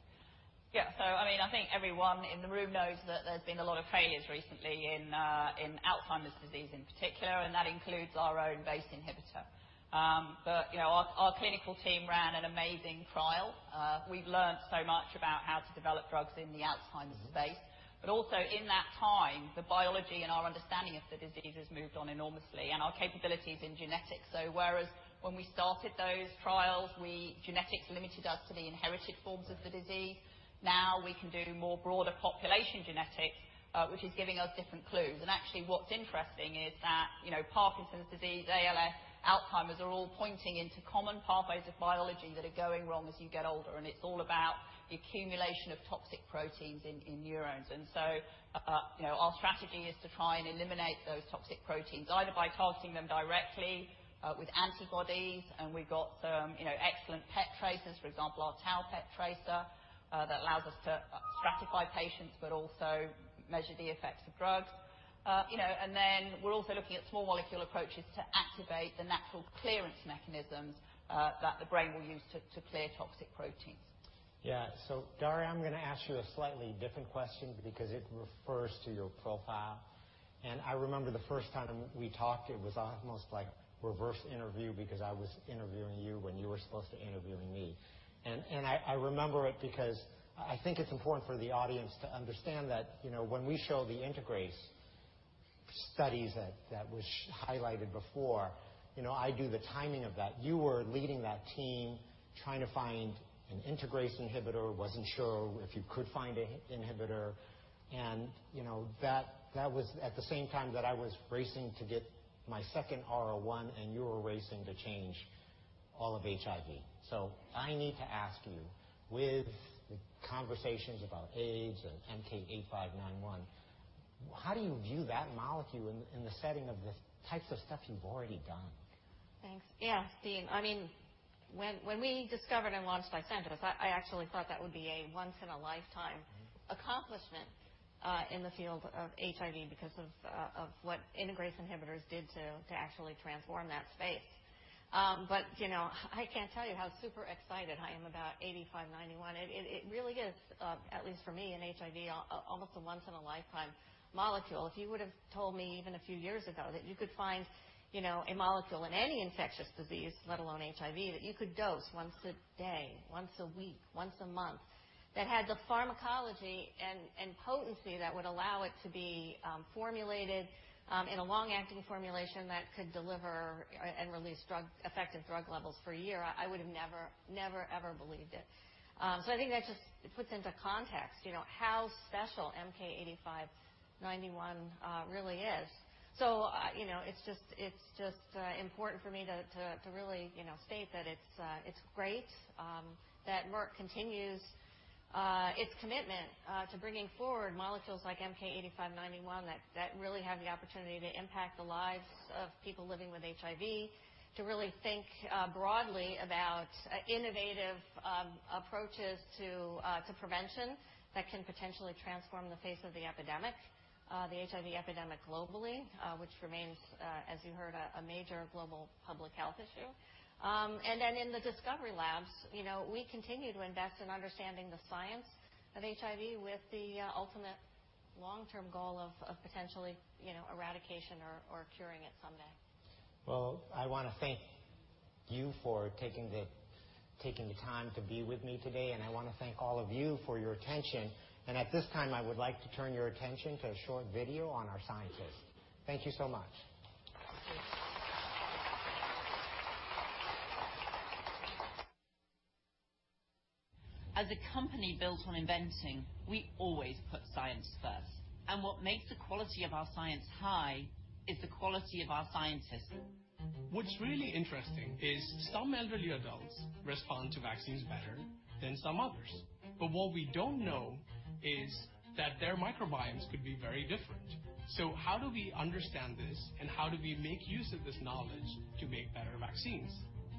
is. I think everyone in the room knows that there's been a lot of failures recently in Alzheimer's disease in particular, and that includes our own BACE inhibitor. Our clinical team ran an amazing trial. We've learnt so much about how to develop drugs in the Alzheimer's space, but also in that time, the biology and our understanding of the disease has moved on enormously, and our capabilities in genetics. Whereas when we started those trials, genetics limited us to the inherited forms of the disease, now we can do more broader population genetics, which is giving us different clues. Actually, what's interesting is that Parkinson's disease, ALS, Alzheimer's are all pointing into common pathways of biology that are going wrong as you get older. It's all about the accumulation of toxic proteins in neurons. Our strategy is to try and eliminate those toxic proteins, either by targeting them directly with antibodies, and we've got some excellent PET tracers, for example, our tau PET tracer, that allows us to stratify patients but also measure the effects of drugs. We're also looking at small molecule approaches to activate the natural clearance mechanisms that the brain will use to clear toxic proteins. Yeah. Daria, I'm going to ask you a slightly different question because it refers to your profile. I remember the first time we talked, it was almost like reverse interview because I was interviewing you when you were supposed to interviewing me. I remember it because I think it's important for the audience to understand that when we show the integrase studies that that was highlighted before, I do the timing of that. You were leading that team trying to find an integrase inhibitor, wasn't sure if you could find a inhibitor, and that was at the same time that I was racing to get my second R01, and you were racing to change all of HIV. I need to ask you, with the conversations about AIDS and MK-8591, how do you view that molecule in the setting of the types of stuff you've already done? Thanks. Yeah, Dean. When we discovered and launched Dolutegravir, I actually thought that would be a once in a lifetime accomplishment in the field of HIV because of what integrase inhibitors did to actually transform that space. I can't tell you how super excited I am about 8591. It really is, at least for me in HIV, almost a once in a lifetime molecule. If you would've told me even a few years ago that you could find a molecule in any infectious disease, let alone HIV, that you could dose once a day, once a week, once a month, that had the pharmacology and potency that would allow it to be formulated in a long-acting formulation that could deliver and release effective drug levels for a year, I would've never ever believed it. I think that just puts into context how special MK-8591 really is. It's just important for me to really state that it's great that Merck continues its commitment to bringing forward molecules like MK-8591 that really have the opportunity to impact the lives of people living with HIV, to really think broadly about innovative approaches to prevention that can potentially transform the face of the epidemic, the HIV epidemic globally which remains, as you heard, a major global public health issue. In the discovery labs, we continue to invest in understanding the science of HIV with the ultimate long-term goal of potentially eradication or curing it someday. Well, I want to thank you for taking the time to be with me today. I want to thank all of you for your attention. At this time, I would like to turn your attention to a short video on our scientists. Thank you so much. Thank you. As a company built on inventing, we always put science first. What makes the quality of our science high is the quality of our scientists. What's really interesting is some elderly adults respond to vaccines better than some others. What we don't know is that their microbiomes could be very different. How do we understand this, and how do we make use of this knowledge to make better vaccines?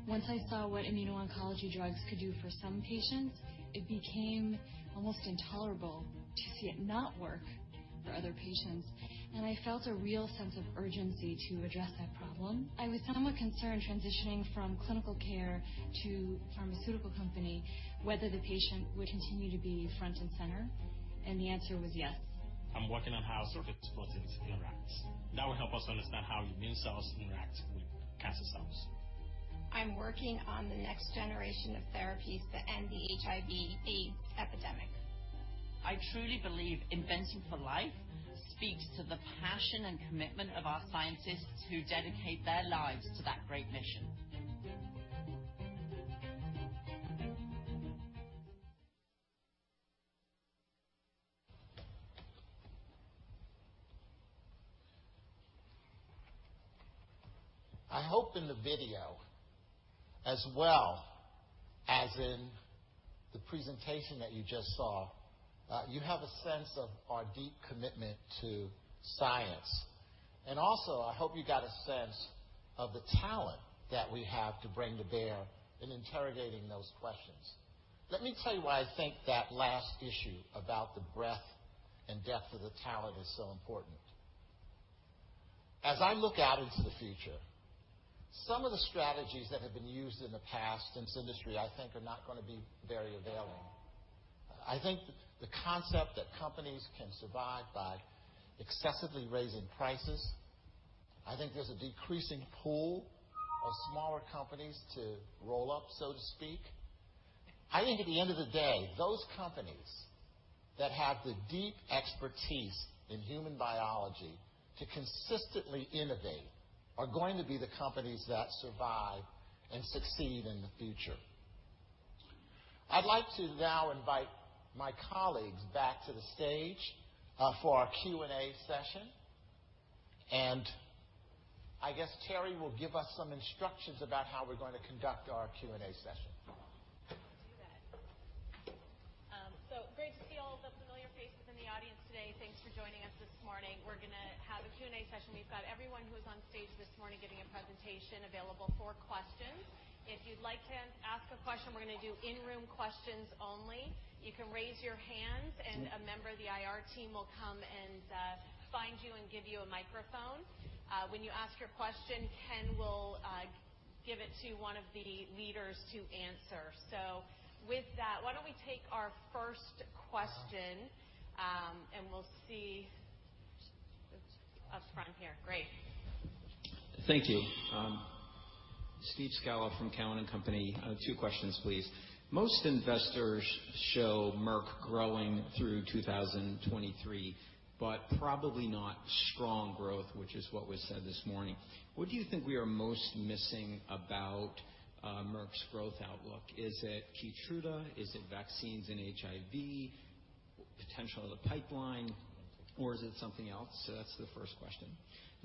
Once I saw what immuno-oncology drugs could do for some patients, it became almost intolerable to see it not work for other patients. I felt a real sense of urgency to address that problem. I was somewhat concerned, transitioning from clinical care to pharmaceutical company, whether the patient would continue to be front and center. The answer was yes. I'm working on how circuit proteins interact. That will help us understand how immune cells interact with cancer cells. I'm working on the next generation of therapies to end the HIV epidemic. I truly believe Inventing for Life speaks to the passion and commitment of our scientists who dedicate their lives to that great mission. I hope in the video, as well as in the presentation that you just saw, you have a sense of our deep commitment to science. Also, I hope you got a sense of the talent that we have to bring to bear in interrogating those questions. Let me tell you why I think that last issue about the breadth and depth of the talent is so important. As I look out into the future, some of the strategies that have been used in the past in this industry, I think, are not going to be very available. I think the concept that companies can survive by excessively raising prices, I think there's a decreasing pool of smaller companies to roll up, so to speak. I think at the end of the day, those companies that have the deep expertise in human biology to consistently innovate are going to be the companies that survive and succeed in the future. I'd like to now invite my colleagues back to the stage for our Q&A session. I guess Teri will give us some instructions about how we're going to conduct our Q&A session. I can do that. Great to see all the familiar faces in the audience today. Thanks for joining us this morning. We're going to have a Q&A session. We've got everyone who was on stage this morning giving a presentation available for questions. If you'd like to ask a question, we're going to do in-room questions only. You can raise your hands, and a member of the IR team will come and find you and give you a microphone. When you ask your question, Ken will give it to one of the leaders to answer. With that, why don't we take our first question, and we'll see. Up front here. Great. Thank you. Steve Scala from TD Cowen. I have two questions, please. Most investors show Merck growing through 2023, but probably not strong growth, which is what was said this morning. What do you think we are most missing about Merck's growth outlook? Is it KEYTRUDA? Is it vaccines and HIV potential in the pipeline, or is it something else? That's the first question.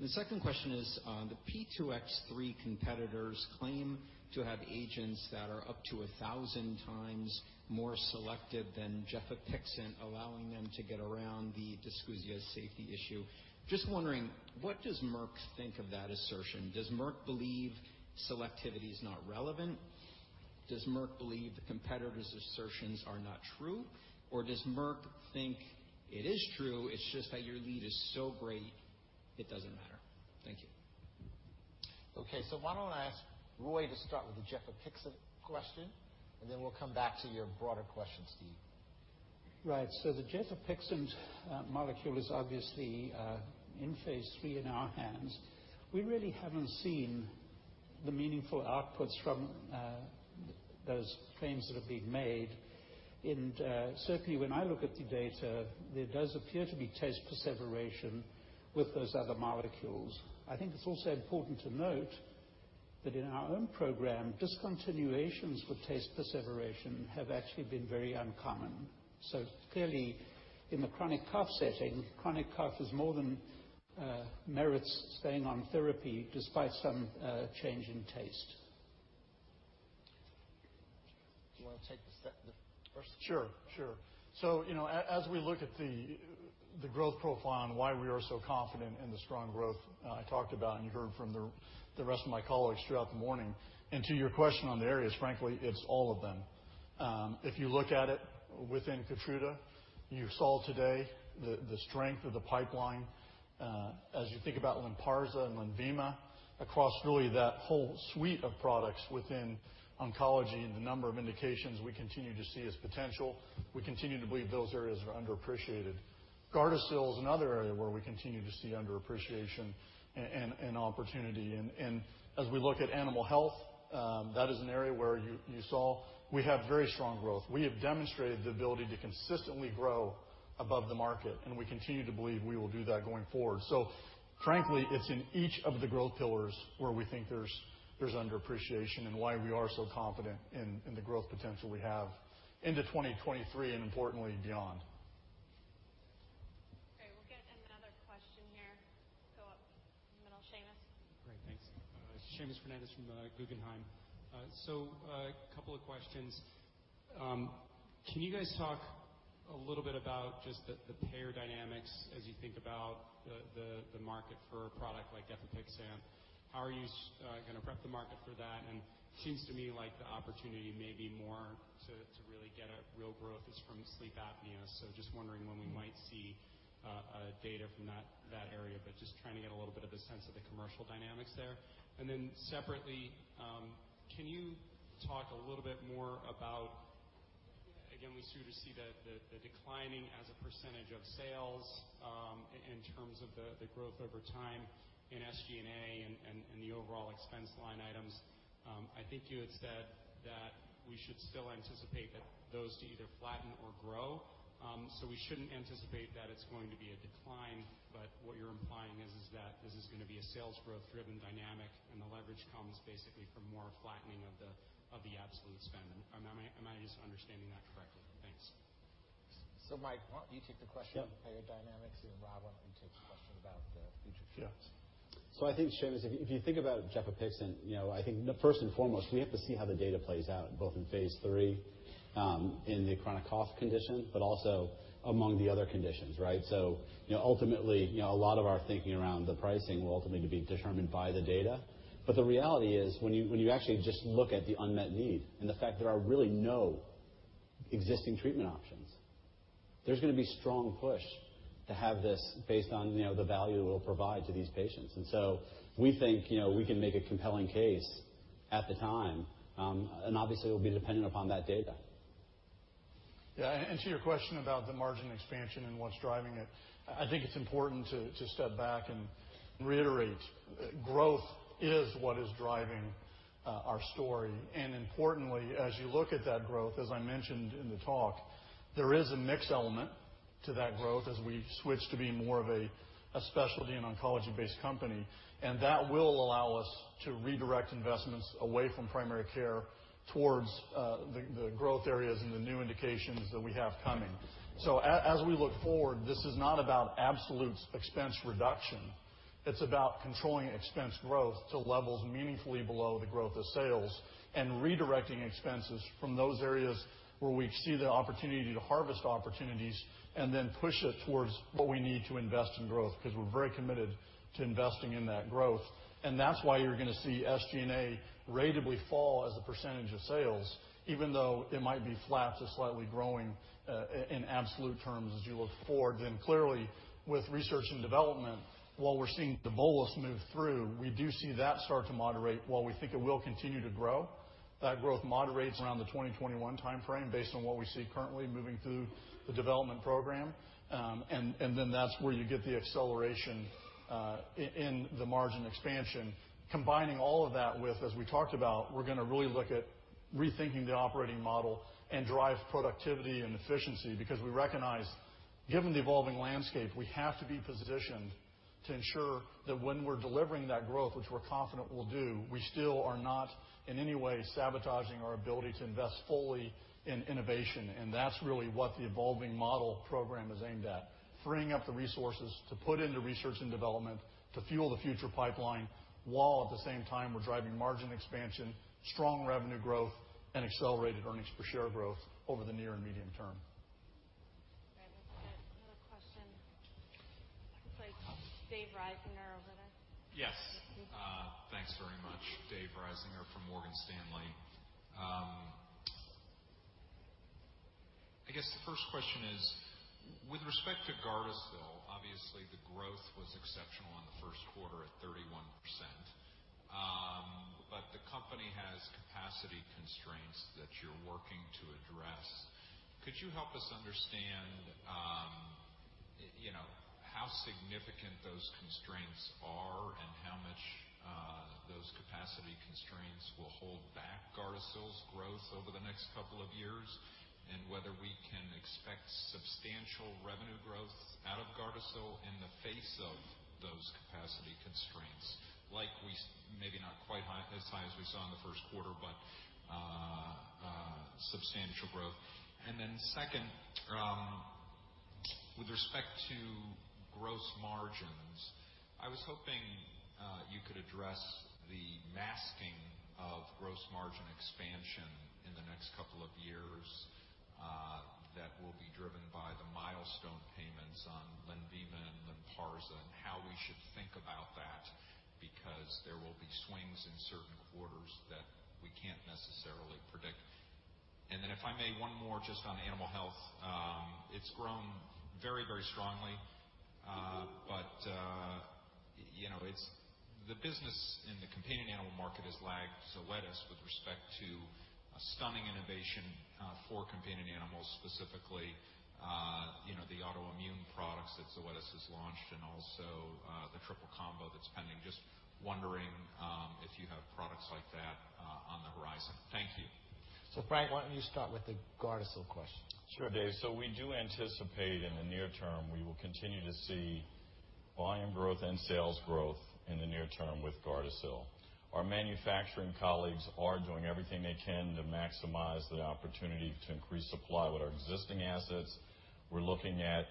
The second question is, the P2X3 competitors claim to have agents that are up to a 1,000 times more selective than gefapixant, allowing them to get around the dysgeusia safety issue. Just wondering, what does Merck think of that assertion? Does Merck believe selectivity is not relevant? Does Merck believe the competitors' assertions are not true, or does Merck think it is true, it's just that your lead is so great, it doesn't matter? Thank you. Okay. Why don't I ask Roy to start with the gefapixant question, and then we'll come back to your broader question, Steve. Right. The gefapixant molecule is obviously in phase III in our hands. We really haven't seen the meaningful outputs from those claims that have been made. Certainly when I look at the data, there does appear to be taste perseveration with those other molecules. I think it's also important to note that in our own program, discontinuations with taste perseveration have actually been very uncommon. Clearly, in the chronic cough setting, chronic cough is more than merits staying on therapy despite some change in taste. You want to take the first? Sure. As we look at the growth profile and why we are so confident in the strong growth I talked about, and you heard from the rest of my colleagues throughout the morning, and to your question on the areas, frankly, it's all of them. If you look at it within KEYTRUDA, you saw today the strength of the pipeline. As you think about LYNPARZA and LENVIMA, across really that whole suite of products within oncology and the number of indications we continue to see as potential, we continue to believe those areas are underappreciated. GARDASIL is another area where we continue to see underappreciation and opportunity. As we look at animal health, that is an area where you saw we have very strong growth. We have demonstrated the ability to consistently grow above the market, and we continue to believe we will do that going forward. Frankly, it's in each of the growth pillars where we think there's underappreciation and why we are so confident in the growth potential we have into 2023 and importantly, beyond. We'll get another question here. Go up in the middle, Seamus. Great, thanks. Seamus Fernandez from Guggenheim. A couple of questions. Can you guys talk a little bit about just the payer dynamics as you think about the market for a product like gefapixant? How are you going to prep the market for that? It seems to me like the opportunity may be more to really get at real growth is from sleep apnea. Just wondering when we might see data from that area, but just trying to get a little bit of a sense of the commercial dynamics there. Then separately, can you talk a little bit more about, again, we start to see the declining as a percentage of sales, in terms of the growth over time in SG&A and the overall expense line items. I think you had said that we should still anticipate that those to either flatten or grow. We shouldn't anticipate that it's going to be a decline, what you're implying is that this is going to be a sales growth-driven dynamic and the leverage comes basically from more flattening of the absolute spend. Am I just understanding that correctly? Thanks. Mike, why don't you take the question. Yeah On payer dynamics. Rob, why don't you take the question about the future? Yeah. I think Seamus, if you think about gefapixant, I think first and foremost, we have to see how the data plays out, both in phase III, in the chronic cough condition, but also among the other conditions, right? Ultimately, a lot of our thinking around the pricing will ultimately be determined by the data. The reality is, when you actually just look at the unmet need and the fact there are really no existing treatment options, there's going to be strong push to have this based on the value it will provide to these patients. We think we can make a compelling case at the time, and obviously it will be dependent upon that data. Yeah. To your question about the margin expansion and what's driving it, I think it's important to step back and reiterate, growth is what is driving our story. Importantly, as you look at that growth, as I mentioned in the talk, there is a mix element to that growth as we switch to being more of a specialty and oncology-based company. That will allow us to redirect investments away from primary care towards the growth areas and the new indications that we have coming. As we look forward, this is not about absolute expense reduction. It's about controlling expense growth to levels meaningfully below the growth of sales and redirecting expenses from those areas where we see the opportunity to harvest opportunities and then push it towards what we need to invest in growth, because we're very committed to investing in that growth. That's why you're going to see SG&A ratably fall as a percentage of sales, even though it might be flat to slightly growing, in absolute terms, as you look forward. Clearly, with research and development, while we're seeing the bolus move through, we do see that start to moderate. While we think it will continue to grow, that growth moderates around the 2021 timeframe based on what we see currently moving through the development program. That's where you get the acceleration in the margin expansion. Combining all of that with, as we talked about, we're going to really look at rethinking the operating model and drive productivity and efficiency, because we recognize, given the evolving landscape, we have to be positioned to ensure that when we're delivering that growth, which we're confident we'll do, we still are not in any way sabotaging our ability to invest fully in innovation. That's really what the evolving model program is aimed at, freeing up the resources to put into research and development to fuel the future pipeline, while at the same time we're driving margin expansion, strong revenue growth, and accelerated earnings per share growth over the near and medium term. Right. Let's get another question. Looks like David Risinger over there. Yes. Yes, please. Thanks very much. Dave Risinger from Morgan Stanley. I guess the first question is, with respect to GARDASIL, obviously the growth was exceptional in the first quarter at 31%, but the company has capacity constraints that you're working to address. Could you help us understand how significant those constraints are and how much those capacity constraints will hold back GARDASIL's growth over the next couple of years? And whether we can expect substantial revenue growth out of GARDASIL in the face of those capacity constraints. Maybe not quite as high as we saw in the first quarter. Second, with respect to gross margins, I was hoping you could address the masking of gross margin expansion in the next couple of years that will be driven by the milestone payments on LENVIMA and LYNPARZA, and how we should think about that, because there will be swings in certain quarters that we can't necessarily predict. If I may, one more just on animal health. It's grown very strongly. The business in the companion animal market has lagged Zoetis with respect to stunning innovation for companion animals, specifically the autoimmune products that Zoetis has launched and also the triple combo that's pending. Just wondering if you have products like that on the horizon. Thank you. Frank, why don't you start with the GARDASIL question? Sure, Dave. We do anticipate in the near term, we will continue to see volume growth and sales growth in the near term with GARDASIL. Our manufacturing colleagues are doing everything they can to maximize the opportunity to increase supply with our existing assets. We're looking at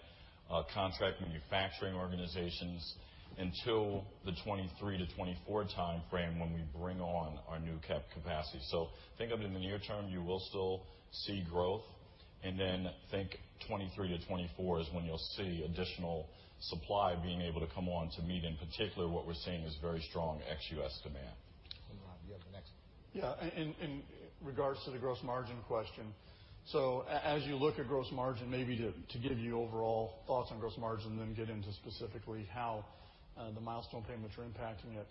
contract manufacturing organizations until the 2023-2024 timeframe when we bring on our new capacity. Think of it in the near term, you will still see growth. Think 2023-2024 is when you'll see additional supply being able to come on to meet in particular what we're seeing as very strong ex-U.S. demand. Rob, you have the next one. Yeah. In regards to the gross margin question, as you look at gross margin, maybe to give you overall thoughts on gross margin, then get into specifically how the milestone payments are impacting it.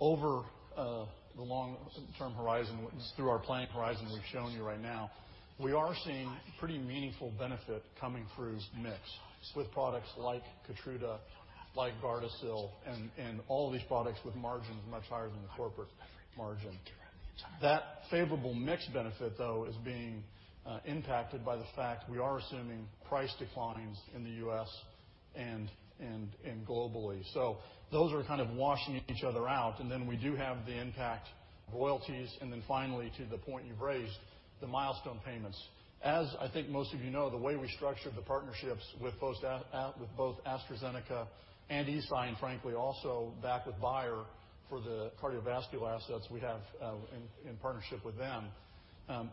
Over the long-term horizon, through our planning horizon we've shown you right now, we are seeing pretty meaningful benefit coming through mix with products like KEYTRUDA, like GARDASIL, and all these products with margins much higher than the corporate margin. That favorable mix benefit, though, is being impacted by the fact we are assuming price declines in the U.S. and globally. Those are kind of washing each other out. Then we do have the impact of royalties, and finally to the point you've raised, the milestone payments. As I think most of you know, the way we structured the partnerships with both AstraZeneca and Eisai, and frankly also back with Bayer for the cardiovascular assets we have in partnership with them,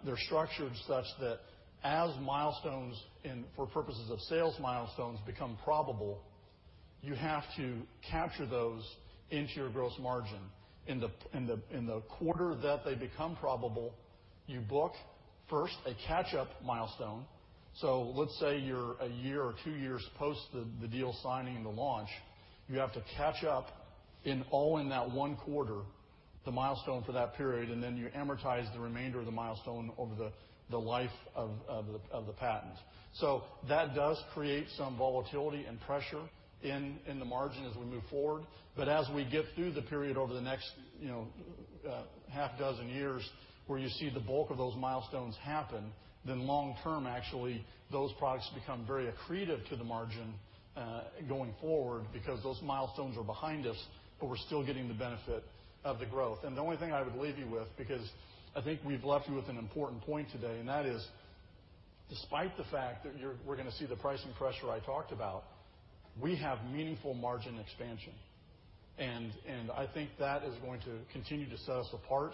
they're structured such that as milestones, and for purposes of sales milestones, become probable, you have to capture those into your gross margin. In the quarter that they become probable, you book first a catch-up milestone. Let's say you're a year or two years post the deal signing and the launch, you have to catch up all in that one quarter, the milestone for that period, and then you amortize the remainder of the milestone over the life of the patent. That does create some volatility and pressure in the margin as we move forward. As we get through the period over the next half dozen years where you see the bulk of those milestones happen, long term, actually, those products become very accretive to the margin, going forward, because those milestones are behind us, but we're still getting the benefit of the growth. The only thing I would leave you with, because I think we've left you with an important point today, and that is, despite the fact that we're going to see the pricing pressure I talked about, we have meaningful margin expansion. I think that is going to continue to set us apart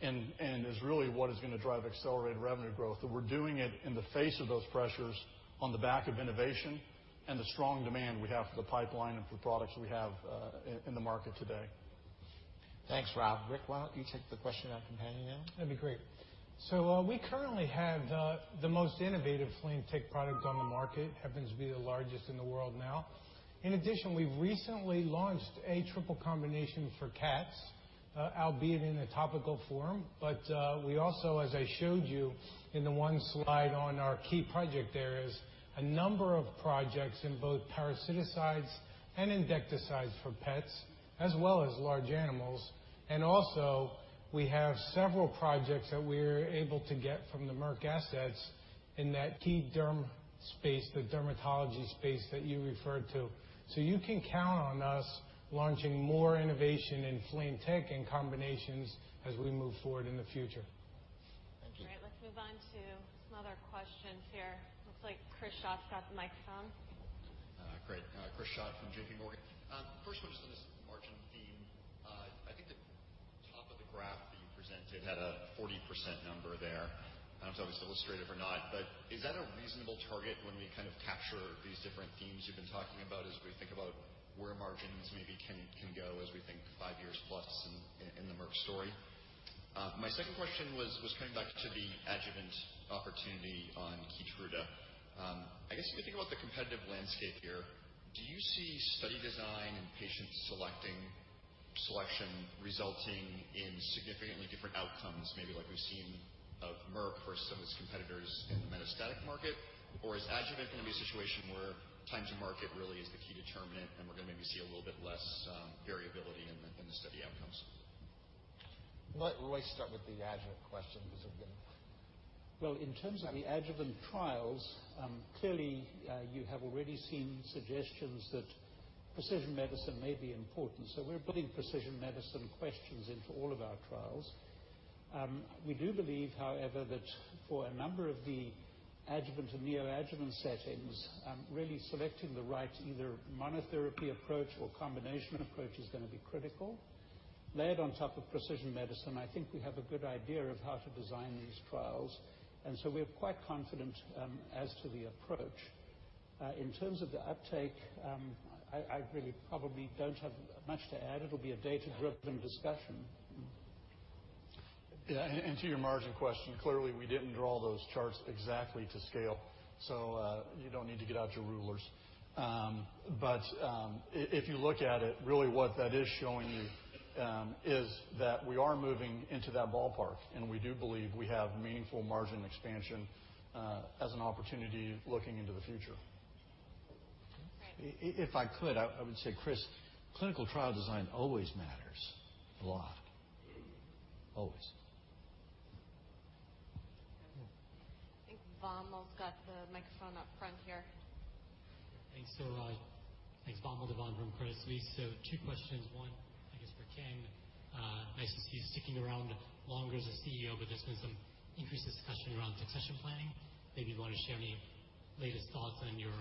and is really what is going to drive accelerated revenue growth. That we're doing it in the face of those pressures on the back of innovation and the strong demand we have for the pipeline and for products we have in the market today. Thanks, Rob. Rick, why don't you take the question on companion animals? That'd be great. We currently have the most innovative flea and tick product on the market, happens to be the largest in the world now. In addition, we've recently launched a triple combination for cats, albeit in a topical form. We also, as I showed you in the one slide on our key project areas, a number of projects in both parasiticides and insecticides for pets, as well as large animals. We have several projects that we're able to get from the Merck assets in that key derm space, the dermatology space that you referred to. You can count on us launching more innovation in flea and tick, and combinations as we move forward in the future. Thank you. Great. Let's move on to some other questions here. Looks like Chris Schott's got the microphone. Great. Chris Schott from J.P. Morgan. First one is on this margin theme. I think the top of the graph that you presented had a 40% number there. I don't know if that was illustrative or not, but is that a reasonable target when we kind of capture these different themes you've been talking about as we think about where margins maybe can go as we think five years plus in the Merck story? My second question was coming back to the adjuvant opportunity on KEYTRUDA. I guess, if you think about the competitive landscape here, do you see study design and patient selection resulting in significantly different outcomes, maybe like we've seen of Merck versus some of its competitors in the metastatic market? Is adjuvant going to be a situation where time to market really is the key determinant, and we're going to maybe see a little bit less variability in the study outcomes? Why don't Roy start with the adjuvant question. Well, in terms of the adjuvant trials, clearly, you have already seen suggestions that precision medicine may be important. We're putting precision medicine questions into all of our trials. We do believe, however, that for a number of the adjuvant and neoadjuvant settings, really selecting the right either monotherapy approach or combination approach is going to be critical. Layered on top of precision medicine, I think we have a good idea of how to design these trials, and so we're quite confident as to the approach. In terms of the uptake, I really probably don't have much to add. It'll be a data-driven discussion. To your margin question, clearly, we didn't draw those charts exactly to scale, so you don't need to get out your rulers. If you look at it, really what that is showing you is that we are moving into that ballpark, and we do believe we have meaningful margin expansion as an opportunity looking into the future. Great. If I could, I would say, Chris, clinical trial design always matters a lot. Always. I think Vamil's got the microphone up front here. Thanks. Vamil Divan from Credit Suisse. Two questions. One, I guess for Ken. Nice to see you sticking around longer as a CEO, there's been some increased discussion around succession planning. Maybe you want to share any latest thoughts on your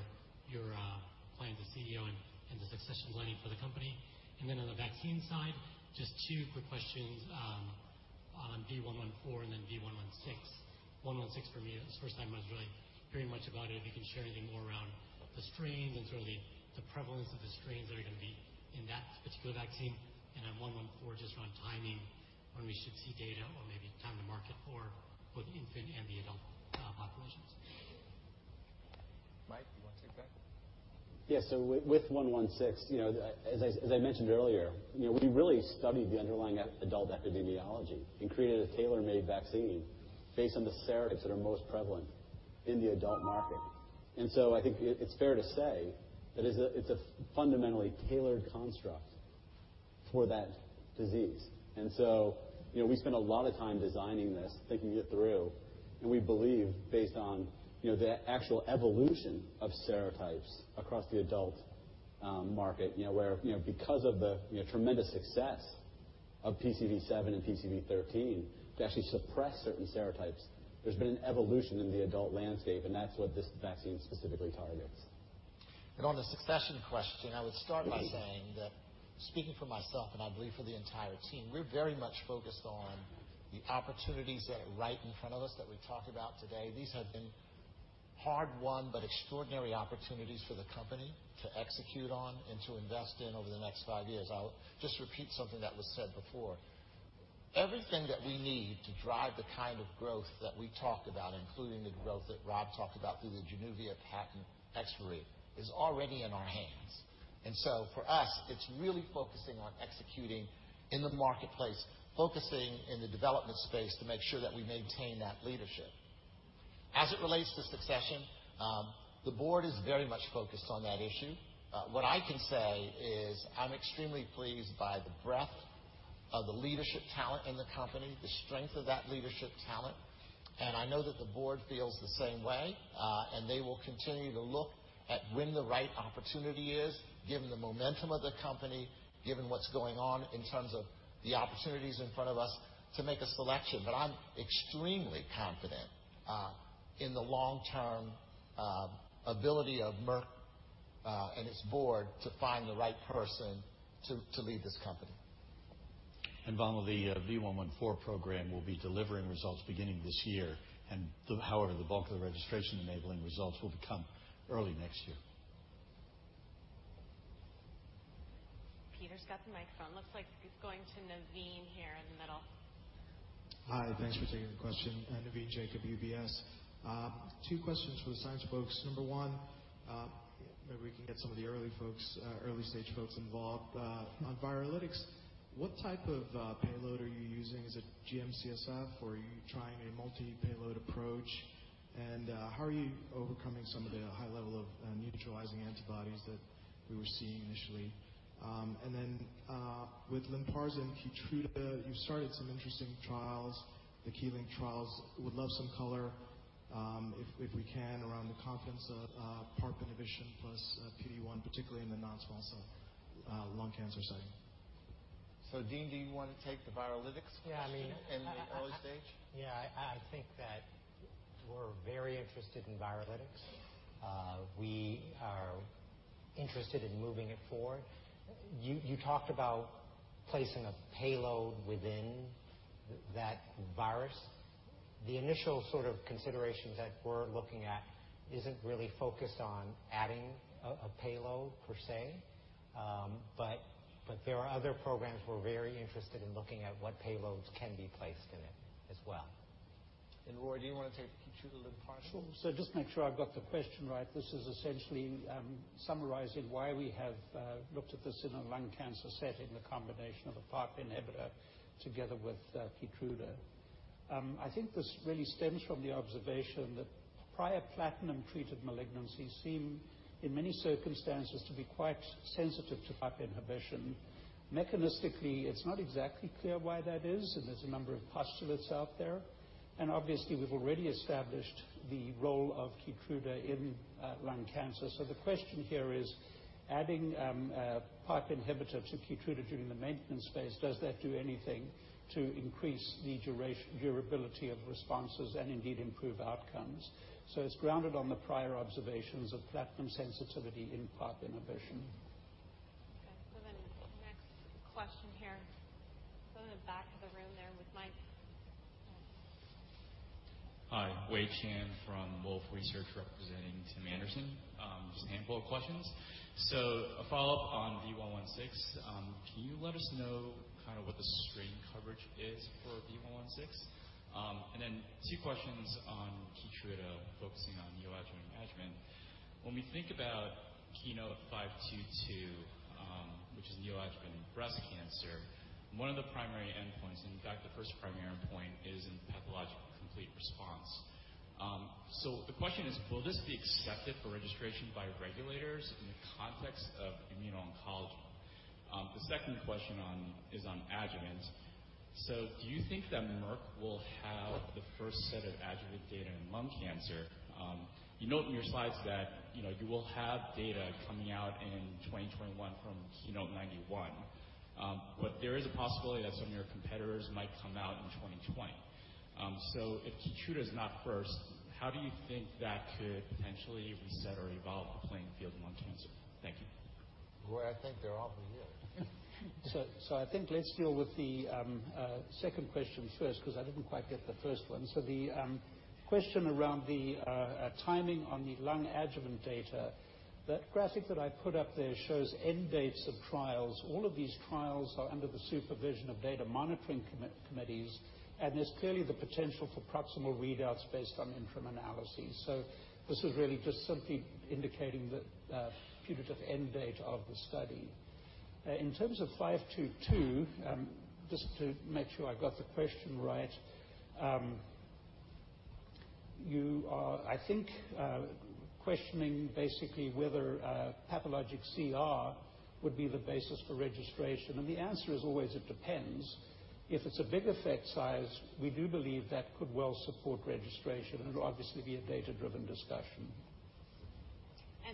plan as a CEO and the succession planning for the company. On the vaccine side, just two quick questions on V114 and then V116. 116 for me, that was the first time I was really hearing much about it. If you can share anything more around the strains and sort of the prevalence of the strains that are going to be in that particular vaccine. Then 114, just around timing, when we should see data or maybe time to market for both infant and the adult populations. Mike, you want to take that? Yeah. With 116, as I mentioned earlier, we really studied the underlying adult epidemiology and created a tailor-made vaccine based on the serotypes that are most prevalent in the adult market. I think it's fair to say that it's a fundamentally tailored construct for that disease. We spent a lot of time designing this, thinking it through, and we believe based on the actual evolution of serotypes across the adult market, where because of the tremendous success of PCV7 and PCV13 to actually suppress certain serotypes, there's been an evolution in the adult landscape, and that's what this vaccine specifically targets. On the succession question, I would start by saying that speaking for myself and I believe for the entire team, we're very much focused on the opportunities that are right in front of us that we've talked about today. These have been hard-won but extraordinary opportunities for the company to execute on and to invest in over the next five years. I'll just repeat something that was said before. Everything that we need to drive the kind of growth that we talked about, including the growth that Rob talked about through the JANUVIA patent expiry, is already in our hands. For us, it's really focusing on executing in the marketplace, focusing in the development space to make sure that we maintain that leadership. As it relates to succession, the board is very much focused on that issue. What I can say is I'm extremely pleased by the breadth of the leadership talent in the company, the strength of that leadership talent, and I know that the board feels the same way. They will continue to look at when the right opportunity is, given the momentum of the company, given what's going on in terms of the opportunities in front of us to make a selection. I'm extremely confident in the long-term ability of Merck and its board to find the right person to lead this company. Vamil, the V114 program will be delivering results beginning this year. However, the bulk of the registration-enabling results will come early next year. Peter's got the microphone. Looks like he's going to Navin here in the middle. Hi, thanks for taking the question. Navin Jacob, UBS. Two questions for the science folks. Number one, maybe we can get some of the early-stage folks involved. On Viralytics, what type of payload are you using? Is it GM-CSF, or are you trying a multi-payload approach? How are you overcoming some of the high level of neutralizing antibodies that we were seeing initially? Then, with LYNPARZA and KEYTRUDA, you've started some interesting trials, the KEYLYNK trials. Would love some color, if we can, around the confidence of PARP inhibition plus PD-1, particularly in the non-small cell lung cancer setting. Dean, do you want to take the Viralytics question and the early stage? Yeah. I think that we're very interested in Viralytics. We are interested in moving it forward. You talked about placing a payload within that virus. The initial sort of considerations that we're looking at isn't really focused on adding a payload per se, but there are other programs we're very interested in looking at what payloads can be placed in it as well. Roy, do you want to take the KEYTRUDA LYNPARZA one? Just make sure I've got the question right. This is essentially summarizing why we have looked at this in a lung cancer setting, the combination of a PARP inhibitor together with KEYTRUDA. I think this really stems from the observation that prior platinum-treated malignancies seem, in many circumstances, to be quite sensitive to PARP inhibition. Mechanistically, it's not exactly clear why that is, and there's a number of postulates out there. Obviously, we've already established the role of KEYTRUDA in lung cancer. The question here is, adding a PARP inhibitor to KEYTRUDA during the maintenance phase, does that do anything to increase the durability of responses and indeed improve outcomes? It's grounded on the prior observations of platinum sensitivity in PARP inhibition. Okay, next question here. Go to the back of the room there with Mike. Hi, Uy Chao from Wolfe Research, representing Tim Anderson. Just a handful of questions. A follow-up on V116. Can you let us know kind of what the strain coverage is for V116? Then two questions on KEYTRUDA, focusing on neoadjuvant/adjuvant. When we think about KEYNOTE-522, which is neoadjuvant breast cancer, one of the primary endpoints, and in fact the first primary endpoint, is in pathological complete response. The question is, will this be accepted for registration by regulators in the context of immuno-oncology? The second question is on adjuvant. Do you think that Merck will have the first set of adjuvant data in lung cancer? You note in your slides that you will have data coming out in 2021 from KEYNOTE-091. There is a possibility that some of your competitors might come out in 2020. If KEYTRUDA is not first, how do you think that could potentially reset or evolve the playing field in lung cancer? Thank you. Roy, I think they are all for you. I think let's deal with the second question first, because I did not quite get the first one. The question around the timing on the lung adjuvant data, that graphic that I put up there shows end dates of trials. All of these trials are under the supervision of data monitoring committees, and there is clearly the potential for proximal readouts based on interim analysis. This is really just simply indicating the putative end date of the study. In terms of 522, just to make sure I got the question right, you are, I think, questioning basically whether pathologic CR would be the basis for registration. The answer is always it depends. If it is a big effect size, we do believe that could well support registration, and it will obviously be a data-driven discussion.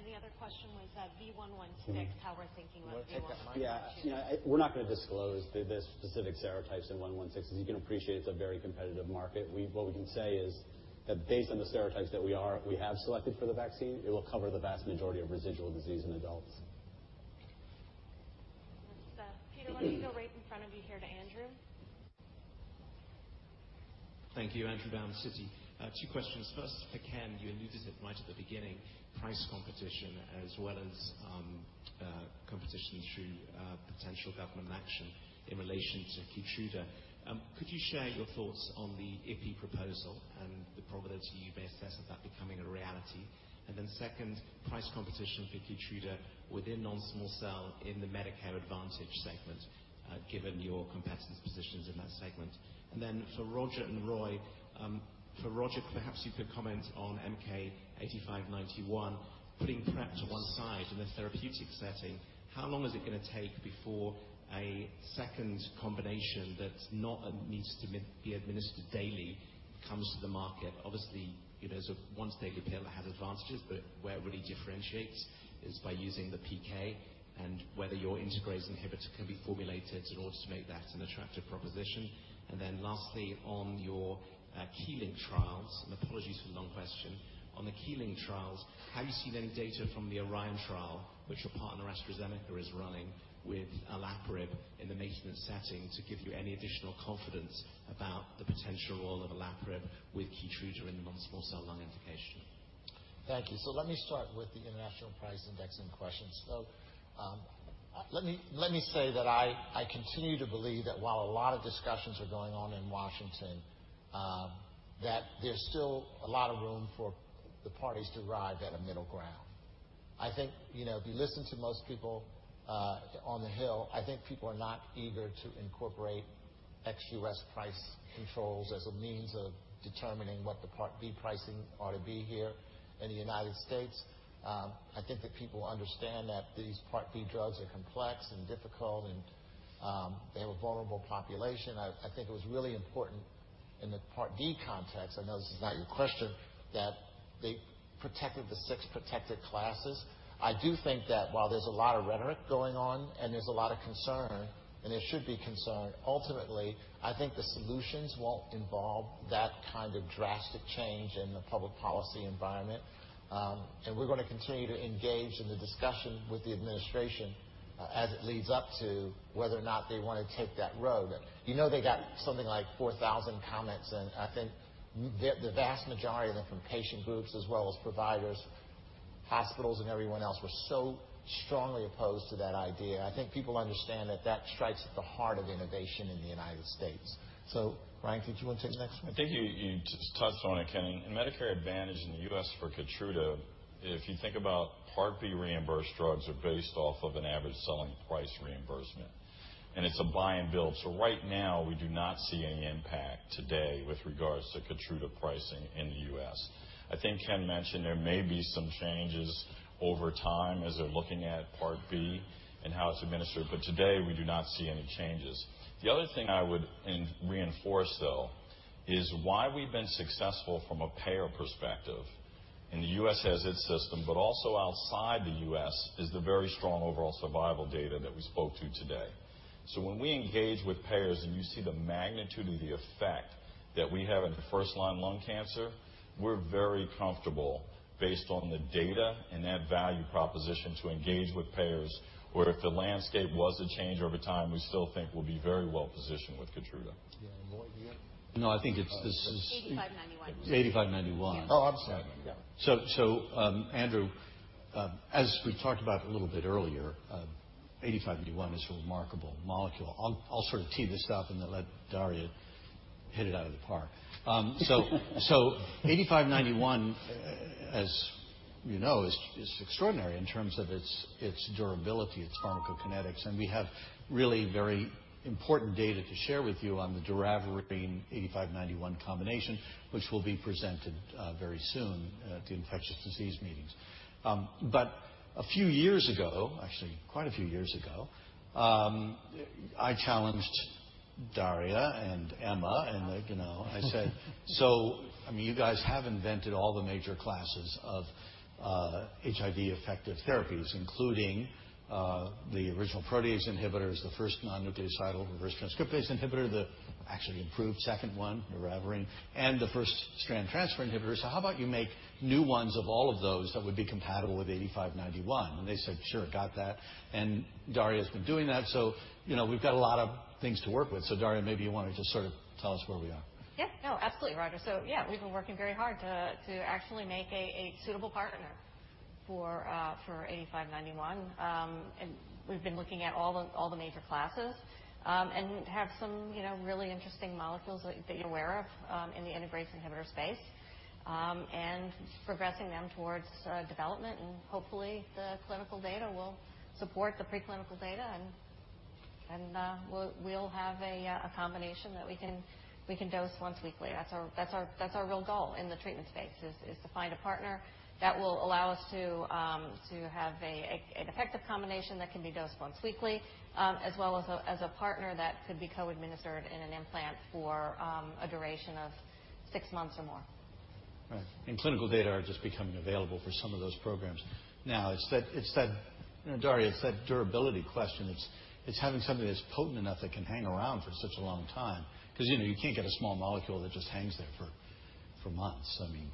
The other question was V116, how we're thinking of V116. You want to take that, Mike? Yeah. We're not going to disclose the specific serotypes in 116, because you can appreciate it's a very competitive market. What we can say is that based on the serotypes that we have selected for the vaccine, it will cover the vast majority of residual disease in adults. Peter, let me go right in front of you here to Andrew. Thank you. Andrew Baum. 2 questions. First for Ken, you alluded to it right at the beginning, price competition as well as competition through potential government action in relation to KEYTRUDA. Could you share your thoughts on the IP proposal and the probability you may assess of that becoming a reality? Second, price competition for KEYTRUDA within non-small cell in the Medicare Advantage segment, given your competitors' positions in that segment. For Roger and Roy. For Roger, perhaps you could comment on MK-8591, putting PrEP to one side in the therapeutic setting. How long is it going to take before a second combination that's not needs to be administered daily comes to the market? Obviously, there's a once-daily pill that has advantages, but where it really differentiates is by using the PK and whether your integrase inhibitor can be formulated in order to make that an attractive proposition. Lastly, on your KEYLYNK trials, apologies for the long question. On the KEYLYNK trials, have you seen any data from the PROfound trial, which your partner AstraZeneca is running with olaparib in the maintenance setting to give you any additional confidence about the potential role of olaparib with KEYTRUDA in the non-small cell lung indication? Thank you. Let me start with the international price indexing question. Let me say that I continue to believe that while a lot of discussions are going on in Washington, that there's still a lot of room for the parties to arrive at a middle ground. I think if you listen to most people on the Hill, I think people are not eager to incorporate ex-U.S. price controls as a means of determining what the Part B pricing ought to be here in the United States. I think that people understand that these Part B drugs are complex and difficult, and they have a vulnerable population. I think it was really important in the Part B context, I know this is not your question, that they protected the 6 protected classes. I do think that while there's a lot of rhetoric going on and there's a lot of concern, and there should be concern, ultimately, I think the solutions won't involve that kind of drastic change in the public policy environment. We're going to continue to engage in the discussion with the administration as it leads up to whether or not they want to take that road. You know they got something like 4,000 comments in. I think the vast majority of them from patient groups as well as providers, hospitals and everyone else were so strongly opposed to that idea. I think people understand that that strikes at the heart of innovation in the United States. Ryan, did you want to take the next one? I think you just touched on it, Kenny. In Medicare Advantage in the U.S. for KEYTRUDA, if you think about Part B reimbursed drugs are based off of an average selling price reimbursement. It's a buy and bill. Right now we do not see any impact today with regards to KEYTRUDA pricing in the U.S. I think Ken mentioned there may be some changes over time as they're looking at Part B and how it's administered, today we do not see any changes. The other thing I would reinforce though is why we've been successful from a payer perspective, and the U.S. has its system, but also outside the U.S. is the very strong overall survival data that we spoke to today. When we engage with payers and you see the magnitude of the effect that we have in first-line lung cancer, we're very comfortable based on the data and that value proposition to engage with payers. Where if the landscape was to change over time, we still think we'll be very well positioned with KEYTRUDA. Yeah. Roy, do you? No, I think it's. 8591. 8591. Oh, I'm sorry. Yeah. Andrew, as we talked about a little bit earlier, 8591 is a remarkable molecule. I'll sort of tee this up and then let Daria hit it out of the park. 8591, as you know, is extraordinary in terms of its durability, its pharmacokinetics, and we have really very important data to share with you on the doravirine 8591 combination, which will be presented very soon at the infectious disease meetings. A few years ago, actually quite a few years ago, I challenged Daria and Emma, and I said, "You guys have invented all the major classes of HIV-effective therapies, including the original protease inhibitors, the first non-nucleoside reverse transcriptase inhibitor, the actually improved second one, doravirine, and the first strand transfer inhibitor. How about you make new ones of all of those that would be compatible with 8591?" They said, "Sure. Got that." Daria's been doing that. We've got a lot of things to work with. Daria, maybe you want to just sort of tell us where we are. Absolutely, Roger. Yeah, we've been working very hard to actually make a suitable partner for 8591. We've been looking at all the major classes and have some really interesting molecules that you're aware of in the integrase inhibitor space and progressing them towards development. Hopefully the clinical data will support the preclinical data and we'll have a combination that we can dose once weekly. That's our real goal in the treatment space is to find a partner that will allow us to have an effective combination that can be dosed once weekly as well as a partner that could be co-administered in an implant for a duration of six months or more. Right. Clinical data are just becoming available for some of those programs now. Daria, it's that durability question. It's having something that's potent enough that can hang around for such a long time because you can't get a small molecule that just hangs there for months. I mean,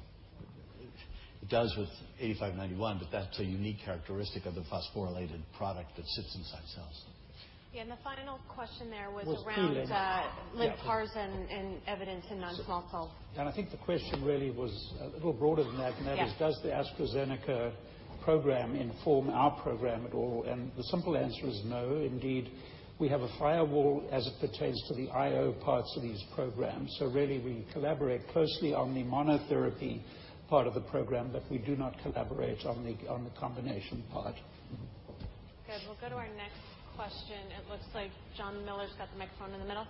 it does with 8591, but that's a unique characteristic of the phosphorylated product that sits inside cells. Yeah. The final question there was around. Well, it's Peter then. Lynparza and evidence in non-small cell. I think the question really was a little broader than that. Yeah. That is, does the AstraZeneca program inform our program at all? The simple answer is no. Indeed, we have a firewall as it pertains to the IO parts of these programs. Really, we collaborate closely on the monotherapy part of the program, but we do not collaborate on the combination part. Good. We'll go to our next question. It looks like Jonathan Miller's got the microphone in the middle.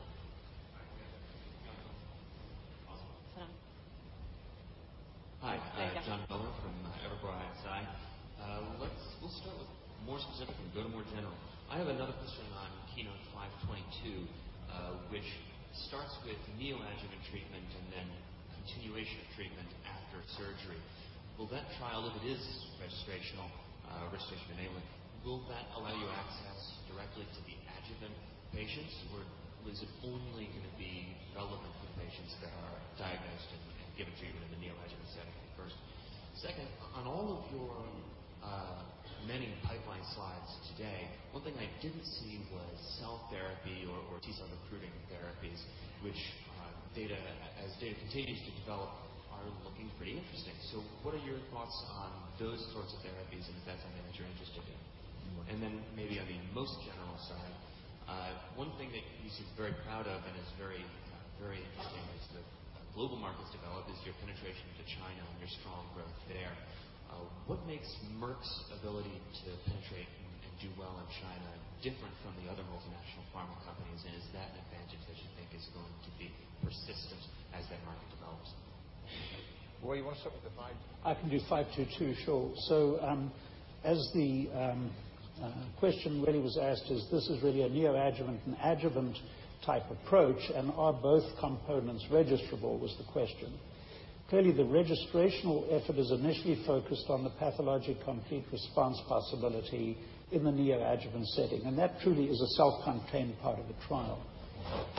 Hi. John Miller from Evercore ISI. We'll start with more specific and go to more general. I have another question on KEYNOTE-522, which starts with neoadjuvant treatment and then continuation of treatment after surgery. Will that trial, if it is registrational, registration enabling, will that allow you access directly to the adjuvant patients or was it only going to be relevant for patients that are diagnosed and given treatment in the neoadjuvant setting first? Second, on all of your many pipeline slides today, one thing I didn't see was cell therapy or T-cell recruiting therapies, which as data continues to develop are looking pretty interesting. What are your thoughts on those sorts of therapies and if that's an area that you're interested in? Maybe on the most general side, one thing that you seem very proud of and is very interesting as the global markets develop is your penetration into China and your strong growth there. What makes Merck's ability to penetrate and do well in China different from the other multinational pharma companies? Is that an advantage that you think is going to be persistent as that market develops? Roy, you want to start with the 522? I can do 522. Sure. As the question really was asked is this really a neoadjuvant and adjuvant type approach and are both components registrable was the question. Clearly, the registrational effort is initially focused on the pathologic complete response possibility in the neoadjuvant setting, and that truly is a self-contained part of the trial.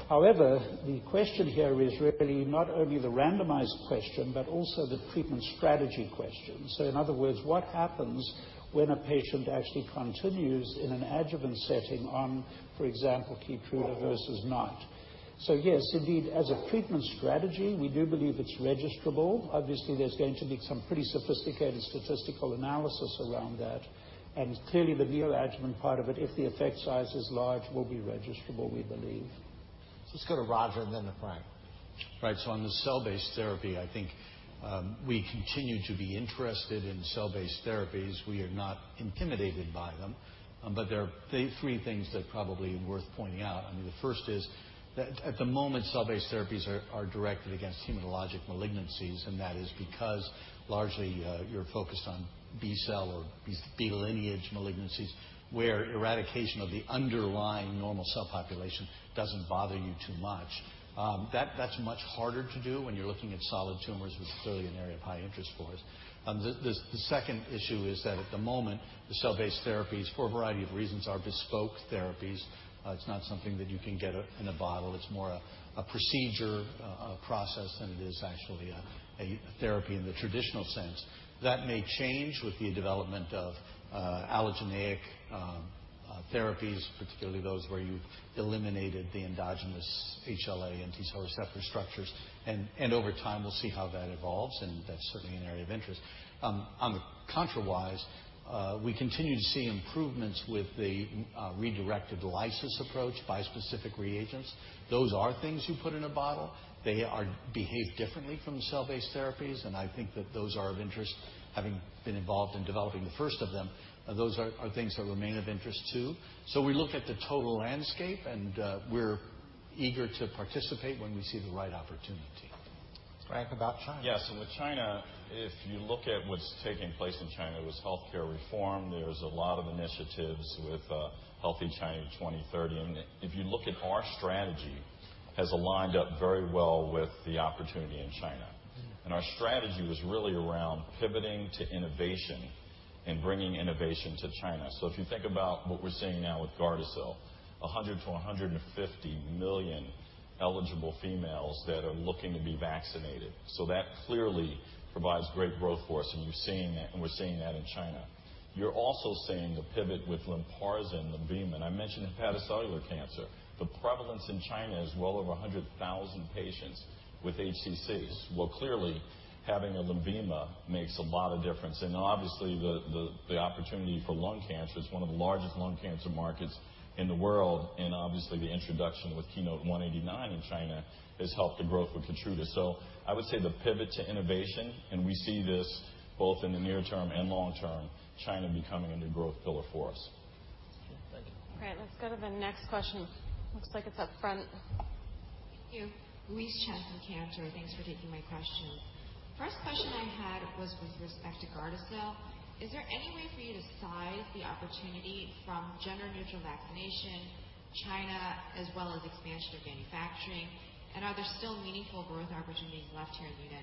However, the question here is really not only the randomized question but also the treatment strategy question. In other words, what happens when a patient actually continues in an adjuvant setting on, for example, Keytruda versus not? Yes, indeed, as a treatment strategy, we do believe it's registrable. Obviously, there's going to be some pretty sophisticated statistical analysis around that. Clearly the neoadjuvant part of it, if the effect size is large, will be registrable, we believe. Let's go to Roger, to Frank. Right. On the cell-based therapy, I think we continue to be interested in cell-based therapies. We are not intimidated by them, but there are three things that are probably worth pointing out. The first is that at the moment, cell-based therapies are directed against hematologic malignancies, and that is because largely you're focused on B cell or B lineage malignancies, where eradication of the underlying normal cell population doesn't bother you too much. That's much harder to do when you're looking at solid tumors, which is clearly an area of high interest for us. The second issue is that at the moment, the cell-based therapies, for a variety of reasons, are bespoke therapies. It's not something that you can get in a bottle. It's more a procedure, a process, than it is actually a therapy in the traditional sense. That may change with the development of allogeneic therapies, particularly those where you have eliminated the endogenous HLA and T cell receptor structures. Over time, we will see how that evolves, and that is certainly an area of interest. On the contrawise, we continue to see improvements with the redirected lysis approach by specific reagents. Those are things you put in a bottle. They behave differently from the cell-based therapies, I think that those are of interest, having been involved in developing the first of them. Those are things that remain of interest, too. We look at the total landscape, and we are eager to participate when we see the right opportunity. Frank, about China. Yes. With China, if you look at what is taking place in China with healthcare reform, there is a lot of initiatives with Healthy China 2030. If you look at our strategy, it has aligned up very well with the opportunity in China. Our strategy was really around pivoting to innovation and bringing innovation to China. If you think about what we are seeing now with GARDASIL, 100 million to 150 million eligible females that are looking to be vaccinated. That clearly provides great growth for us, and we are seeing that in China. You are also seeing the pivot with LYNPARZA and LENVIMA, and I mentioned hepatocellular cancer. The prevalence in China is well over 100,000 patients with HCCs. Clearly having a LENVIMA makes a lot of difference. Obviously the opportunity for lung cancer, it is one of the largest lung cancer markets in the world, and obviously the introduction with KEYNOTE-189 in China has helped the growth with KEYTRUDA. I would say the pivot to innovation, and we see this both in the near term and long term, China becoming a new growth pillar for us. Okay, thank you. Right, let's go to the next question. Looks like it's up front. Thank you. Louise Chen from Cantor. Thanks for taking my question. First question I had was with respect to GARDASIL. Is there any way for you to size the opportunity from gender-neutral vaccination, China, as well as expansion of manufacturing? Are there still meaningful growth opportunities left here in the U.S.?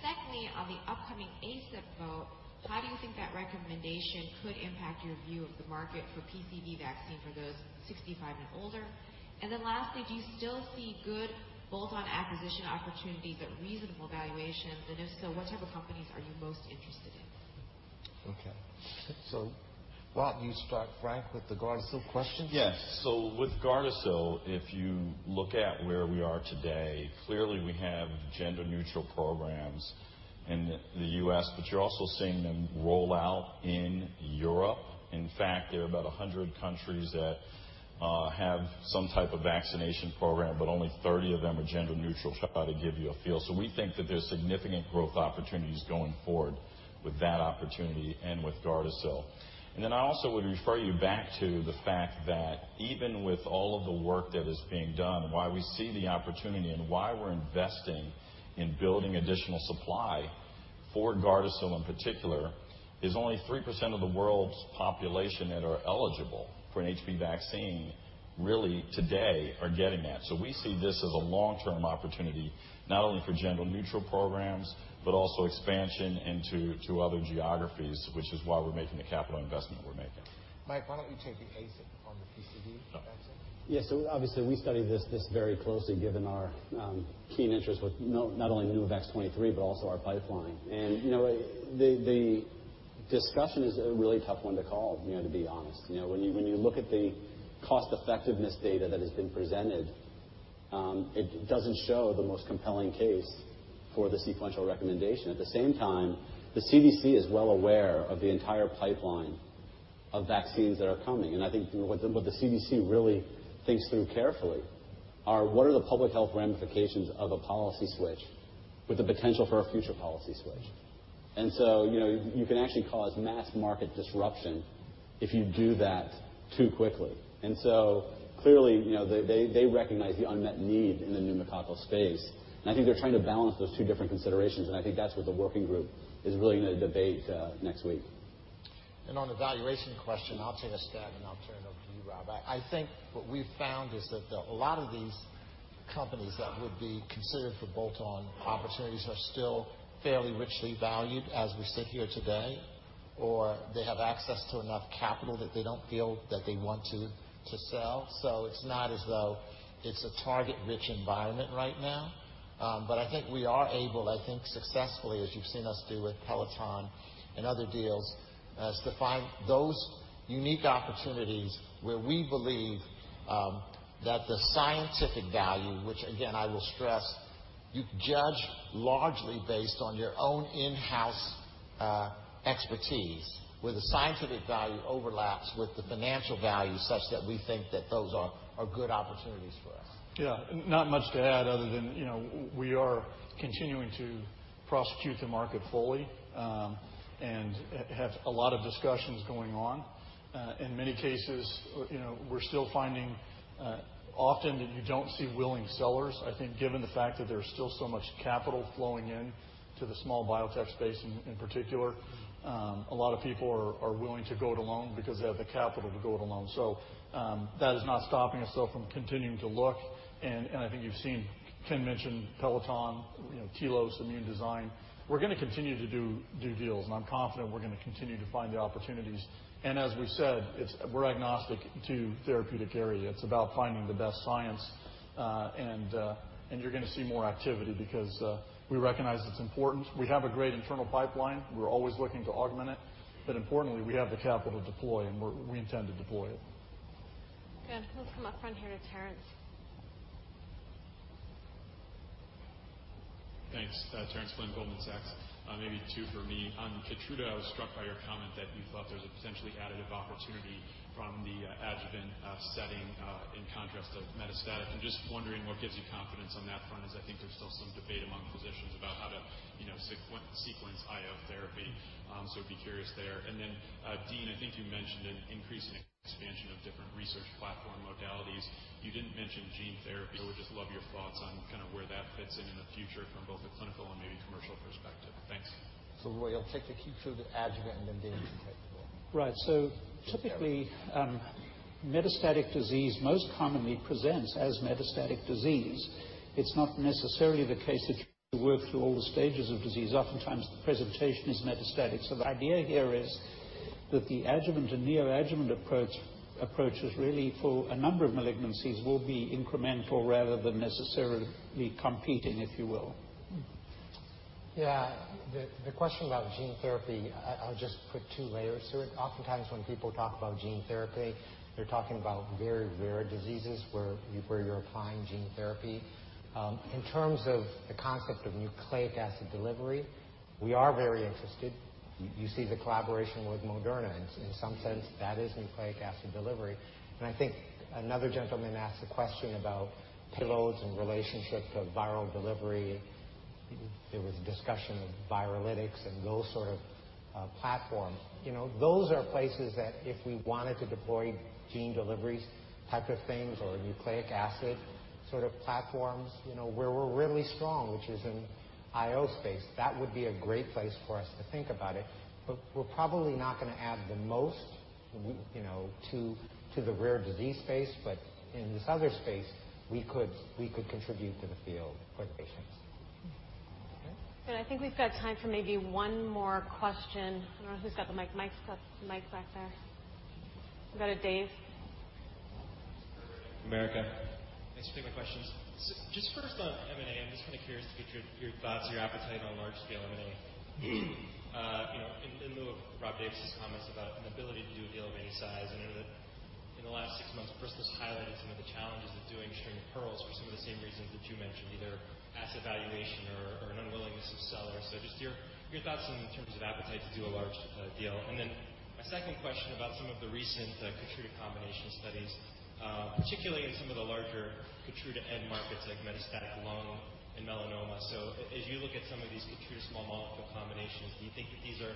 Secondly, on the upcoming ACIP vote, how do you think that recommendation could impact your view of the market for PCV vaccine for those 65 and older? Lastly, do you still see good bolt-on acquisition opportunities at reasonable valuations? If so, what type of companies are you most interested in? Okay. Rob, you start Frank with the GARDASIL question? Yes. With Gardasil, if you look at where we are today, clearly we have gender-neutral programs in the U.S., you're also seeing them roll out in Europe. In fact, there are about 100 countries that have some type of vaccination program, only 30 of them are gender neutral, to probably give you a feel. We think that there's significant growth opportunities going forward with that opportunity and with Gardasil. I also would refer you back to the fact that even with all of the work that is being done, why we see the opportunity and why we're investing in building additional supply for Gardasil in particular, is only 3% of the world's population that are eligible for an HPV vaccine really today are getting that. We see this as a long-term opportunity, not only for gender-neutral programs, but also expansion into other geographies, which is why we're making the capital investment we're making. Mike, why don't you take the ACIP on the PCV vaccine? Obviously we study this very closely given our keen interest with not only PNEUMOVAX 23, but also our pipeline. The discussion is a really tough one to call, to be honest. When you look at the cost effectiveness data that has been presented, it doesn't show the most compelling case for the sequential recommendation. At the same time, the CDC is well aware of the entire pipeline of vaccines that are coming. I think what the CDC really thinks through carefully are what are the public health ramifications of a policy switch with the potential for a future policy switch. You can actually cause mass market disruption if you do that too quickly. Clearly, they recognize the unmet need in the pneumococcal space, and I think they're trying to balance those two different considerations, and I think that's what the working group is really going to debate next week. On the valuation question, I'll take a stab, and I'll turn it over to you, Rob. I think what we've found is that a lot of these companies that would be considered for bolt-on opportunities are still fairly richly valued as we sit here today, or they have access to enough capital that they don't feel that they want to sell. It's not as though it's a target-rich environment right now. I think we are able, I think successfully, as you've seen us do with Peloton and other deals, is to find those unique opportunities where we believe that the scientific value, which again, I will stress, you judge largely based on your own in-house expertise, where the scientific value overlaps with the financial value such that we think that those are good opportunities for us. Yeah. Not much to add other than we are continuing to prosecute the market fully, and have a lot of discussions going on. In many cases, we're still finding often that you don't see willing sellers. I think given the fact that there's still so much capital flowing in to the small biotech space in particular, a lot of people are willing to go it alone because they have the capital to go it alone. That is not stopping us, though, from continuing to look, and I think you've seen Ken mention Peloton, Tilos, Immune Design. We're going to continue to do deals, and I'm confident we're going to continue to find the opportunities. As we said, we're agnostic to therapeutic area. It's about finding the best science, and you're going to see more activity because we recognize it's important. We have a great internal pipeline. We're always looking to augment it. Importantly, we have the capital to deploy, and we intend to deploy it. Good. Let's come up front here to Terence. Thanks. Terence Flynn, Goldman Sachs. Maybe two for me. On KEYTRUDA, I was struck by your comment that you thought there was a potentially additive opportunity from the adjuvant setting, in contrast to metastatic. I'm just wondering what gives you confidence on that front, as I think there's still some debate among physicians about how to sequence IO therapy. Would be curious there. Dean, I think you mentioned an increase in expansion of different research platform modalities. You didn't mention gene therapy. I would just love your thoughts on kind of where that fits in in the future from both a clinical and maybe commercial perspective. Thanks. Roy, I'll take the KEYTRUDA adjuvant and then Dean can take the other one. Right. Typically, metastatic disease most commonly presents as metastatic disease. It's not necessarily the case that you work through all the stages of disease. Oftentimes, the presentation is metastatic. The idea here is that the adjuvant and neoadjuvant approaches really for a number of malignancies will be incremental rather than necessarily competing, if you will. Yeah. The question about gene therapy, I'll just put two layers to it. Oftentimes, when people talk about gene therapy, they're talking about very rare diseases where you're applying gene therapy. In terms of the concept of nucleic acid delivery, we are very interested. You see the collaboration with Moderna. In some sense, that is nucleic acid delivery. I think another gentleman asked a question about payloads in relationship to viral delivery. There was a discussion of Viralytics and those sort of platforms. Those are places that if we wanted to deploy gene deliveries type of things or nucleic acid sort of platforms, where we're really strong, which is in IO space, that would be a great place for us to think about it. We're probably not going to add the most to the rare disease space. In this other space, we could contribute to the field for the patients. Good. I think we've got time for maybe one more question. I don't know who's got the mic. Mic's back there. We got it, Dave? America. Thanks for taking my questions. Just first on M&A, I'm just kind of curious to get your thoughts, your appetite on large-scale M&A. In lieu of Rob Davis' comments about an ability to do a deal of any size, I know that in the last six months, Bristol's highlighted some of the challenges of doing string of pearls for some of the same reasons that you mentioned, either asset valuation or an unwillingness of sellers. Just your thoughts in terms of appetite to do a large deal. My second question about some of the recent KEYTRUDA combination studies, particularly in some of the larger KEYTRUDA end markets like metastatic lung and melanoma. As you look at some of these KEYTRUDA small molecule combinations, do you think that these are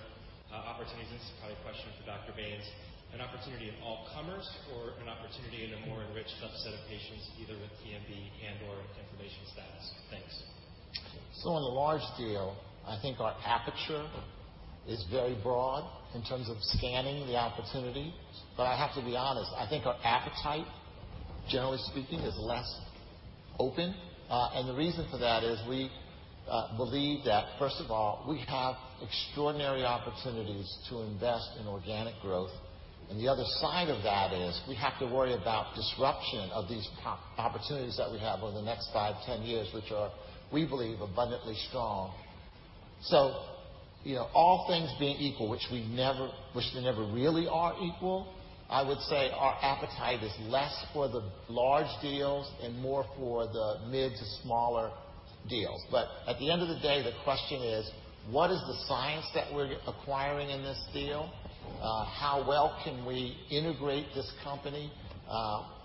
opportunities, this is probably a question for Dr. Baynes, an opportunity of all comers or an opportunity in a more enriched subset of patients, either with TMB and/or inflammation status? Thanks. On the large deal, I think our aperture is very broad in terms of scanning the opportunity. I have to be honest, I think our appetite, generally speaking, is less open. The reason for that is we believe that, first of all, we have extraordinary opportunities to invest in organic growth. The other side of that is we have to worry about disruption of these opportunities that we have over the next five, 10 years, which are, we believe, abundantly strong. All things being equal, which they never really are equal, I would say our appetite is less for the large deals and more for the mid to smaller deals. At the end of the day, the question is: what is the science that we're acquiring in this deal? How well can we integrate this company?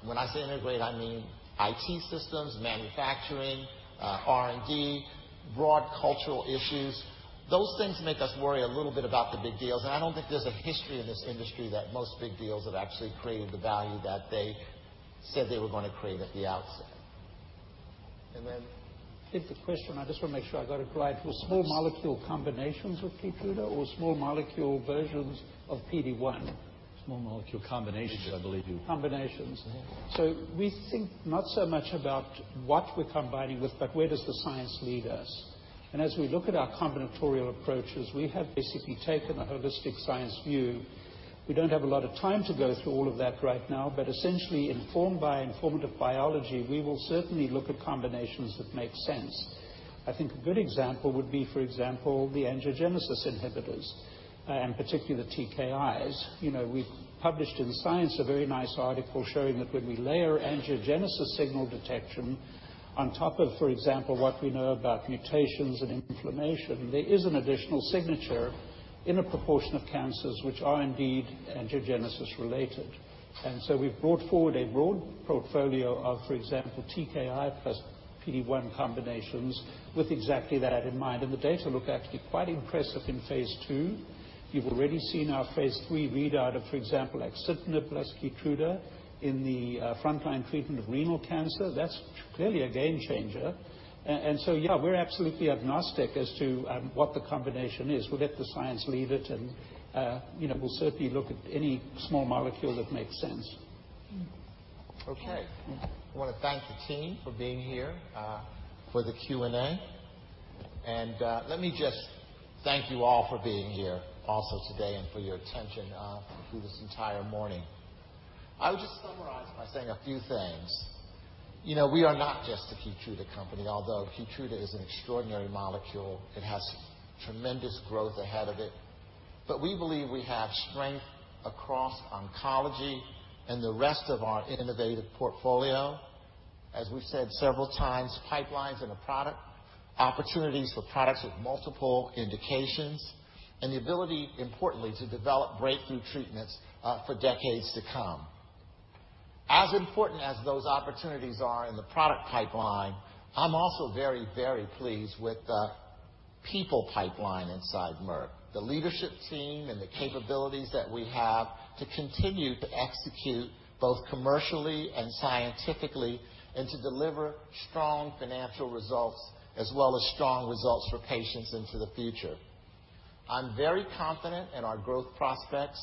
When I say integrate, I mean IT systems, manufacturing, R&D, broad cultural issues. Those things make us worry a little bit about the big deals, I don't think there's a history in this industry that most big deals have actually created the value that they said they were going to create at the outset. And then- I think the question, I just want to make sure I got it right, was small molecule combinations with KEYTRUDA or small molecule versions of PD-1? Small molecule combinations, I believe you Combinations. Yeah. We think not so much about what we're combining with, but where does the science lead us? As we look at our combinatorial approaches, we have basically taken a holistic science view We don't have a lot of time to go through all of that right now, but essentially informed by informative biology, we will certainly look at combinations that make sense. I think a good example would be, for example, the angiogenesis inhibitors, and particularly the TKIs. We've published in Science a very nice article showing that when we layer angiogenesis signal detection on top of, for example, what we know about mutations and inflammation, there is an additional signature in a proportion of cancers which are indeed angiogenesis-related. We've brought forward a broad portfolio of, for example, TKI plus PD-1 combinations with exactly that in mind. The data look actually quite impressive in phase II. You've already seen our phase III readout of, for example, axitinib plus KEYTRUDA in the frontline treatment of renal cancer. That's clearly a game changer. Yeah, we're absolutely agnostic as to what the combination is. We'll let the science lead it and we'll certainly look at any small molecule that makes sense. Okay. I want to thank the team for being here for the Q&A. Let me just thank you all for being here also today and for your attention through this entire morning. I would just summarize by saying a few things. We are not just a KEYTRUDA company, although KEYTRUDA is an extraordinary molecule. It has tremendous growth ahead of it. We believe we have strength across oncology and the rest of our innovative portfolio. As we've said several times, pipelines and the product, opportunities for products with multiple indications, and the ability, importantly, to develop breakthrough treatments for decades to come. As important as those opportunities are in the product pipeline, I'm also very, very pleased with the people pipeline inside Merck. The leadership team and the capabilities that we have to continue to execute both commercially and scientifically, and to deliver strong financial results as well as strong results for patients into the future. I'm very confident in our growth prospects.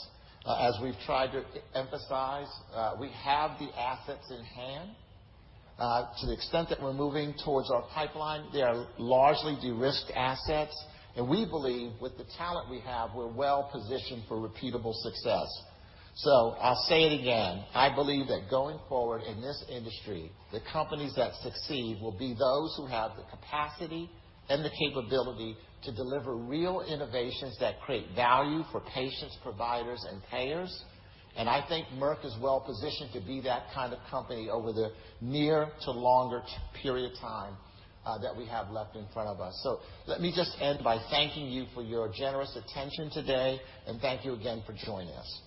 As we've tried to emphasize, we have the assets in hand. To the extent that we're moving towards our pipeline, they are largely de-risked assets, and we believe with the talent we have, we're well-positioned for repeatable success. I'll say it again, I believe that going forward in this industry, the companies that succeed will be those who have the capacity and the capability to deliver real innovations that create value for patients, providers, and payers. I think Merck is well-positioned to be that kind of company over the near to longer period of time that we have left in front of us. Let me just end by thanking you for your generous attention today, and thank you again for joining us.